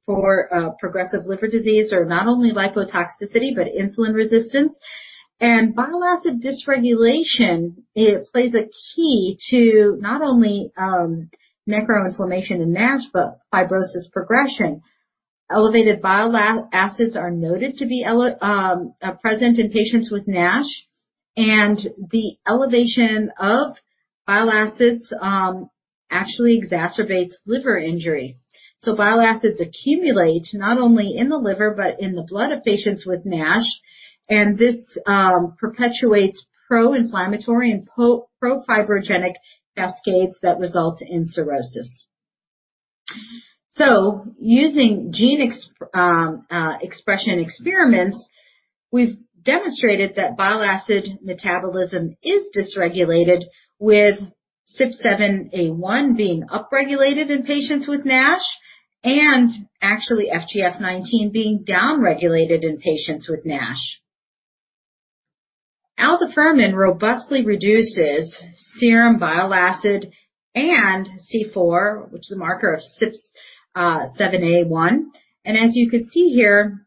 for progressive liver disease are not only lipotoxicity, but insulin resistance. Bile acid dysregulation, it plays a key to not only microinflammation in NASH, but fibrosis progression. Elevated bile acids are noted to be present in patients with NASH, and the elevation of bile acids actually exacerbates liver injury. Bile acids accumulate not only in the liver, but in the blood of patients with NASH, and this perpetuates pro-inflammatory and pro-fibrogenic cascades that result in cirrhosis. Using gene expression experiments, we've demonstrated that bile acid metabolism is dysregulated, with CYP7A1 being upregulated in patients with NASH and actually FGF19 being downregulated in patients with NASH. Aldafermin robustly reduces serum bile acid and C4, which is a marker of CYP7A1. As you can see here,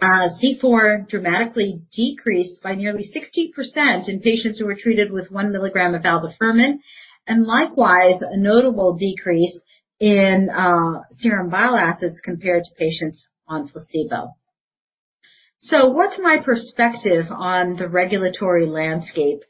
C4 dramatically decreased by nearly 60% in patients who were treated with 1 milligram of aldafermin, and likewise, a notable decrease in serum bile acids compared to patients on placebo. What's my perspective on the regulatory landscape?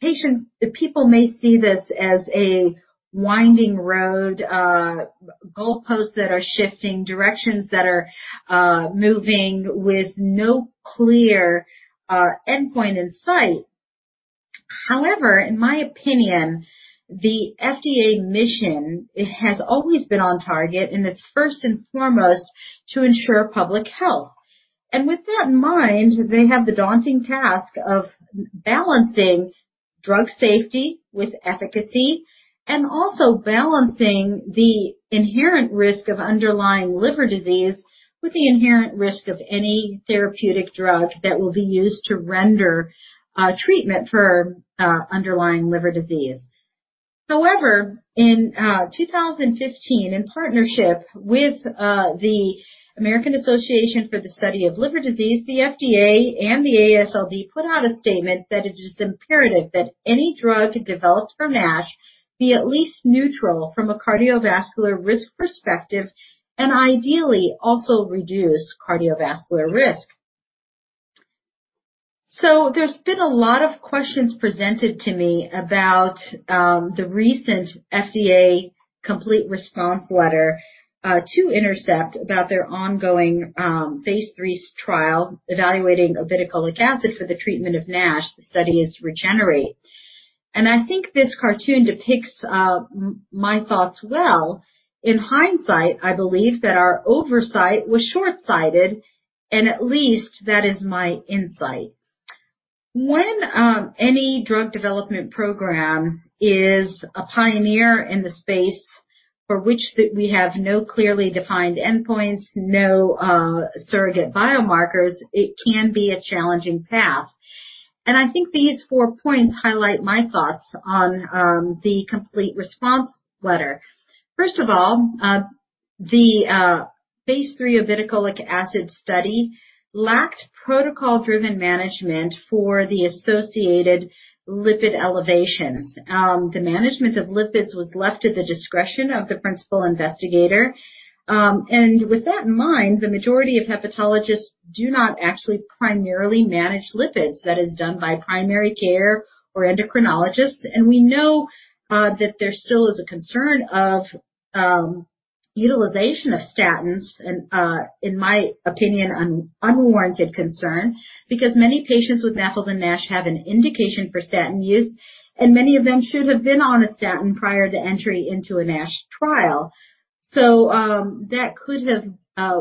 People may see this as a winding road, goalposts that are shifting, directions that are moving with no clear endpoint in sight. However, in my opinion, the FDA mission has always been on target, and it's first and foremost to ensure public health. With that in mind, they have the daunting task of balancing drug safety with efficacy and also balancing the inherent risk of underlying liver disease with the inherent risk of any therapeutic drug that will be used to render treatment for underlying liver disease. In 2015, in partnership with the American Association for the Study of Liver Diseases, the FDA and the AASLD put out a statement that it is imperative that any drug developed for NASH be at least neutral from a cardiovascular risk perspective, and ideally, also reduce cardiovascular risk. There's been a lot of questions presented to me about the recent FDA complete response letter to Intercept about their ongoing phase III trial evaluating obeticholic acid for the treatment of NASH. The study is REGENERATE. I think this cartoon depicts my thoughts well. In hindsight, I believe that our oversight was shortsighted, and at least that is my insight. When any drug development program is a pioneer in the space for which we have no clearly defined endpoints, no surrogate biomarkers, it can be a challenging path. I think these four points highlight my thoughts on the complete response letter. First of all, the phase III obeticholic acid study lacked protocol-driven management for the associated lipid elevations. The management of lipids was left at the discretion of the principal investigator. With that in mind, the majority of hepatologists do not actually primarily manage lipids. That is done by primary care or endocrinologists. We know that there still is a concern of utilization of statins, and in my opinion, an unwarranted concern, because many patients with NAFLD and NASH have an indication for statin use, and many of them should have been on a statin prior to entry into a NASH trial. That could have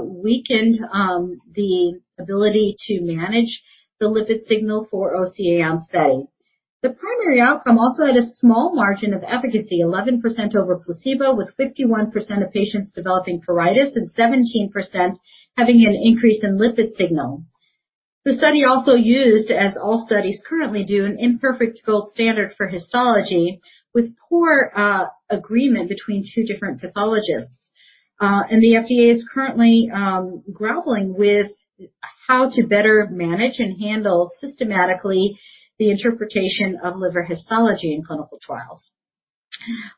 weakened the ability to manage the lipid signal for OCA study. The primary outcome also had a small margin of efficacy, 11% over placebo, with 51% of patients developing pruritus and 17% having an increase in lipid signal. The study also used, as all studies currently do, an imperfect gold standard for histology, with poor agreement between two different pathologists. The FDA is currently grappling with how to better manage and handle systematically the interpretation of liver histology in clinical trials.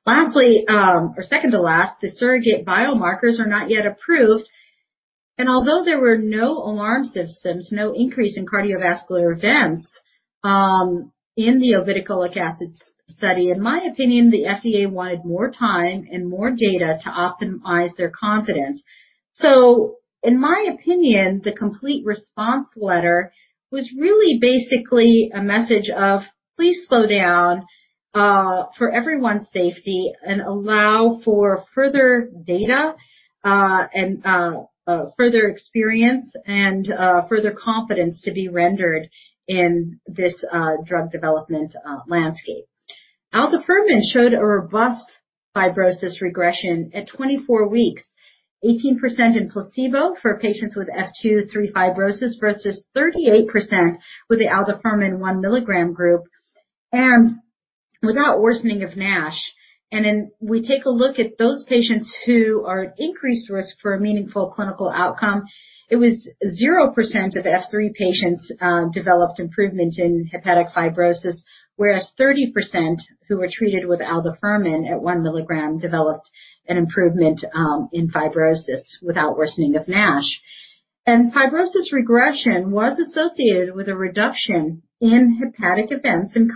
Lastly, or second to last, the surrogate biomarkers are not yet approved, and although there were no alarm systems, no increase in cardiovascular events in the obeticholic acid study, in my opinion, the FDA wanted more time and more data to optimize their confidence. In my opinion, the complete response letter was really basically a message of please slow down for everyone's safety and allow for further data, further experience, and further confidence to be rendered in this drug development landscape. Aldafermin showed a robust fibrosis regression at 24 weeks, 18% in placebo for patients with F2, F3 fibrosis versus 38% with the aldafermin 1 milligram group and without worsening of NASH. We take a look at those patients who are at increased risk for a meaningful clinical outcome. It was 0% of F3 patients developed improvement in hepatic fibrosis, whereas 30% who were treated with aldafermin at 1 milligram developed an improvement in fibrosis without worsening of NASH. Fibrosis regression was associated with a reduction in hepatic events in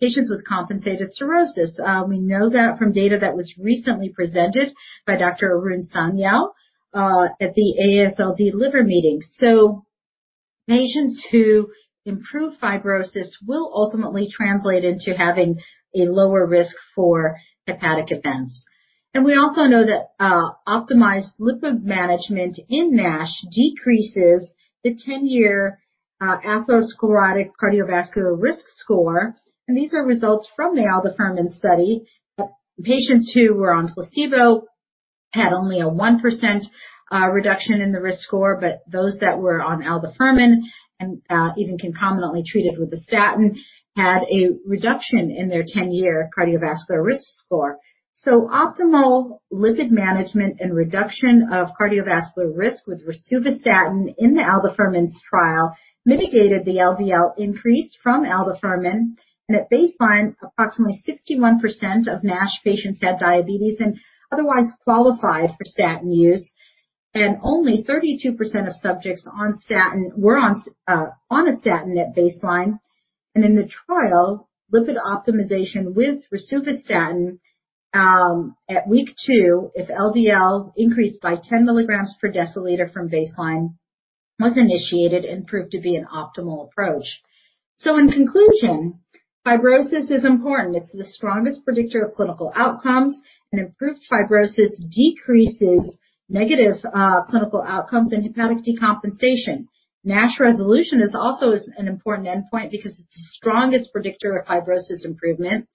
patients with compensated cirrhosis. We know that from data that was recently presented by Dr. Arun Sanyal at the AASLD liver meeting. Patients who improve fibrosis will ultimately translate into having a lower risk for hepatic events. We also know that optimized lipid management in NASH decreases the 10-year atherosclerotic cardiovascular risk score. These are results from the aldafermin study. Patients who were on placebo had only a 1% reduction in the risk score, but those that were on aldafermin and even concomitantly treated with a statin had a reduction in their 10-year cardiovascular risk score. Optimal lipid management and reduction of cardiovascular risk with rosuvastatin in the aldafermin's trial mitigated the LDL increase from aldafermin. At baseline, approximately 61% of NASH patients had diabetes and otherwise qualified for statin use, and only 32% of subjects were on a statin at baseline. In the trial, lipid optimization with rosuvastatin at week two, if LDL increased by 10 milligrams per deciliter from baseline, was initiated and proved to be an optimal approach. In conclusion, fibrosis is important. It's the strongest predictor of clinical outcomes, and improved fibrosis decreases negative clinical outcomes and hepatic decompensation. NASH resolution is also an important endpoint because it's the strongest predictor of fibrosis improvement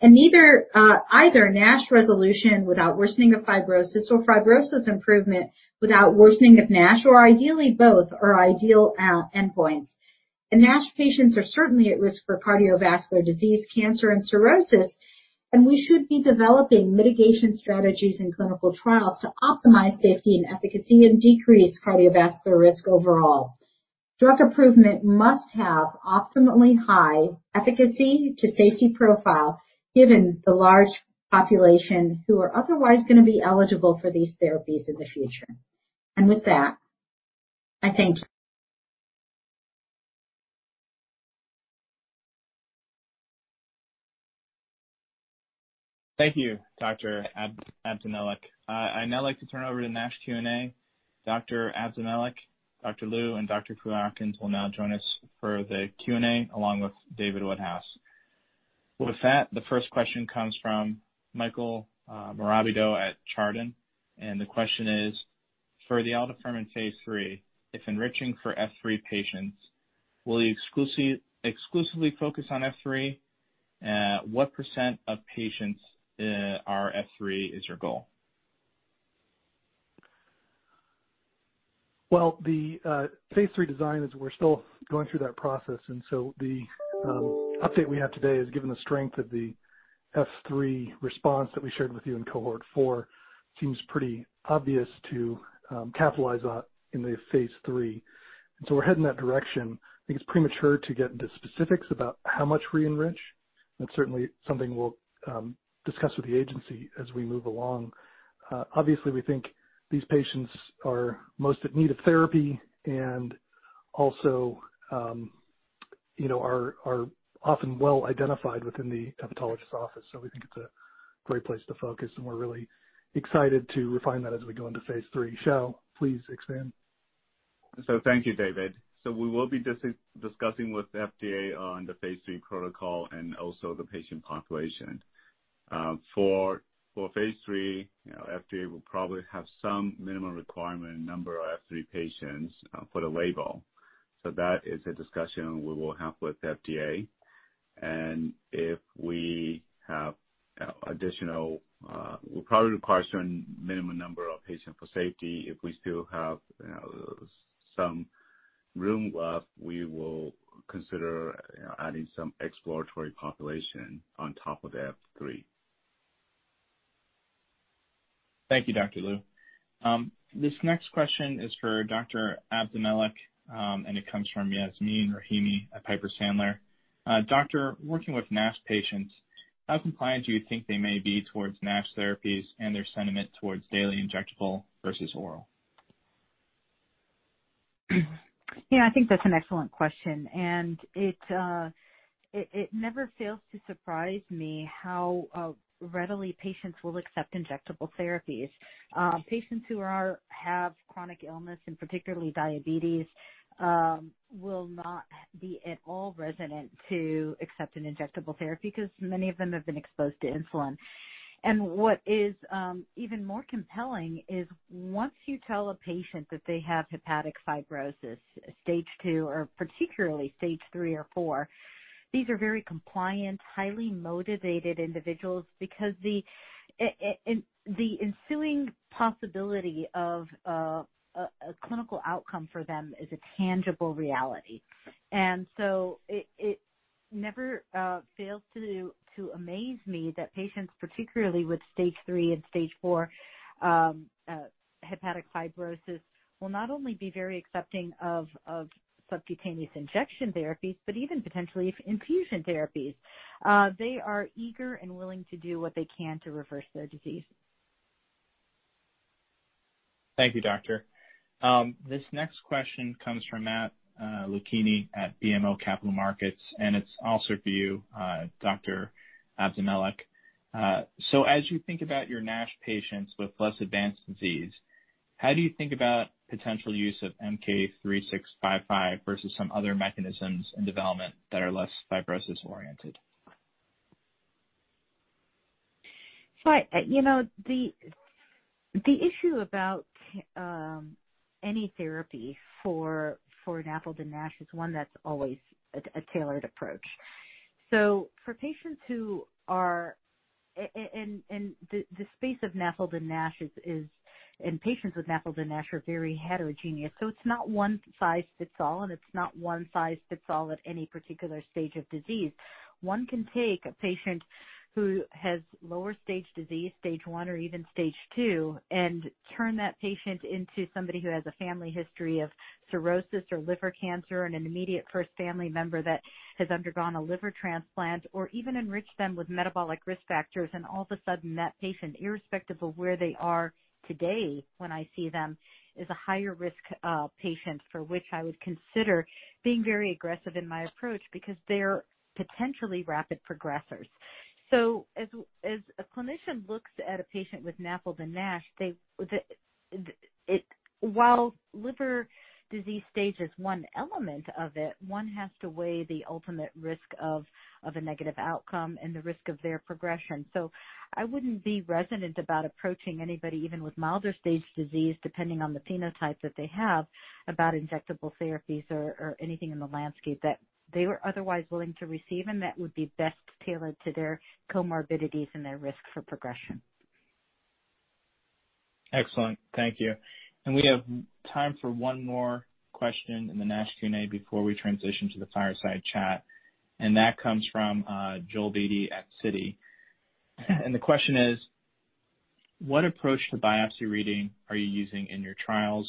and either NASH resolution without worsening of fibrosis or fibrosis improvement without worsening of NASH, or ideally both are ideal endpoints. NASH patients are certainly at risk for cardiovascular disease, cancer, and cirrhosis, and we should be developing mitigation strategies in clinical trials to optimize safety and efficacy and decrease cardiovascular risk overall. Drug improvement must have optimally high efficacy to safety profile given the large population who are otherwise going to be eligible for these therapies in the future. With that, I thank you. Thank you, Dr. Abdelmalek. I'd now like to turn over to NASH Q&A. Dr. Abdelmalek, Hsiao Lieu, and Dr. Foo-Atkins will now join us for the Q&A along with David Woodhouse. With that, the first question comes from Michael Morabito at Chardan, and the question is, for the aldafermin phase III, if enriching for F3 patients, will you exclusively focus on F3? What % of patients are F3 is your goal? Well, the phase III design is we're still going through that process. The update we have today is given the strength of the F3 response that we shared with you in cohort 4, seems pretty obvious to capitalize on in the phase III. We're heading that direction. I think it's premature to get into specifics about how much we enrich. That's certainly something we'll discuss with the agency as we move along. Obviously, we think these patients are most in need of therapy and also are often well-identified within the hepatologist office. We think it's a great place to focus, and we're really excited to refine that as we go into phase III. Hsiao, please expand. Thank you, David. We will be discussing with the FDA on the phase III protocol and also the patient population. For phase III, FDA will probably have some minimum requirement number of F3 patients for the label. That is a discussion we will have with the FDA. If we have additional, we will probably require certain minimum number of patients for safety. If we still have some room left, we will consider adding some exploratory population on top of the F3. Thank you, Hsiao Lieu. This next question is for Dr. Abdelmalek, and it comes from Yasmeen Rahimi at Piper Sandler. Doctor, working with NASH patients, how compliant do you think they may be towards NASH therapies and their sentiment towards daily injectable versus oral? Yeah, I think that's an excellent question. It never fails to surprise me how readily patients will accept injectable therapies. Patients who have chronic illness, and particularly diabetes, will not be at all resistant to accept an injectable therapy because many of them have been exposed to insulin. What is even more compelling is once you tell a patient that they have hepatic fibrosis, stage 2 or particularly stage 3 or 4, these are very compliant, highly motivated individuals because the ensuing possibility of a clinical outcome for them is a tangible reality. It never fails to amaze me that patients, particularly with stage 3 and stage 4 hepatic fibrosis, will not only be very accepting of subcutaneous injection therapies, but even potentially infusion therapies. They are eager and willing to do what they can to reverse their disease. Thank you, doctor. This next question comes from Matt Luchini at BMO Capital Markets, and it's also for you, Dr. Abdelmalek. As you think about your NASH patients with less advanced disease, how do you think about potential use of MK-3655 versus some other mechanisms in development that are less fibrosis-oriented? The issue about any therapy for NAFLD and NASH is one that's always a tailored approach. For patients who are in the space of NAFLD and NASH, and patients with NAFLD and NASH are very heterogeneous, so it's not one size fits all, and it's not one size fits all at any particular stage of disease. One can take a patient who has lower stage disease, stage 1 or even stage 2, and turn that patient into somebody who has a family history of cirrhosis or liver cancer and an immediate close family member that has undergone a liver transplant, or even enrich them with metabolic risk factors. All of a sudden, that patient, irrespective of where they are today when I see them, is a higher risk patient for which I would consider being very aggressive in my approach because they're potentially rapid progressers. As a clinician looks at a patient with NAFLD and NASH, while liver disease stage is one element of it, one has to weigh the ultimate risk of a negative outcome and the risk of their progression. I wouldn't be resonant about approaching anybody, even with milder stage disease, depending on the phenotype that they have, about injectable therapies or anything in the landscape that they were otherwise willing to receive and that would be best tailored to their comorbidities and their risk for progression. Excellent. Thank you. We have time for one more question in the NASH Q&A before we transition to the fireside chat. That comes from Joel Beatty at Citi. The question is: What approach to biopsy reading are you using in your trials?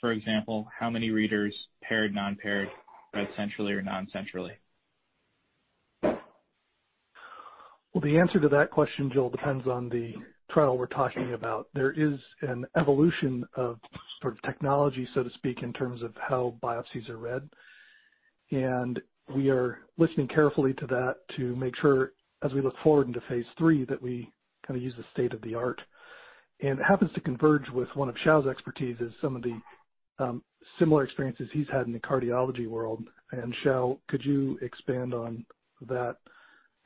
For example, how many readers, paired, non-paired, read centrally or non-centrally? The answer to that question, Joel, depends on the trial we're talking about. There is an evolution of sort of technology, so to speak, in terms of how biopsies are read, and we are listening carefully to that to make sure, as we look forward into phase III, that we kind of use the state of the art. It happens to converge with one of Hsiao's expertise as some of the similar experiences he's had in the cardiology world. Hsiao, could you expand on that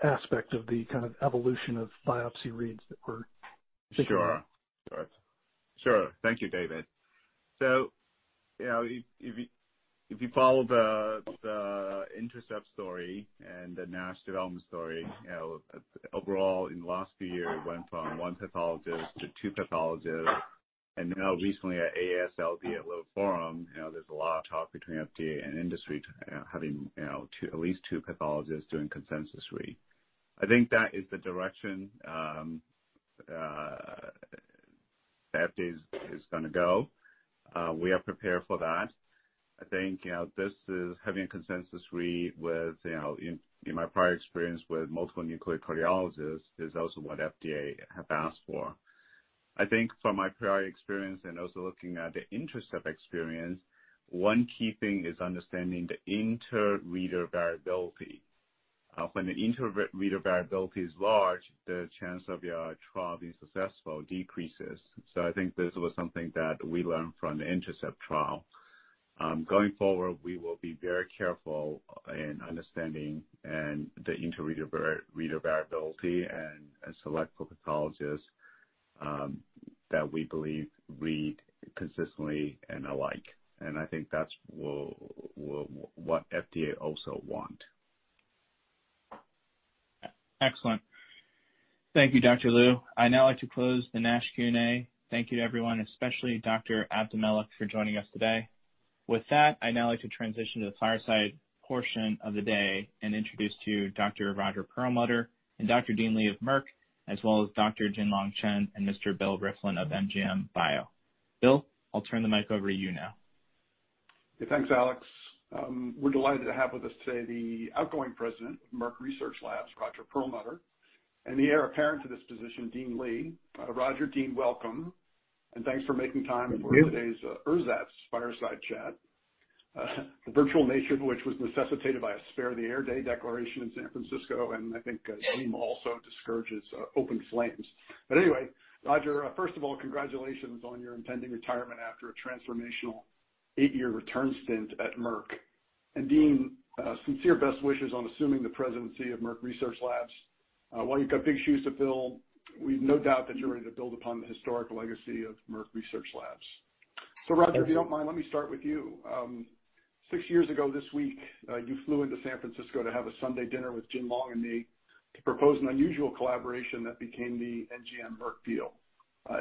aspect of the kind of evolution of biopsy reads that we're taking? Thank you, David. If you follow the Intercept story and the NASH development story, overall in the last few years, it went from one pathologist to two pathologists, and now recently at AASLD at Liver Forum, there's a lot of talk between FDA and industry to having at least two pathologists doing consensus read. I think that is the direction FDA is going to go. We are prepared for that. I think this is having a consensus read with, in my prior experience with multiple nuclear cardiologists, is also what FDA have asked for. I think from my prior experience and also looking at the in terms of experience, one key thing is understanding the inter-reader variability. When the inter-reader variability is large, the chance of your trial being successful decreases. I think this was something that we learned from the Intercept trial. Going forward, we will be very careful in understanding and the inter-reader variability and select for pathologists that we believe read consistently and alike. I think that's what FDA also want. Excellent. Thank you, Dr. Lieu. I'd now like to close the NASH Q&A. Thank you to everyone, especially Dr. Abdelmalek, for joining us today. With that, I'd now like to transition to the fireside portion of the day and introduce to you Dr. Roger Perlmutter and Dr. Dean Li of Merck, as well as Dr. Jin-Long Chen and Mr. Bill Rieflin of NGM Bio. Bill, I'll turn the mic over to you now. Thanks, Alex. We're delighted to have with us today the outgoing president of Merck Research Laboratories, Roger Perlmutter, and the heir apparent to this position, Dean Li. Roger, Dean, welcome, and thanks for making time Thank you. for today's ersatz fireside chat. A virtual nature which was necessitated by a Spare the Air Day declaration in San Francisco, I think steam also discourages open flames. Anyway, Roger, first of all, congratulations on your impending retirement after a transformational eight-year return stint at Merck. Dean, sincere best wishes on assuming the presidency of Merck Research Laboratories. While you've got big shoes to fill, we've no doubt that you're ready to build upon the historic legacy of Merck Research Laboratories. Thank you. Roger, if you don't mind, let me start with you. Six years ago this week, you flew into San Francisco to have a Sunday dinner with Jin-Long and me to propose an unusual collaboration that became the NGM Merck deal.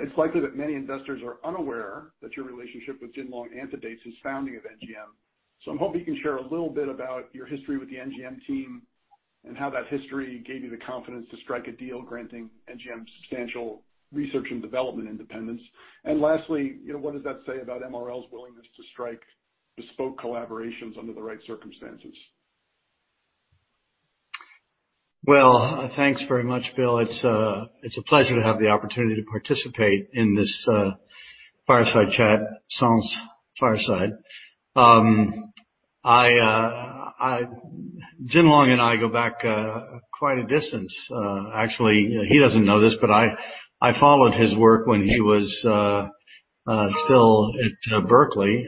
It's likely that many investors are unaware that your relationship with Jin-Long ante dates his founding of NGM. I'm hoping you can share a little bit about your history with the NGM team and how that history gave you the confidence to strike a deal granting NGM substantial research and development independence. Lastly, what does that say about MRL's willingness to strike bespoke collaborations under the right circumstances? Well, thanks very much, Bill. It's a pleasure to have the opportunity to participate in this fireside chat, sans fireside. Jin-Long and I go back quite a distance. Actually, he doesn't know this, but I followed his work when he was still at Berkeley,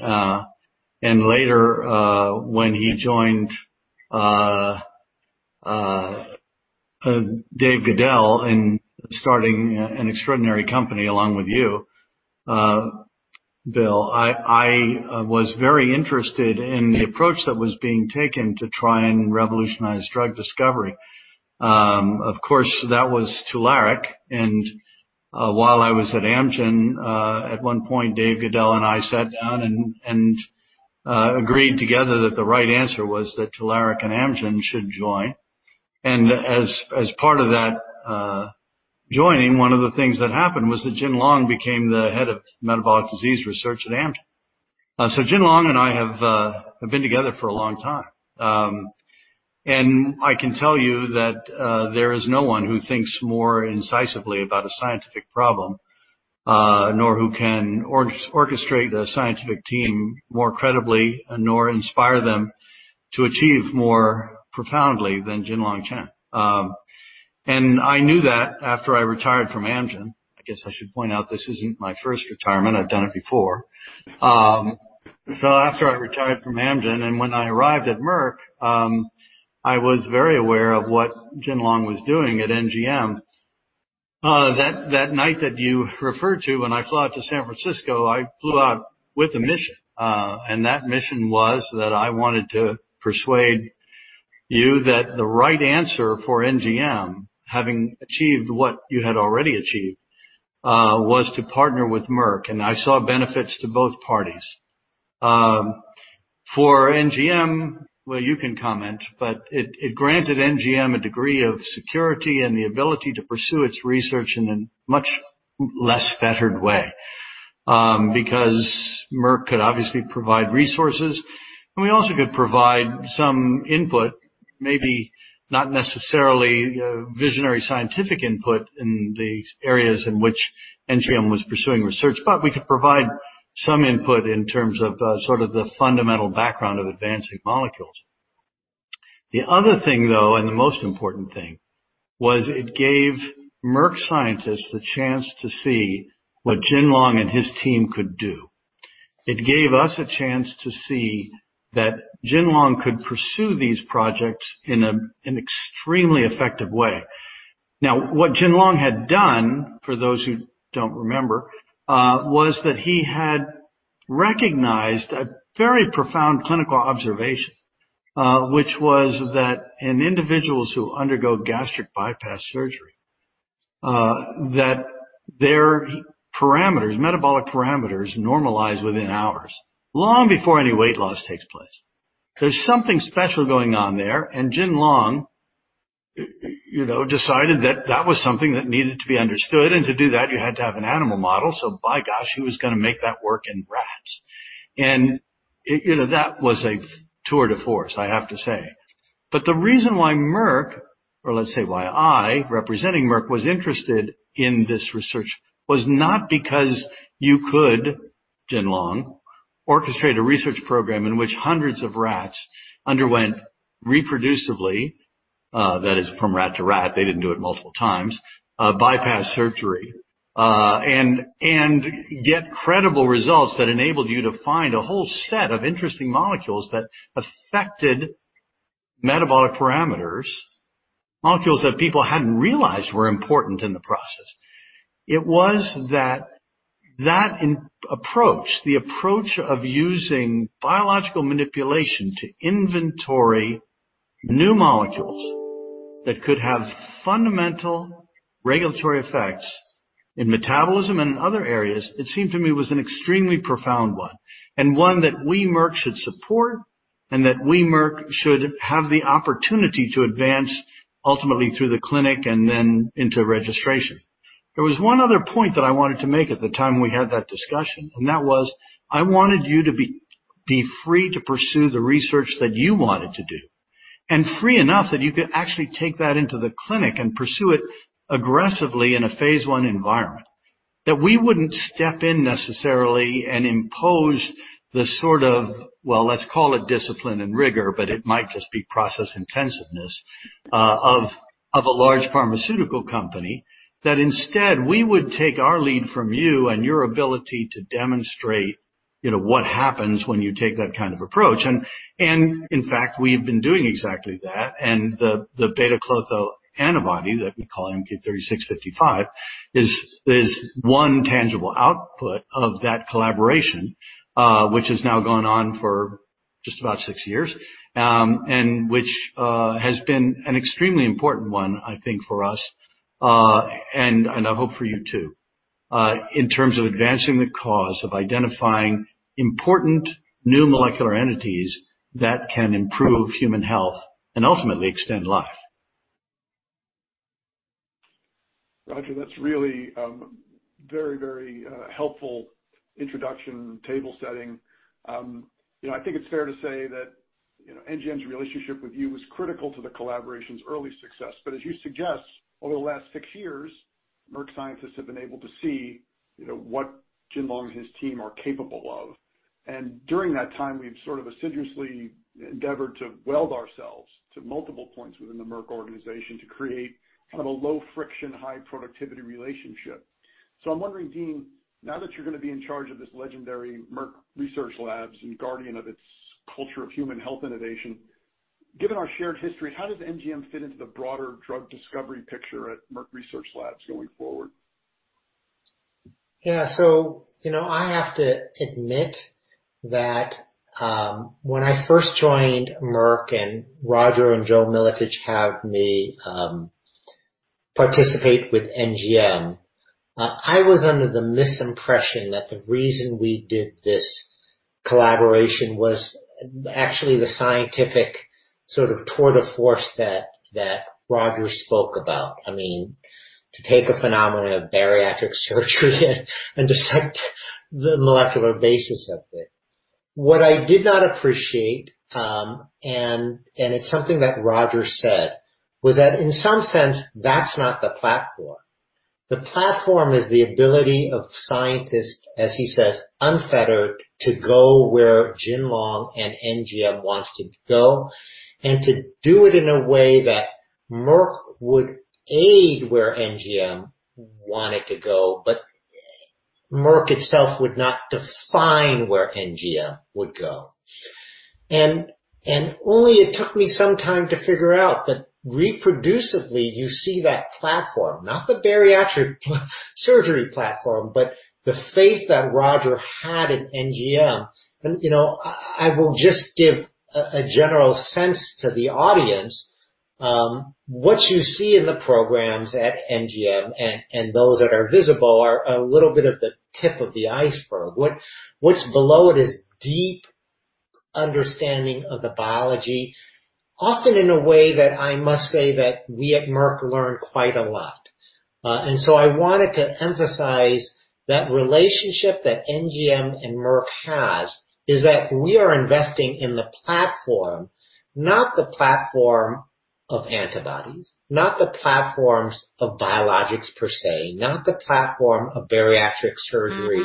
and later, when he joined Dave Goeddel in starting an extraordinary company along with you, Bill. I was very interested in the approach that was being taken to try and revolutionize drug discovery. Of course, that was Tularik. While I was at Amgen, at one point Dave Goeddel and I sat down and agreed together that the right answer was that Tularik and Amgen should join. As part of that joining, one of the things that happened was that Jin-Long became the head of metabolic disease research at Amgen. Jin-Long and I have been together for a long time. I can tell you that there is no one who thinks more incisively about a scientific problem, nor who can orchestrate a scientific team more credibly, nor inspire them to achieve more profoundly than Jin-Long Chen. I knew that after I retired from Amgen. I guess I should point out this isn't my first retirement. I've done it before. After I retired from Amgen and when I arrived at Merck, I was very aware of what Jin-Long was doing at NGM. That night that you referred to when I flew out to San Francisco, I flew out with a mission. That mission was that I wanted to persuade you that the right answer for NGM, having achieved what you had already achieved, was to partner with Merck, and I saw benefits to both parties. For NGM, well, you can comment, but it granted NGM a degree of security and the ability to pursue its research in a much less fettered way, because Merck could obviously provide resources, and we also could provide some input, maybe not necessarily visionary scientific input in the areas in which NGM was pursuing research, but we could provide some input in terms of sort of the fundamental background of advancing molecules. The other thing, though, and the most important thing, was it gave Merck scientists the chance to see what Jin-Long and his team could do. It gave us a chance to see that Jin-Long could pursue these projects in an extremely effective way. What Jin-Long had done, for those who don't remember, was that he had recognized a very profound clinical observation, which was that in individuals who undergo gastric bypass surgery, that their parameters, metabolic parameters, normalize within hours, long before any weight loss takes place. There's something special going on there, and Jin-Long decided that that was something that needed to be understood, and to do that, you had to have an animal model, so by gosh, he was going to make that work in rats. That was a tour de force, I have to say. The reason why Merck, or let's say why I, representing Merck, was interested in this research was not because you could, Jin-Long, orchestrate a research program in which hundreds of rats underwent reproducibly, that is from rat to rat, they didn't do it multiple times, bypass surgery, and get credible results that enabled you to find a whole set of interesting molecules that affected metabolic parameters, molecules that people hadn't realized were important in the process. It was that that approach, the approach of using biological manipulation to inventory new molecules that could have fundamental regulatory effects in metabolism and other areas, it seemed to me was an extremely profound one, and one that we, Merck, should support and that we, Merck, should have the opportunity to advance ultimately through the clinic and then into registration. There was one other point that I wanted to make at the time we had that discussion. That was, I wanted you to be free to pursue the research that you wanted to do, and free enough that you could actually take that into the clinic and pursue it aggressively in a phase I environment. We wouldn't step in necessarily and impose the sort of, well, let's call it discipline and rigor, but it might just be process intensiveness of a large pharmaceutical company. Instead, we would take our lead from you and your ability to demonstrate what happens when you take that kind of approach. In fact, we've been doing exactly that, and the β-Klotho antibody that we call MK-3655 is one tangible output of that collaboration, which has now gone on for just about six years, and which has been an extremely important one, I think, for us, and I hope for you, too, in terms of advancing the cause of identifying important new molecular entities that can improve human health and ultimately extend life. Roger, that's really a very helpful introduction and table setting. I think it's fair to say that NGM's relationship with you was critical to the collaboration's early success. As you suggest, over the last six years, Merck scientists have been able to see what Jin-Long and his team are capable of. During that time, we've sort of assiduously endeavored to weld ourselves to multiple points within the Merck organization to create kind of a low friction, high productivity relationship. I'm wondering, Dean, now that you're going to be in charge of this legendary Merck Research Laboratories and guardian of its culture of human health innovation, given our shared history, how does NGM fit into the broader drug discovery picture at Merck Research Laboratories going forward? I have to admit that when I first joined Merck and Roger and Joseph Miletich have me participate with NGM, I was under the misimpression that the reason we did this collaboration was actually the scientific sort of tour de force that Roger spoke about. To take a phenomenon of bariatric surgery and dissect the molecular basis of it. What I did not appreciate, and it's something that Roger said, was that in some sense, that's not the platform. The platform is the ability of scientists, as he says, unfettered, to go where Jin-Long and NGM wants to go, and to do it in a way that Merck would aid where NGM wanted to go, but Merck itself would not define where NGM would go. Only it took me some time to figure out that reproducibly, you see that platform, not the bariatric surgery platform, but the faith that Roger had in NGM. I will just give a general sense to the audience. What you see in the programs at NGM, and those that are visible, are a little bit of the tip of the iceberg. What's below it is deep understanding of the biology, often in a way that I must say that we at Merck learn quite a lot. I wanted to emphasize that relationship that NGM and Merck has is that we are investing in the platform, not the platform of antibodies, not the platforms of biologics per se, not the platform of bariatric surgery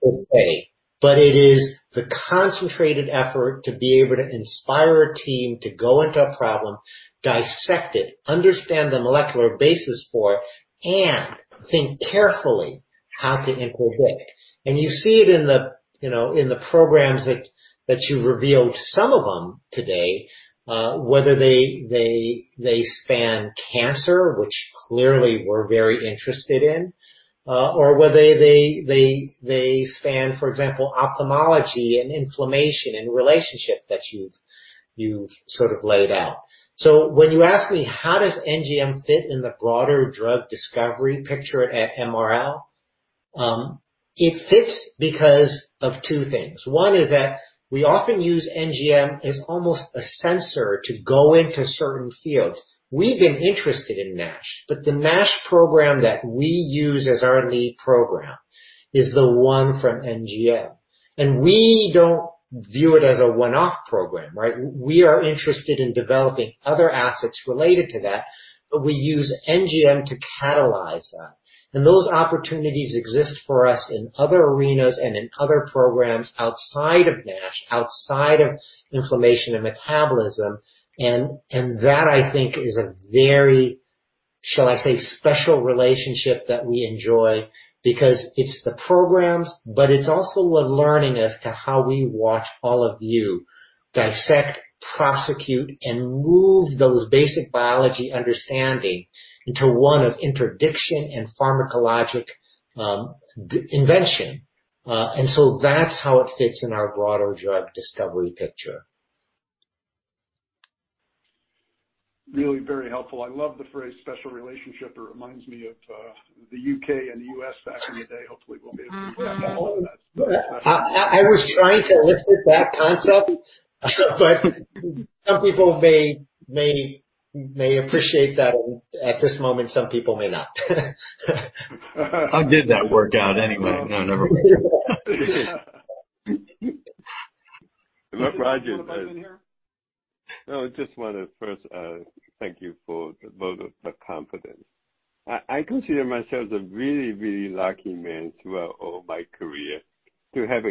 per se, but it is the concentrated effort to be able to inspire a team to go into a problem, dissect it, understand the molecular basis for it, and think carefully how to interdict. You see it in the programs that you've revealed some of them today, whether they span cancer, which clearly we're very interested in, or whether they span, for example, ophthalmology and inflammation and relationships that you've sort of laid out. When you ask me how does NGM fit in the broader drug discovery picture at MRL, it fits because of two things. One is that we often use NGM as almost a sensor to go into certain fields. We've been interested in NASH, but the NASH program that we use as our lead program is the one from NGM. We don't view it as a one-off program, right? We are interested in developing other assets related to that, but we use NGM to catalyze that. Those opportunities exist for us in other arenas and in other programs outside of NASH, outside of inflammation and metabolism, and that I think is a very, shall I say, special relationship that we enjoy because it's the programs, but it's also the learning as to how we watch all of you dissect, prosecute, and move those basic biology understanding into one of interdiction and pharmacologic invention. That's how it fits in our broader drug discovery picture. Really very helpful. I love the phrase special relationship. It reminds me of the U.K. and the U.S. back in the day. Hopefully we'll be able to that. I was trying to elicit that concept, but some people may appreciate that at this moment, some people may not. How did that work out anyway? No, never mind. Roger You want to chime in here? No, I just want to first thank you for the vote of confidence. I consider myself a really lucky man throughout all my career to have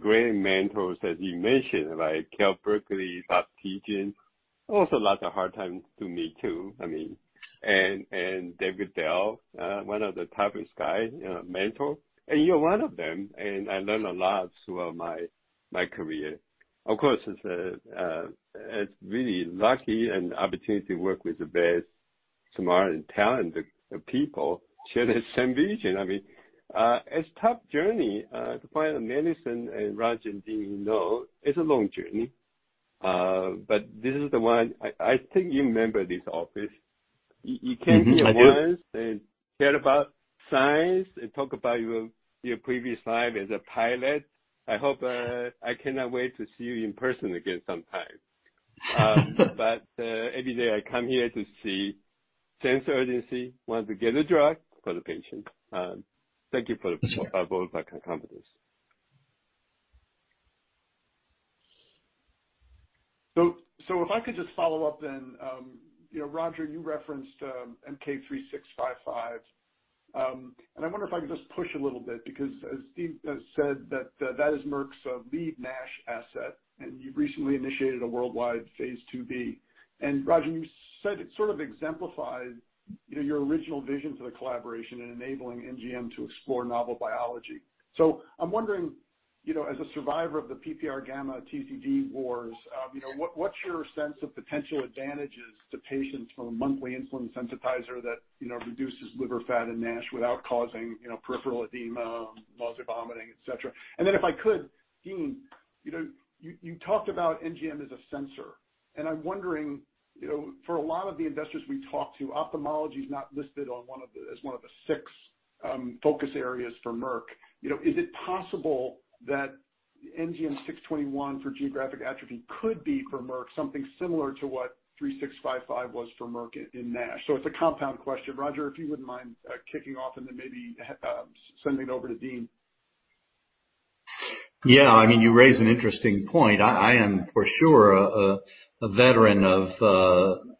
great mentors, as you mentioned, like Cal Berkeley, Robert Tjian. Also lots of hard times to me, too. David Goeddel, one of the toughest guys, mentor. You're one of them, and I learned a lot throughout my career. Of course, it's really lucky and opportunity to work with the best, smartest, and talented people share the same vision. It's tough journey to find a medicine. Roger and Dean know it's a long journey. This is the one. I think you remember this office. You came here once. I do. Cared about science, and talk about your previous life as a pilot. I cannot wait to see you in person again sometime. Every day I come here to see sense of urgency, want to get a drug for the patient. Thank you for the vote of confidence. If I could just follow up then. Roger, you referenced MK-3655. I wonder if I could just push a little bit, because as Dean has said that is Merck's lead NASH asset, and you've recently initiated a worldwide phase II-B. Roger, you said it sort of exemplifies your original vision for the collaboration in enabling NGM to explore novel biology. I'm wondering, as a survivor of the PPAR-γ TZD wars, what's your sense of potential advantages to patients from a monthly insulin sensitizer that reduces liver fat and NASH without causing peripheral edema, nausea, vomiting, et cetera. If I could, Dean, you talked about NGM as a sensor. I'm wondering, for a lot of the investors we talk to, ophthalmology is not listed as one of the six focus areas for Merck. Is it possible that NGM621 for geographic atrophy could be for Merck, something similar to what 3655 was for Merck in NASH? It's a compound question. Roger, if you wouldn't mind kicking off and then maybe sending over to Dean. Yeah, you raise an interesting point. I am, for sure, a veteran of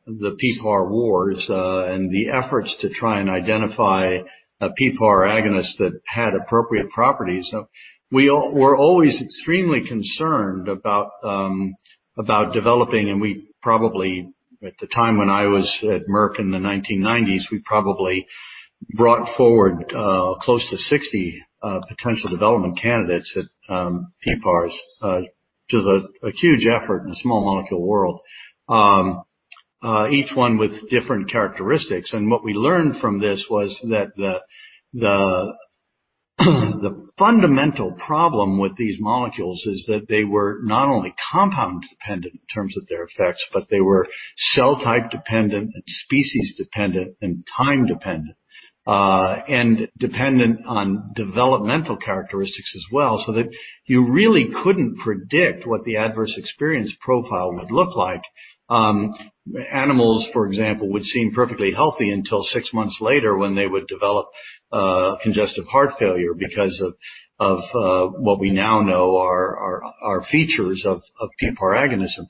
the PPAR wars, and the efforts to try and identify a PPAR agonist that had appropriate properties. We were always extremely concerned about developing, and at the time when I was at Merck in the 1990s, we probably brought forward close to 60 potential development candidates at PPARs, which is a huge effort in a small molecule world. Each one with different characteristics. What we learned from this was that the fundamental problem with these molecules is that they were not only compound dependent in terms of their effects, but they were cell type dependent and species dependent and time dependent. Dependent on developmental characteristics as well, so that you really couldn't predict what the adverse experience profile would look like. Animals, for example, would seem perfectly healthy until six months later when they would develop congestive heart failure because of what we now know are features of PPAR agonism.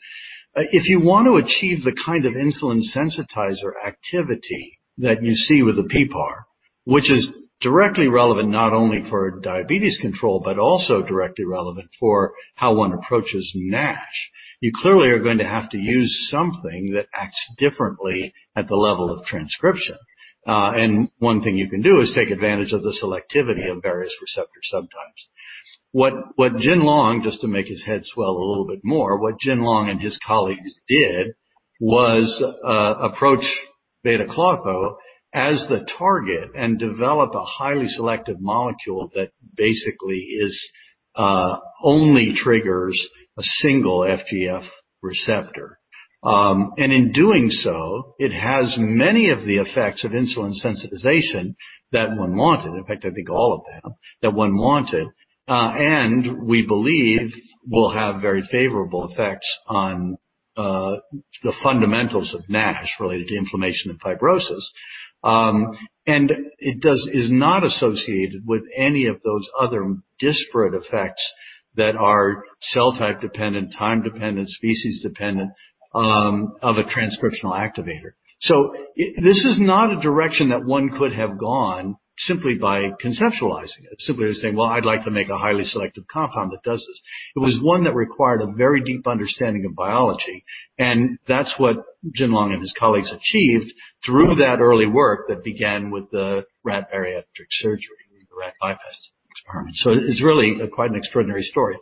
If you want to achieve the kind of insulin sensitizer activity that you see with a PPAR, which is directly relevant not only for diabetes control, but also directly relevant for how one approaches NASH, you clearly are going to have to use something that acts differently at the level of transcription. One thing you can do is take advantage of the selectivity of various receptor subtypes. What Jin-Long, just to make his head swell a little bit more, what Jin-Long and his colleagues did was approach β-Klotho as the target and develop a highly selective molecule that basically only triggers a single FGF receptor. In doing so, it has many of the effects of insulin sensitization that one wanted. In fact, I think all of them that one wanted. We believe will have very favorable effects on the fundamentals of NASH related to inflammation and fibrosis. It is not associated with any of those other disparate effects that are cell type dependent, time dependent, species dependent, of a transcriptional activator. This is not a direction that one could have gone simply by conceptualizing it, simply by saying, "Well, I'd like to make a highly selective compound that does this." It was one that required a very deep understanding of biology, and that's what Jin-Long and his colleagues achieved through that early work that began with the rat bariatric surgery, the rat bypass experiment. It's really quite an extraordinary story.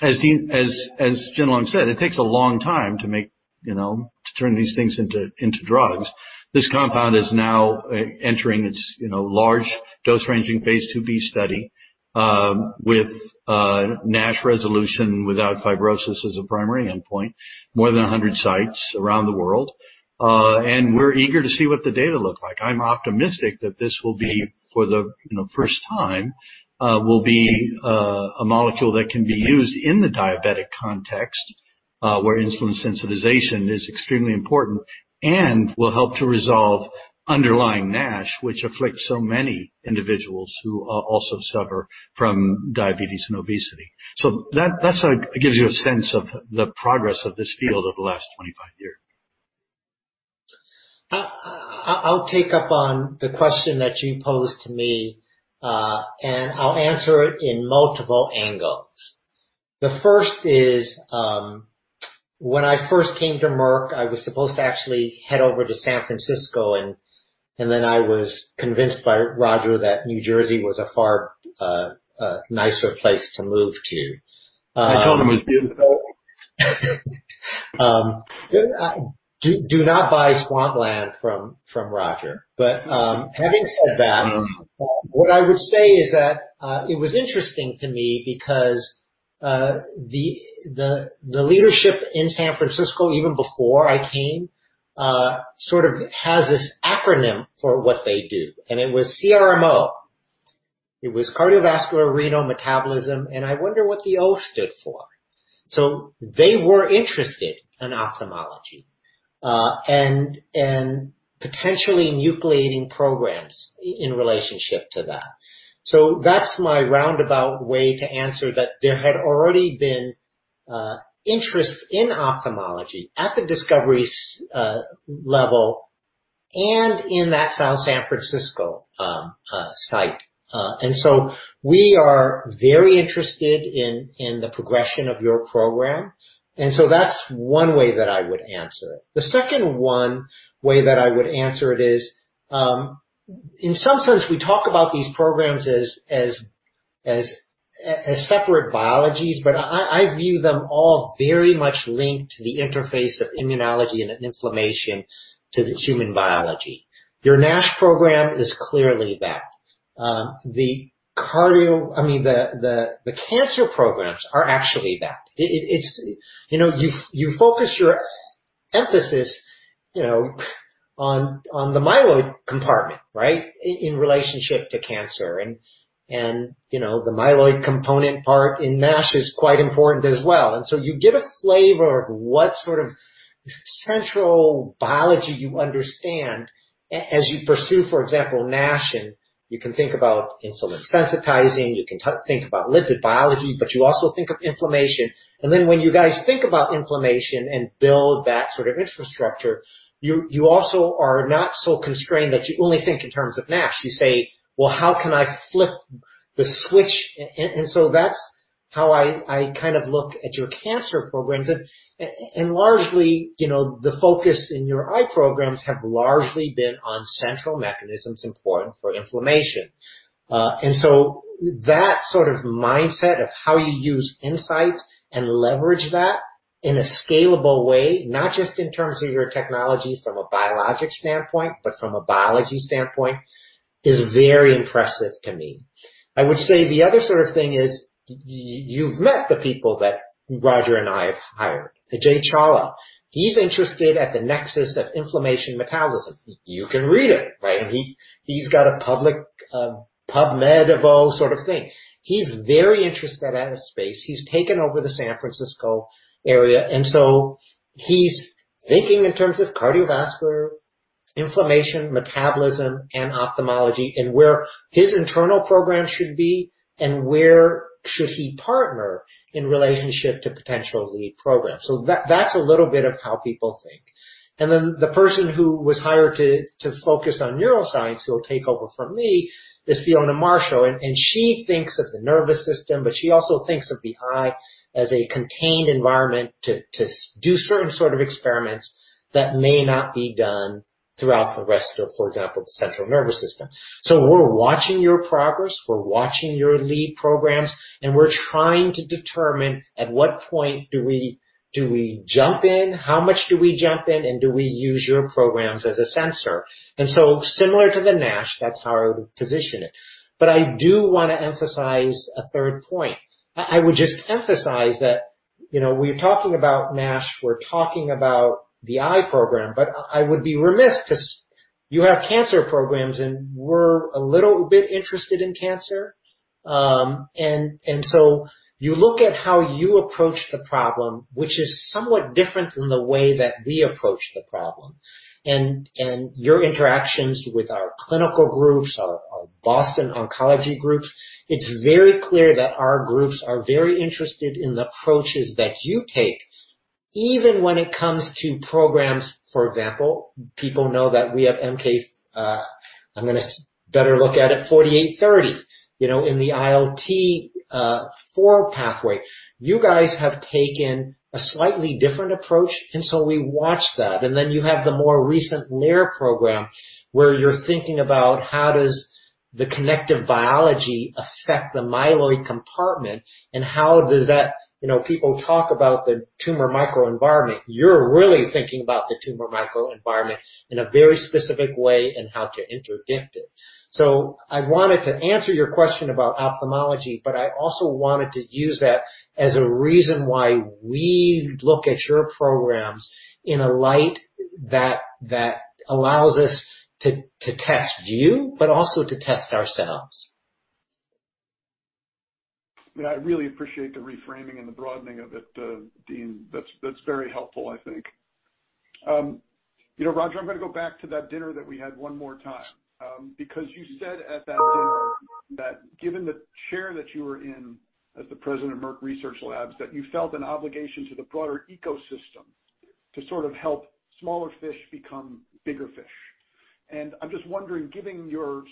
As Jin-Long said, it takes a long time to turn these things into drugs. This compound is now entering its large dose-ranging phase IIb study, with NASH resolution without fibrosis as a primary endpoint. More than 100 sites around the world. We're eager to see what the data look like. I'm optimistic that this, for the first time, will be a molecule that can be used in the diabetic context, where insulin sensitization is extremely important, and will help to resolve underlying NASH, which afflicts so many individuals who also suffer from diabetes and obesity. That gives you a sense of the progress of this field over the last 25 years. I'll take up on the question that you posed to me, and I'll answer it in multiple angles. The first is, when I first came to Merck, I was supposed to actually head over to San Francisco, and then I was convinced by Roger that New Jersey was a far nicer place to move to. I told him it was beautiful. Do not buy swamp land from Roger. Having said that, what I would say is that it was interesting to me because the leadership in San Francisco, even before I came, sort of has this acronym for what they do, and it was CRMO. It was cardiovascular, renal, metabolism, and I wonder what the O stood for. They were interested in ophthalmology, and potentially nucleating programs in relationship to that. That's my roundabout way to answer that there had already been interest in ophthalmology at the discovery level and in that South San Francisco site. We are very interested in the progression of your program. That's one way that I would answer it. The second one, way that I would answer it is, in some sense, we talk about these programs as separate biologies, but I view them all very much linked to the interface of immunology and inflammation to the human biology. Your NASH program is clearly that. The cancer programs are actually that. You focus your emphasis on the myeloid compartment, right, in relationship to cancer, and the myeloid component part in NASH is quite important as well. You get a flavor of what sort of central biology you understand as you pursue, for example, NASH, and you can think about insulin sensitizing, you can think about lipid biology, but you also think of inflammation. When you guys think about inflammation and build that sort of infrastructure, you also are not so constrained that you only think in terms of NASH. You say, "Well, how can I flip the switch?" That's how I kind of look at your cancer programs. Largely, the focus in your eye programs have largely been on central mechanisms important for inflammation. That sort of mindset of how you use insights and leverage that in a scalable way, not just in terms of your technology from a biologic standpoint, but from a biology standpoint, is very impressive to me. I would say the other sort of thing is, you've met the people that Roger and I have hired. Ajay Chawla, he's interested at the nexus of inflammation metabolism. You can read it, right? He's got a PubMed Evo sort of thing. He's very interested in that space. He's taken over the San Francisco area, and so he's thinking in terms of cardiovascular inflammation, metabolism, and ophthalmology, and where his internal program should be, and where should he partner in relationship to potential lead programs. That's a little bit of how people think. The person who was hired to focus on neuroscience, who will take over from me, is Fiona Marshall. She thinks of the nervous system, but she also thinks of the eye as a contained environment to do certain sort of experiments that may not be done throughout the rest of, for example, the central nervous system. We're watching your progress, we're watching your lead programs, and we're trying to determine at what point do we jump in, how much do we jump in, and do we use your programs as a sensor? Similar to the NASH, that's how I would position it. I do want to emphasize a third point. I would just emphasize that we're talking about NASH, we're talking about the eye program, but I would be remiss because you have cancer programs, and we're a little bit interested in cancer. You look at how you approach the problem, which is somewhat different than the way that we approach the problem. Your interactions with our clinical groups, our Boston oncology groups, it's very clear that our groups are very interested in the approaches that you take, even when it comes to programs. For example, people know that we have MK-4830. In the ILT4 pathway, you guys have taken a slightly different approach, and so we watch that. You have the more recent LAIR1 program, where you're thinking about how does the connective biology affect the myeloid compartment. People talk about the tumor microenvironment. You're really thinking about the tumor microenvironment in a very specific way and how to interdict it. I wanted to answer your question about ophthalmology, but I also wanted to use that as a reason why we look at your programs in a light that allows us to test you, but also to test ourselves. I really appreciate the reframing and the broadening of it, Dean. That's very helpful, I think. Roger, I'm going to go back to that dinner that we had one more time, because you said at that dinner that given the chair that you were in as the President of Merck Research Laboratories, that you felt an obligation to the broader ecosystem to sort of help smaller fish become bigger fish. I'm just wondering, given your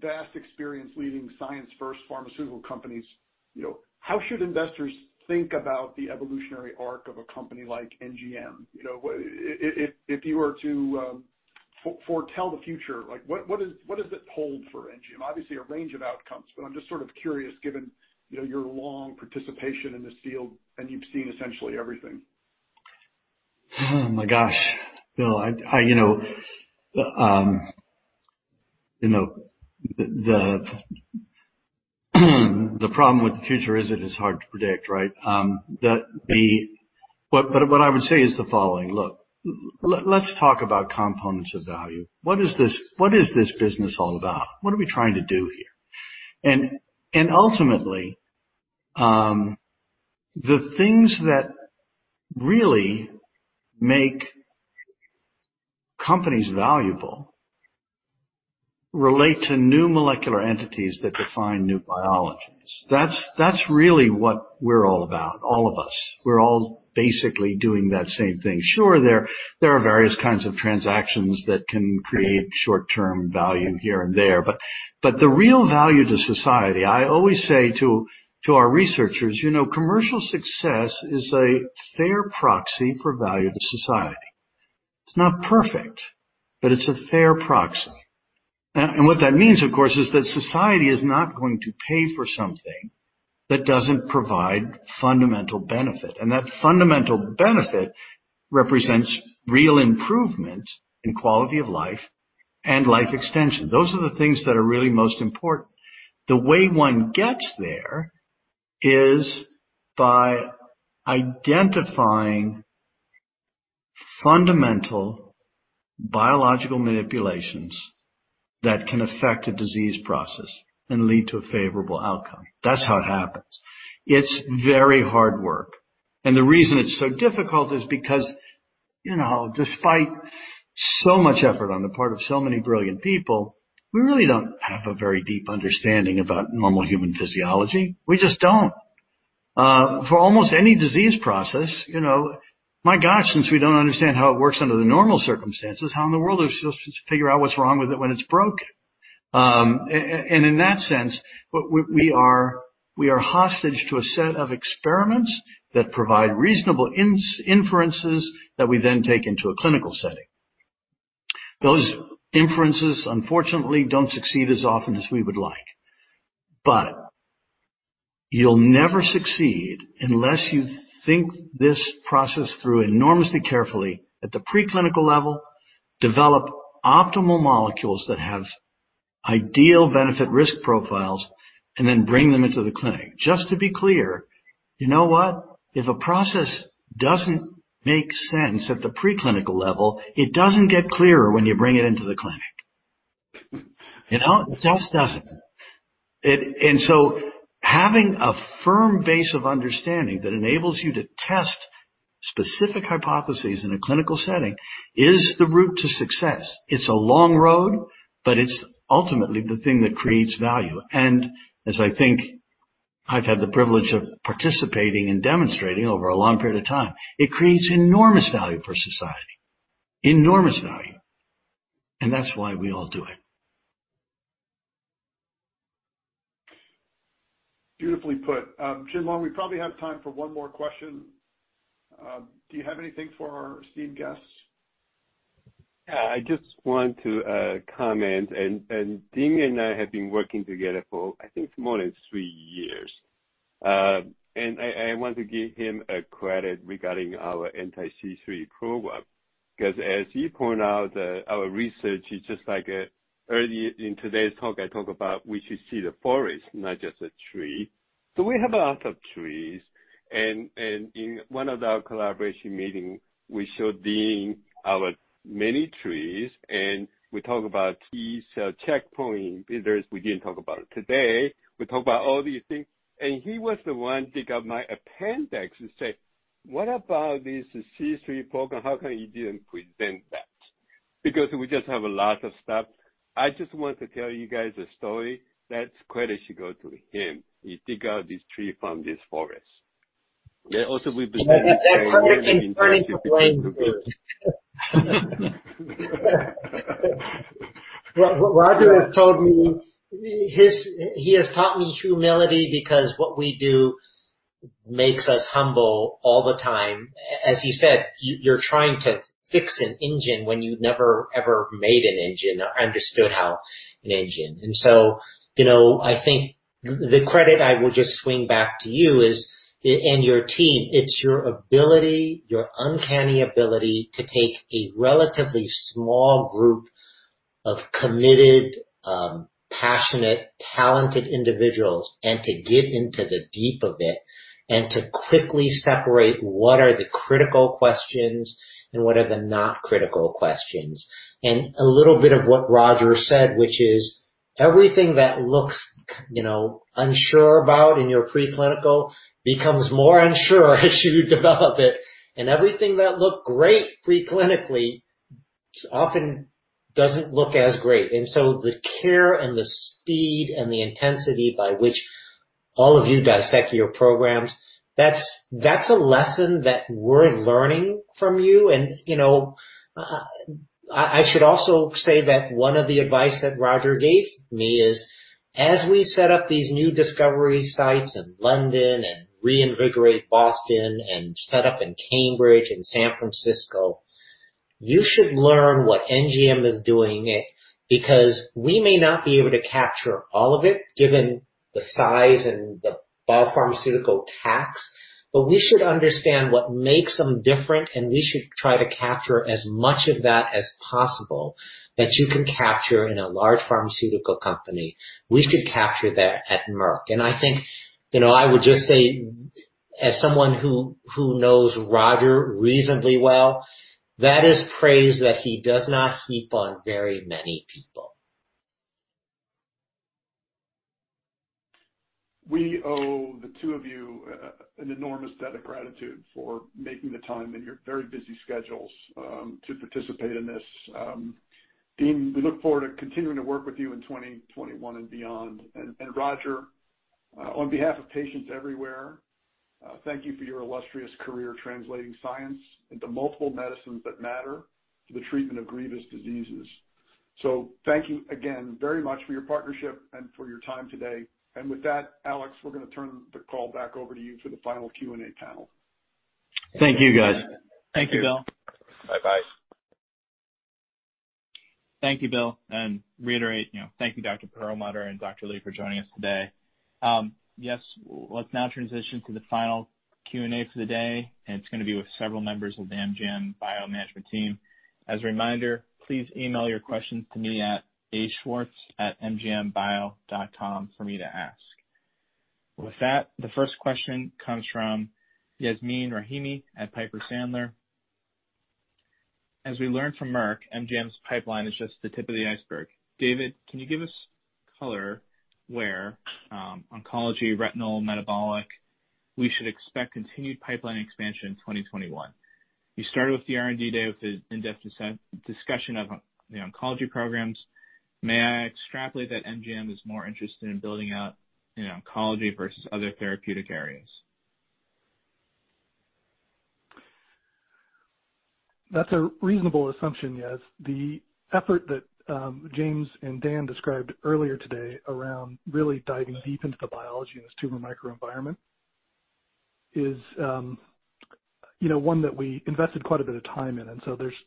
vast experience leading science-first pharmaceutical companies, how should investors think about the evolutionary arc of a company like NGM? If you were to foretell the future, what does it hold for NGM? Obviously, a range of outcomes, but I'm just sort of curious, given your long participation in this field, and you've seen essentially everything. Oh my gosh, Bill. The problem with the future is it is hard to predict, right? What I would say is the following. Look, let's talk about components of value. What is this business all about? What are we trying to do here? Ultimately, the things that really make companies valuable relate to new molecular entities that define new biologies. That's really what we're all about, all of us. We're all basically doing that same thing. Sure, there are various kinds of transactions that can create short-term value here and there, but the real value to society, I always say to our researchers, commercial success is a fair proxy for value to society. It's not perfect, but it's a fair proxy. What that means, of course, is that society is not going to pay for something that doesn't provide fundamental benefit. That fundamental benefit represents real improvement in quality of life and life extension. Those are the things that are really most important. The way one gets there is by identifying fundamental biological manipulations that can affect a disease process and lead to a favorable outcome. That's how it happens. It's very hard work. The reason it's so difficult is because, despite so much effort on the part of so many brilliant people, we really don't have a very deep understanding about normal human physiology. We just don't. For almost any disease process, my gosh, since we don't understand how it works under the normal circumstances, how in the world are we supposed to figure out what's wrong with it when it's broken? In that sense, we are hostage to a set of experiments that provide reasonable inferences that we then take into a clinical setting. Those inferences, unfortunately, don't succeed as often as we would like. You'll never succeed unless you think this process through enormously carefully at the preclinical level, develop optimal molecules that have ideal benefit-risk profiles, then bring them into the clinic. Just to be clear, you know what? If a process doesn't make sense at the preclinical level, it doesn't get clearer when you bring it into the clinic. It just doesn't. Having a firm base of understanding that enables you to test specific hypotheses in a clinical setting is the route to success. It's a long road, but it's ultimately the thing that creates value, and as I think I've had the privilege of participating and demonstrating over a long period of time, it creates enormous value for society. Enormous value. That's why we all do it. Beautifully put. Jin-Long Chen, we probably have time for one more question. Do you have anything for our esteemed guests? I just want to comment, Dean and I have been working together for, I think, more than three years. I want to give him a credit regarding our anti-C3 program, because as you point out, our research is just like earlier in today's talk, I talk about we should see the forest, not just a tree. We have a lot of trees, and in one of our collaboration meetings, we showed Dean our many trees, and we talk about T cell checkpoint inhibitors. We didn't talk about it today. We talk about all these things, and he was the one dig up my appendix and say, "What about this C3 program?" How come you didn't present that? We just have a lot of stuff. I just want to tell you guys a story. That credit should go to him. He dig out this tree from this forest. Yeah. Also, we believe. That's perfect and perfect blame too. Roger has told me, he has taught me humility because what we do makes us humble all the time. As he said, you're trying to fix an engine when you've never ever made an engine or understood how an engine. I think the credit I will just swing back to you and your team. It's your ability, your uncanny ability to take a relatively small group of committed, passionate, talented individuals and to get into the deep of it and to quickly separate what are the critical questions and what are the not critical questions. A little bit of what Roger said, which is everything that looks unsure about in your preclinical becomes more unsure as you develop it. Everything that looked great preclinically often doesn't look as great. The care and the speed and the intensity by which all of you dissect your programs, that's a lesson that we're learning from you. I should also say that one of the advice that Roger gave me is, as we set up these new discovery sites in London and reinvigorate Boston and set up in Cambridge and San Francisco, you should learn what NGM is doing because we may not be able to capture all of it, given the size and the biopharmaceutical tax, but we should understand what makes them different, and we should try to capture as much of that as possible that you can capture in a large pharmaceutical company. We should capture that at Merck. I think, I would just say, as someone who knows Roger reasonably well, that is praise that he does not heap on very many people. We owe the two of you an enormous debt of gratitude for making the time in your very busy schedules, to participate in this. Dean, we look forward to continuing to work with you in 2021 and beyond. Roger, on behalf of patients everywhere, thank you for your illustrious career translating science into multiple medicines that matter to the treatment of grievous diseases. Thank you again very much for your partnership and for your time today. With that, Alex, we're going to turn the call back over to you for the final Q&A panel. Thank you, guys. Thank you, Bill. Bye bye. Thank you, Bill. Reiterate, thank you, Dr. Perlmutter and Dr. Lieu for joining us today. Yes. Let's now transition to the final Q&A for the day, and it's going to be with several members of the NGM Bio management team. As a reminder, please email your questions to me at aschwartz@ngmbio.com for me to ask. With that, the first question comes from Yasmeen Rahimi at Piper Sandler. As we learned from Merck, NGM's pipeline is just the tip of the iceberg. David, can you give us color where, oncology, retinal, metabolic, we should expect continued pipeline expansion in 2021? You started with the R&D day with an in-depth discussion of the oncology programs. May I extrapolate that NGM is more interested in building out in oncology versus other therapeutic areas? That's a reasonable assumption, Yas. The effort that James Sissons and Dan Kaplan described earlier today around really diving deep into the biology and this tumor microenvironment is one that we invested quite a bit of time in.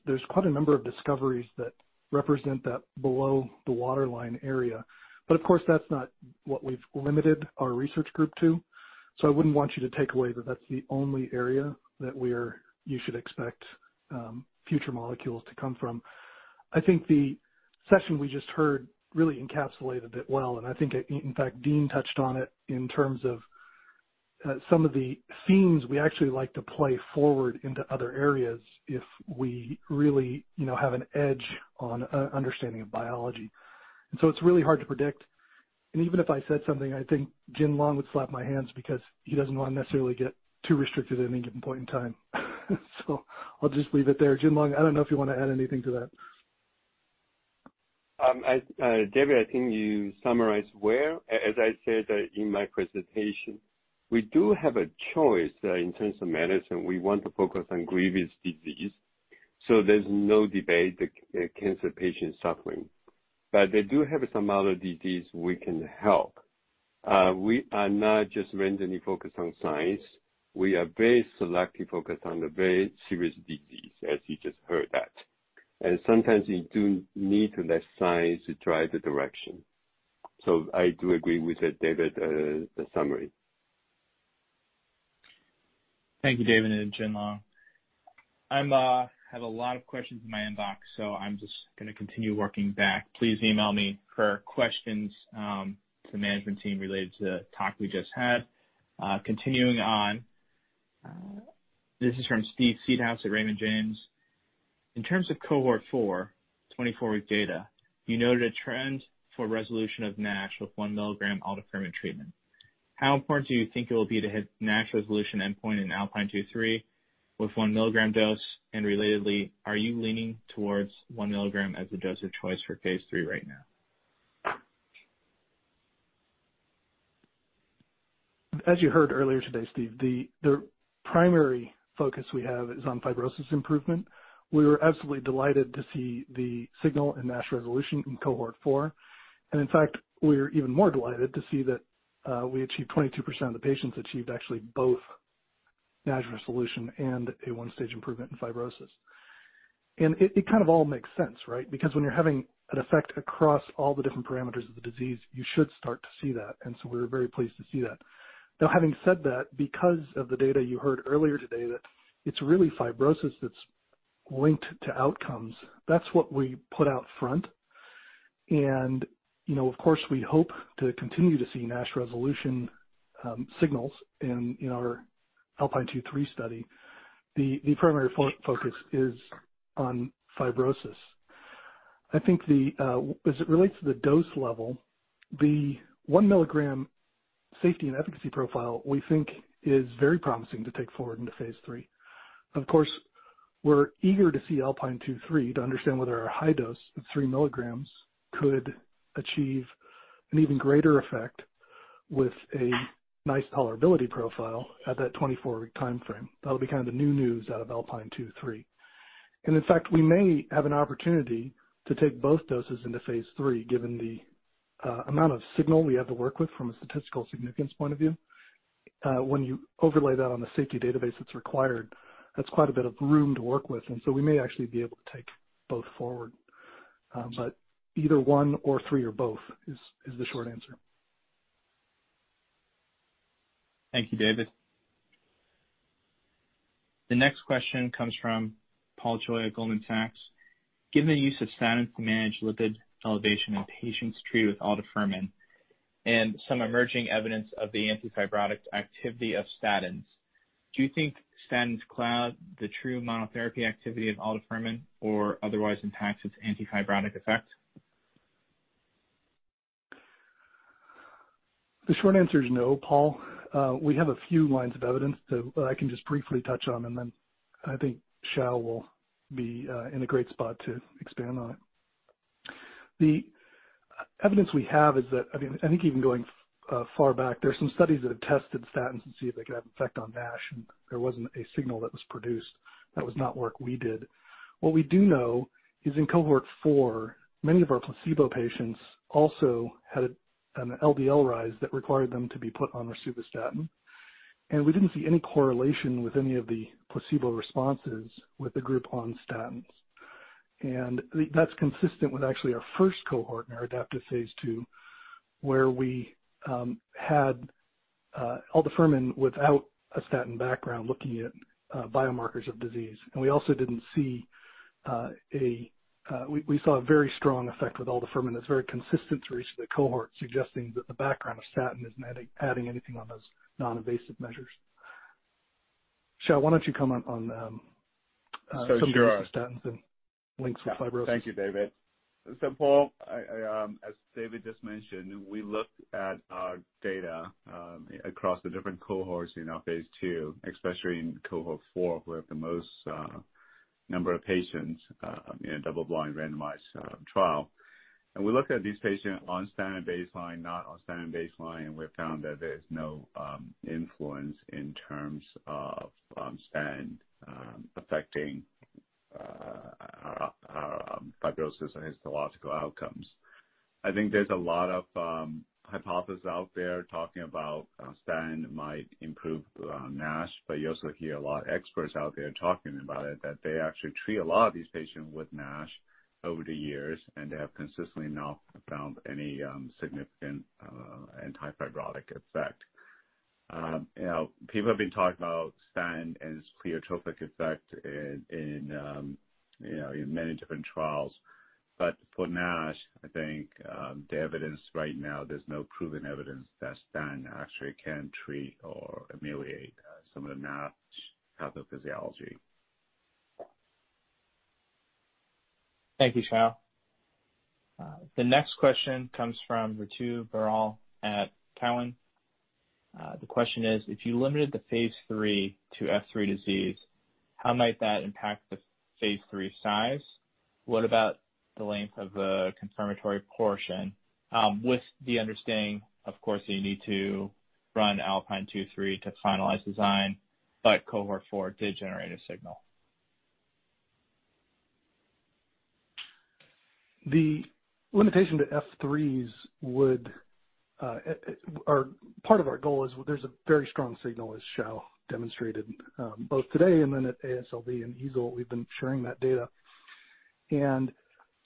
There's quite a number of discoveries that represent that below the waterline area. Of course, that's not what we've limited our research group to. I wouldn't want you to take away that that's the only area that you should expect future molecules to come from. I think the session we just heard really encapsulated it well, and I think, in fact, Dean Li touched on it in terms of some of the themes we actually like to play forward into other areas if we really have an edge on understanding of biology. It's really hard to predict. Even if I said something, I think Jin-Long would slap my hands because he doesn't want to necessarily get too restricted at any given point in time. I'll just leave it there. Jin-Long, I don't know if you want to add anything to that. David, I think you summarized well. As I said in my presentation, we do have a choice in terms of medicine. We want to focus on grievous disease. There's no debate that cancer patients suffering. They do have some other disease we can help. We are not just randomly focused on science. We are very selectively focused on the very serious disease, as you just heard that. Sometimes you do need to let science to drive the direction. I do agree with that, David, the summary. Thank you, David and Jin-Long. I have a lot of questions in my inbox. I'm just going to continue working back. Please email me for questions to management team related to the talk we just had. Continuing on, this is from Steve Seedhouse at Raymond James. In terms of cohort 4, 24-week data, you noted a trend for resolution of NASH with 1 milligram aldafermin treatment. How important do you think it will be to hit NASH resolution endpoint in ALPINE 2/3 with 1 milligram dose? Relatedly, are you leaning towards 1 milligram as the dose of choice for phase III right now? As you heard earlier today, Steve, the primary focus we have is on fibrosis improvement. We were absolutely delighted to see the signal and NASH resolution in Cohort 4. In fact, we're even more delighted to see that we achieved 22% of the patients achieved actually both NASH resolution and a 1-stage improvement in fibrosis. It kind of all makes sense, right? Because when you're having an effect across all the different parameters of the disease, you should start to see that. We're very pleased to see that. Now, having said that, because of the data you heard earlier today, that it's really fibrosis that's linked to outcomes. That's what we put out front. Of course, we hope to continue to see NASH resolution signals in our ALPINE 2/3 study. The primary focus is on fibrosis. I think as it relates to the dose level, the 1 milligram safety and efficacy profile we think is very promising to take forward into phase III. Of course, we're eager to see ALPINE 2/3 to understand whether our high dose of 3 milligrams could achieve an even greater effect with a nice tolerability profile at that 24-week timeframe. That'll be kind of the new news out of ALPINE 2/3. In fact, we may have an opportunity to take both doses into phase III, given the amount of signal we have to work with from a statistical significance point of view. When you overlay that on the safety database that's required, that's quite a bit of room to work with, we may actually be able to take both forward. Either one or three or both is the short answer. Thank you, David. The next question comes from Paul Choi at Goldman Sachs. Given the use of statins to manage lipid elevation in patients treated with aldafermin and some emerging evidence of the antifibrotic activity of statins, do you think statins cloud the true monotherapy activity of aldafermin or otherwise impact its antifibrotic effect? The short answer is no, Paul. We have a few lines of evidence that I can just briefly touch on, and then I think Hsiao will be in a great spot to expand on it. The evidence we have is that, I think even going far back, there's some studies that have tested statins to see if they could have an effect on NASH, and there wasn't a signal that was produced. That was not work we did. What we do know is in Cohort 4, many of our placebo patients also had an LDL rise that required them to be put on rosuvastatin, and we didn't see any correlation with any of the placebo responses with the group on statins. That's consistent with actually our first cohort in our adaptive phase II, where we had aldafermin without a statin background looking at biomarkers of disease. We saw a very strong effect with aldafermin that's very consistent through the cohort, suggesting that the background of statin isn't adding anything on those non-invasive measures. Hsiao, why don't you comment on Sure some of the statins and links with fibrosis. Thank you, David. Paul, as David just mentioned, we looked at our data across the different cohorts in our phase II, especially in Cohort 4, where the most number of patients in a double-blind randomized trial. We looked at these patients on statin baseline, not on statin baseline, and we found that there's no influence in terms of statin affecting fibrosis and histological outcomes. I think there's a lot of hypothesis out there talking about statin might improve NASH, but you also hear a lot of experts out there talking about it, that they actually treat a lot of these patients with NASH over the years, and they have consistently not found any significant antifibrotic effect. People have been talking about statin and its pleiotropic effect in many different trials. For NASH, I think the evidence right now, there's no proven evidence that statin actually can treat or ameliorate some of the NASH pathophysiology. Thank you, Hsiao. The next question comes from Ritu Baral at Cowen. The question is: If you limited the phase III to F3 disease, how might that impact the phase III size? What about the length of the confirmatory portion? With the understanding, of course, that you need to run ALPINE 2/3 to finalize design, Cohort 4 did generate a signal. The limitation to F3, part of our goal is there's a very strong signal, as Hsiao demonstrated, both today and then at AASLD and EASL, we've been sharing that data.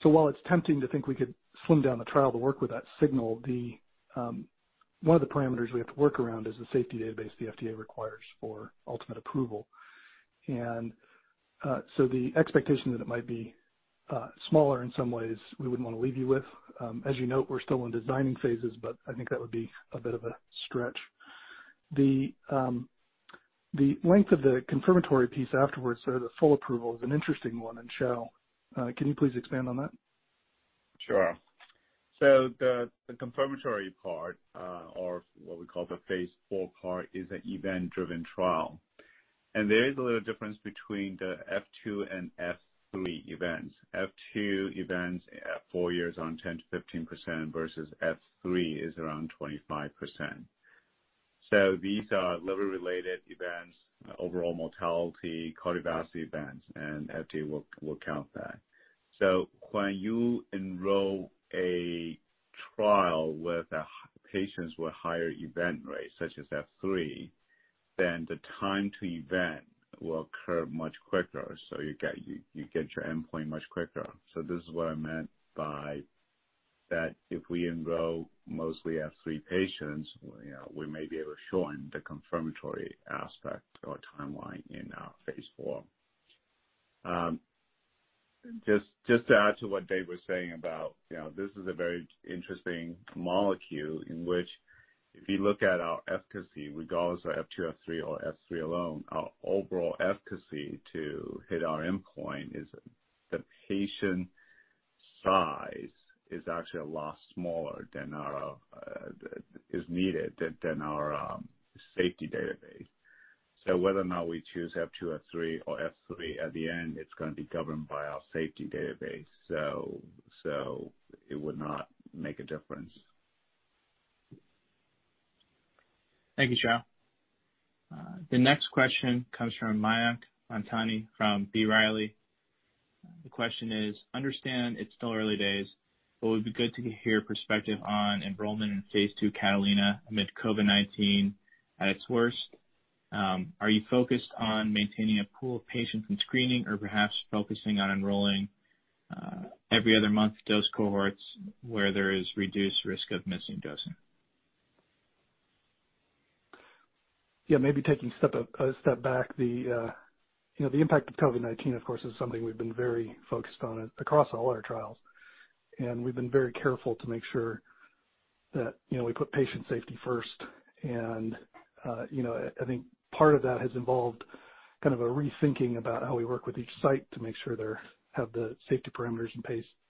While it's tempting to think we could slim down the trial to work with that signal, one of the parameters we have to work around is the safety database the FDA requires for ultimate approval. The expectation that it might be smaller in some ways, we wouldn't want to leave you with. As you note, we're still in designing phases, but I think that would be a bit of a stretch. The length of the confirmatory piece afterwards, so the full approval, is an interesting one, and Hsiao, can you please expand on that? Sure. The confirmatory part, or what we call the phase IV part, is an event-driven trial. There is a little difference between the F2 and F3 events. F2 events at 4 years on 10%-15% versus F3 is around 25%. These are liver-related events, overall mortality, cardiovascular events, and FT will count that. When you enroll a trial with patients with higher event rates, such as F3, then the time to event will occur much quicker. You get your endpoint much quicker. This is what I meant by that if we enroll mostly F3 patients, we may be able to shorten the confirmatory aspect or timeline in our phase IV. Just to add to what David was saying about this is a very interesting molecule in which if you look at our efficacy, regardless of F2 or F3 alone, our overall efficacy to hit our endpoint is the patient size is actually a lot smaller than is needed than our safety database. Whether or not we choose F2, F3, or F3 at the end, it's going to be governed by our safety database. It would not make a difference. Thank you, Hsiao. The next question comes from Mayank Mamtani from B. Riley. The question is, "I understand it's still early days, but it would be good to hear your perspective on enrollment in phase II CATALINA amid COVID-19 at its worst. Are you focused on maintaining a pool of patients from screening or perhaps focusing on enrolling every other month dose cohorts where there is reduced risk of missing dosing? Yeah, maybe taking a step back. The impact of COVID-19, of course, is something we've been very focused on across all our trials, and we've been very careful to make sure that we put patient safety first. I think part of that has involved kind of a rethinking about how we work with each site to make sure they have the safety parameters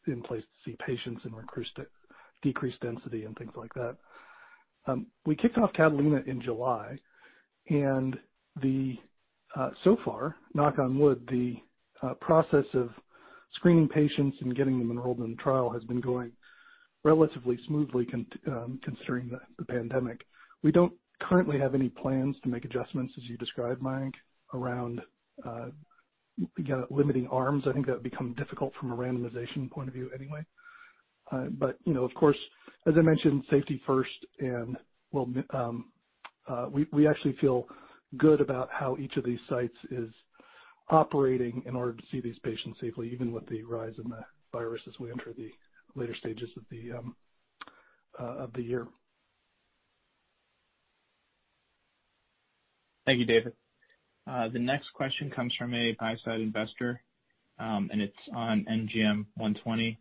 in place to see patients in decreased density and things like that. We kicked off Catalina in July, and so far, knock on wood, the process of screening patients and getting them enrolled in the trial has been going relatively smoothly considering the pandemic. We don't currently have any plans to make adjustments as you described, Mayank, around limiting arms. I think that would become difficult from a randomization point of view anyway. Of course, as I mentioned, safety first, and we actually feel good about how each of these sites is operating in order to see these patients safely, even with the rise in the virus as we enter the later stages of the year. Thank you, David. The next question comes from a buyside investor, and it's on NGM120.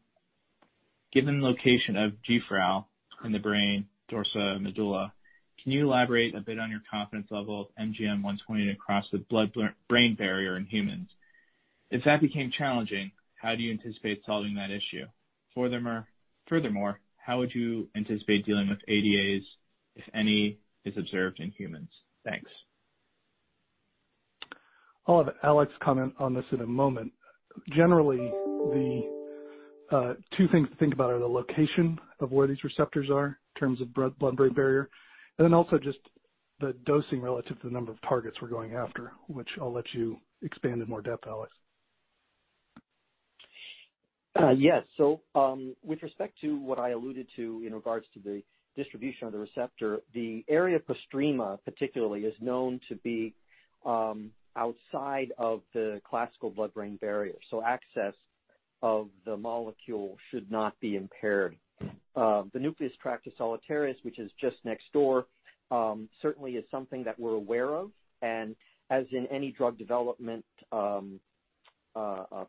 "Given the location of GFRAL in the brain, dorsal medulla, can you elaborate a bit on your confidence level of NGM120 to cross the blood-brain barrier in humans? If that became challenging, how do you anticipate solving that issue? Furthermore, how would you anticipate dealing with ADAs if any is observed in humans? Thanks. I'll have Alex comment on this in a moment. Generally, the two things to think about are the location of where these receptors are in terms of blood-brain barrier, and then also just the dosing relative to the number of targets we're going after, which I'll let you expand in more depth, Alex. Yes. With respect to what I alluded to in regards to the distribution of the receptor, the area postrema, particularly, is known to be outside of the classical blood-brain barrier, access of the molecule should not be impaired. The nucleus tractus solitarius, which is just next door, certainly is something that we're aware of, and as in any drug development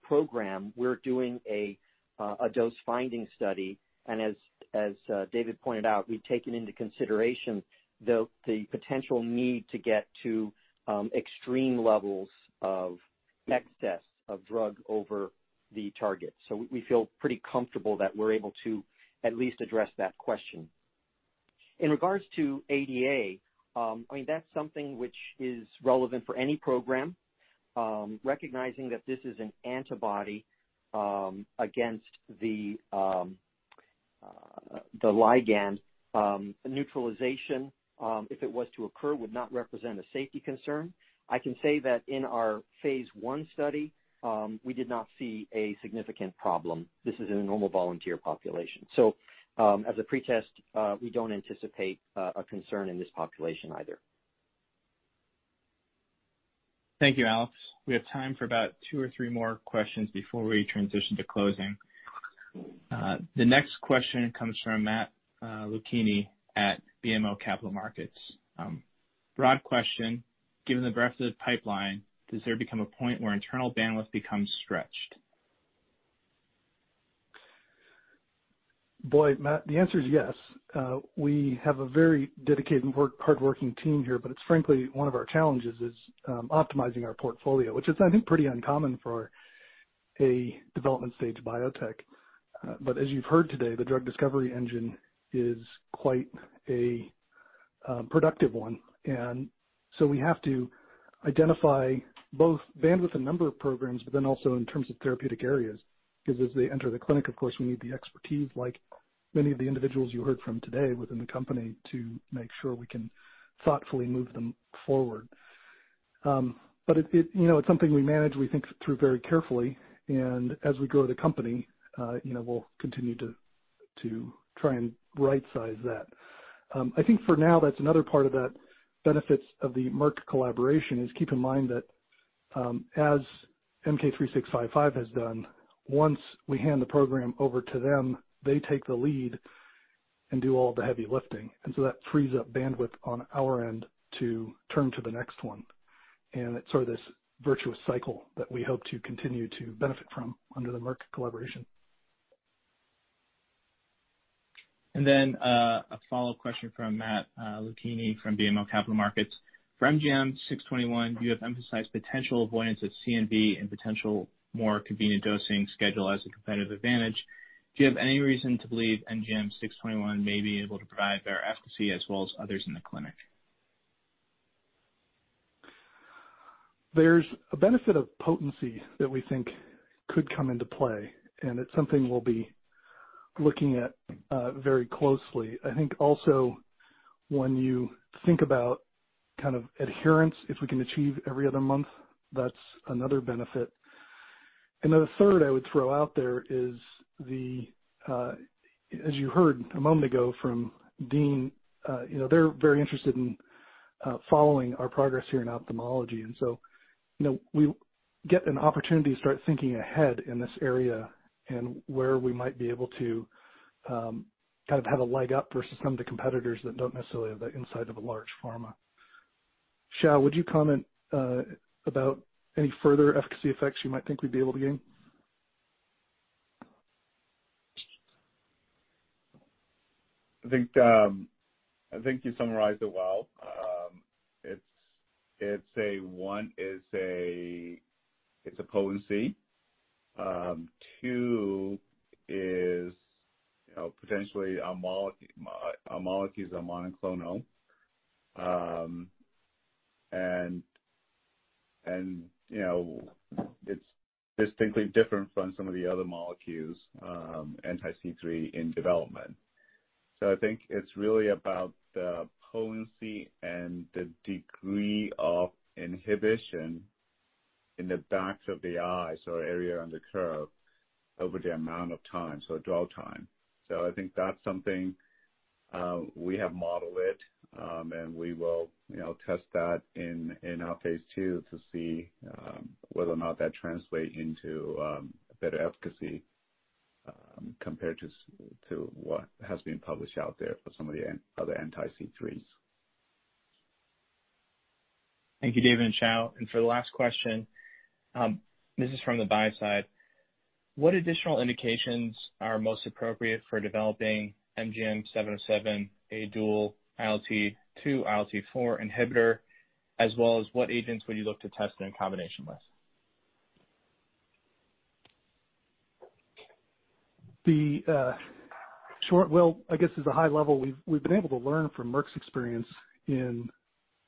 program, we're doing a dose-finding study. As David pointed out, we've taken into consideration the potential need to get to extreme levels of excess of drug over the target. We feel pretty comfortable that we're able to at least address that question. In regards to ADA, that's something which is relevant for any program. Recognizing that this is an antibody against the ligand. Neutralization, if it was to occur, would not represent a safety concern. I can say that in our phase I study, we did not see a significant problem. This is in a normal volunteer population. As a pretest, we don't anticipate a concern in this population either. Thank you, Alex. We have time for about two or three more questions before we transition to closing. The next question comes from Matthew Luchini at BMO Capital Markets. Broad question, "Given the breadth of the pipeline, does there become a point where internal bandwidth becomes stretched? Boy, Matt, the answer is yes. We have a very dedicated and hardworking team here. It's frankly, one of our challenges is optimizing our portfolio, which is, I think, pretty uncommon for a development stage biotech. As you've heard today, the drug discovery engine is quite a productive one. We have to identify both bandwidth and number of programs, also in terms of therapeutic areas. As they enter the clinic, of course, we need the expertise, like many of the individuals you heard from today within the company, to make sure we can thoughtfully move them forward. It's something we manage, we think through very carefully. As we grow the company, we'll continue to try and right-size that. I think for now, that's another part of that benefits of the Merck collaboration is, keep in mind that as MK-3655 has done, once we hand the program over to them, they take the lead and do all the heavy lifting. That frees up bandwidth on our end to turn to the next one. It's sort of this virtuous cycle that we hope to continue to benefit from under the Merck collaboration. A follow-up question from Matthew Luchini from BMO Capital Markets. For NGM621, you have emphasized potential avoidance of CNV and potential more convenient dosing schedule as a competitive advantage. Do you have any reason to believe NGM621 may be able to provide better efficacy as well as others in the clinic? There's a benefit of potency that we think could come into play, and it's something we'll be looking at very closely. I think also when you think about adherence, if we can achieve every other month, that's another benefit. The third I would throw out there is the, as you heard a moment ago from Dean, they're very interested in following our progress here in ophthalmology. We get an opportunity to start thinking ahead in this area and where we might be able to have a leg up versus some of the competitors that don't necessarily have the insight of a large pharma. Hsiao, would you comment about any further efficacy effects you might think we'd be able to gain? I think you summarized it well. One, it's a potency. Two is, potentially our molecule's a monoclonal. It's distinctly different from some of the other molecules, anti-C3, in development. I think it's really about the potency and the degree of inhibition in the backs of the eyes or area under curve over the amount of time, so dwell time. I think that's something we have modeled it, and we will test that in our phase II to see whether or not that translates into better efficacy compared to what has been published out there for some of the other anti-C3s. Thank you, David and Hsiao. For the last question, this is from the buy side. What additional indications are most appropriate for developing NGM707, a dual ILT2/ILT4 inhibitor, as well as what agents would you look to test it in combination with? The short Well, I guess at a high level, we've been able to learn from Merck's experience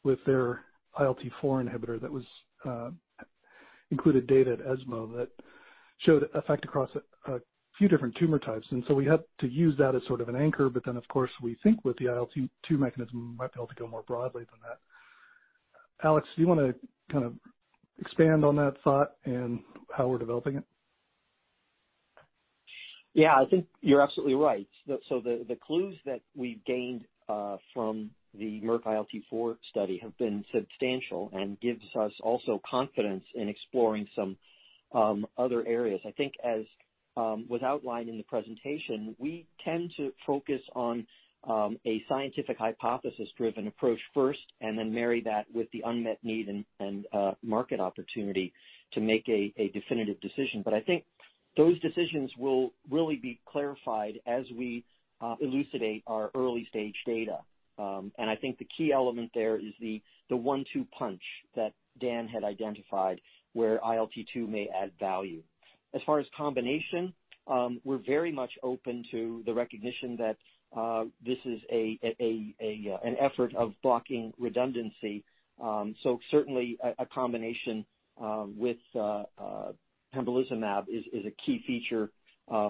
with their ILT4 inhibitor that included data at ESMO that showed effect across a few different tumor types. We hope to use that as sort of an anchor, but then, of course, we think with the ILT2 mechanism, we might be able to go more broadly than that. Alex, do you want to expand on that thought and how we're developing it? Yeah, I think you're absolutely right. The clues that we've gained from the Merck ILT4 study have been substantial and gives us also confidence in exploring some other areas. I think as was outlined in the presentation, we tend to focus on a scientific hypothesis-driven approach first, and then marry that with the unmet need and market opportunity to make a definitive decision. I think those decisions will really be clarified as we elucidate our early-stage data. I think the key element there is the one-two punch that Dan had identified where ILT2 may add value. As far as combination, we're very much open to the recognition that this is an effort of blocking redundancy. Certainly, a combination with pembrolizumab is a key feature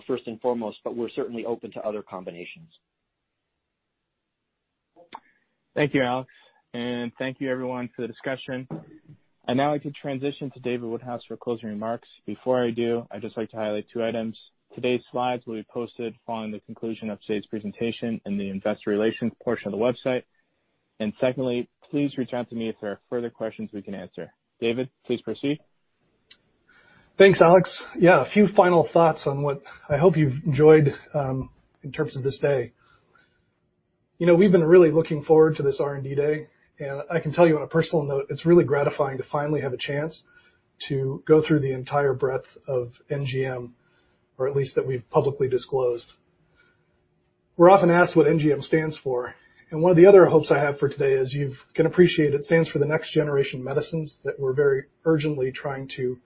first and foremost, but we're certainly open to other combinations. Thank you, Alex, and thank you everyone for the discussion. Now I could transition to David Woodhouse for closing remarks. Before I do, I'd just like to highlight two items. Today's slides will be posted following the conclusion of today's presentation in the investor relations portion of the website. Secondly, please reach out to me if there are further questions we can answer. David, please proceed. Thanks, Alex. Yeah, a few final thoughts on what I hope you've enjoyed in terms of this day. We've been really looking forward to this R&D day, and I can tell you on a personal note, it's really gratifying to finally have a chance to go through the entire breadth of NGM, or at least that we've publicly disclosed. We're often asked what NGM stands for, and one of the other hopes I have for today is you can appreciate it stands for the Next Generation Medicines that we're very urgently trying to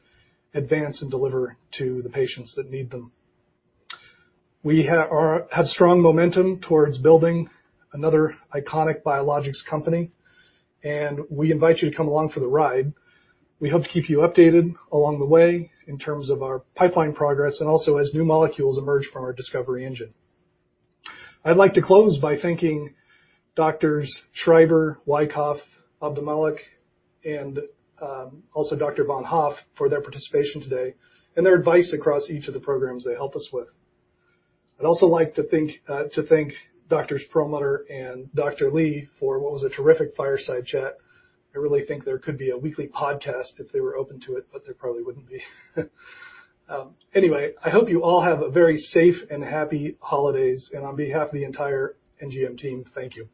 advance and deliver to the patients that need them. We have strong momentum towards building another iconic biologics company, and we invite you to come along for the ride. We hope to keep you updated along the way in terms of our pipeline progress and also as new molecules emerge from our discovery engine. I'd like to close by thanking Doctors Schreiber, Wykoff, Abdelmalek, and also Dr. Von Hoff for their participation today and their advice across each of the programs they help us with. I'd also like to thank Doctors Perlmutter and Dr. Li for what was a terrific fireside chat. I really think there could be a weekly podcast if they were open to it, but there probably wouldn't be. I hope you all have a very safe and happy holidays, and on behalf of the entire NGM team, thank you.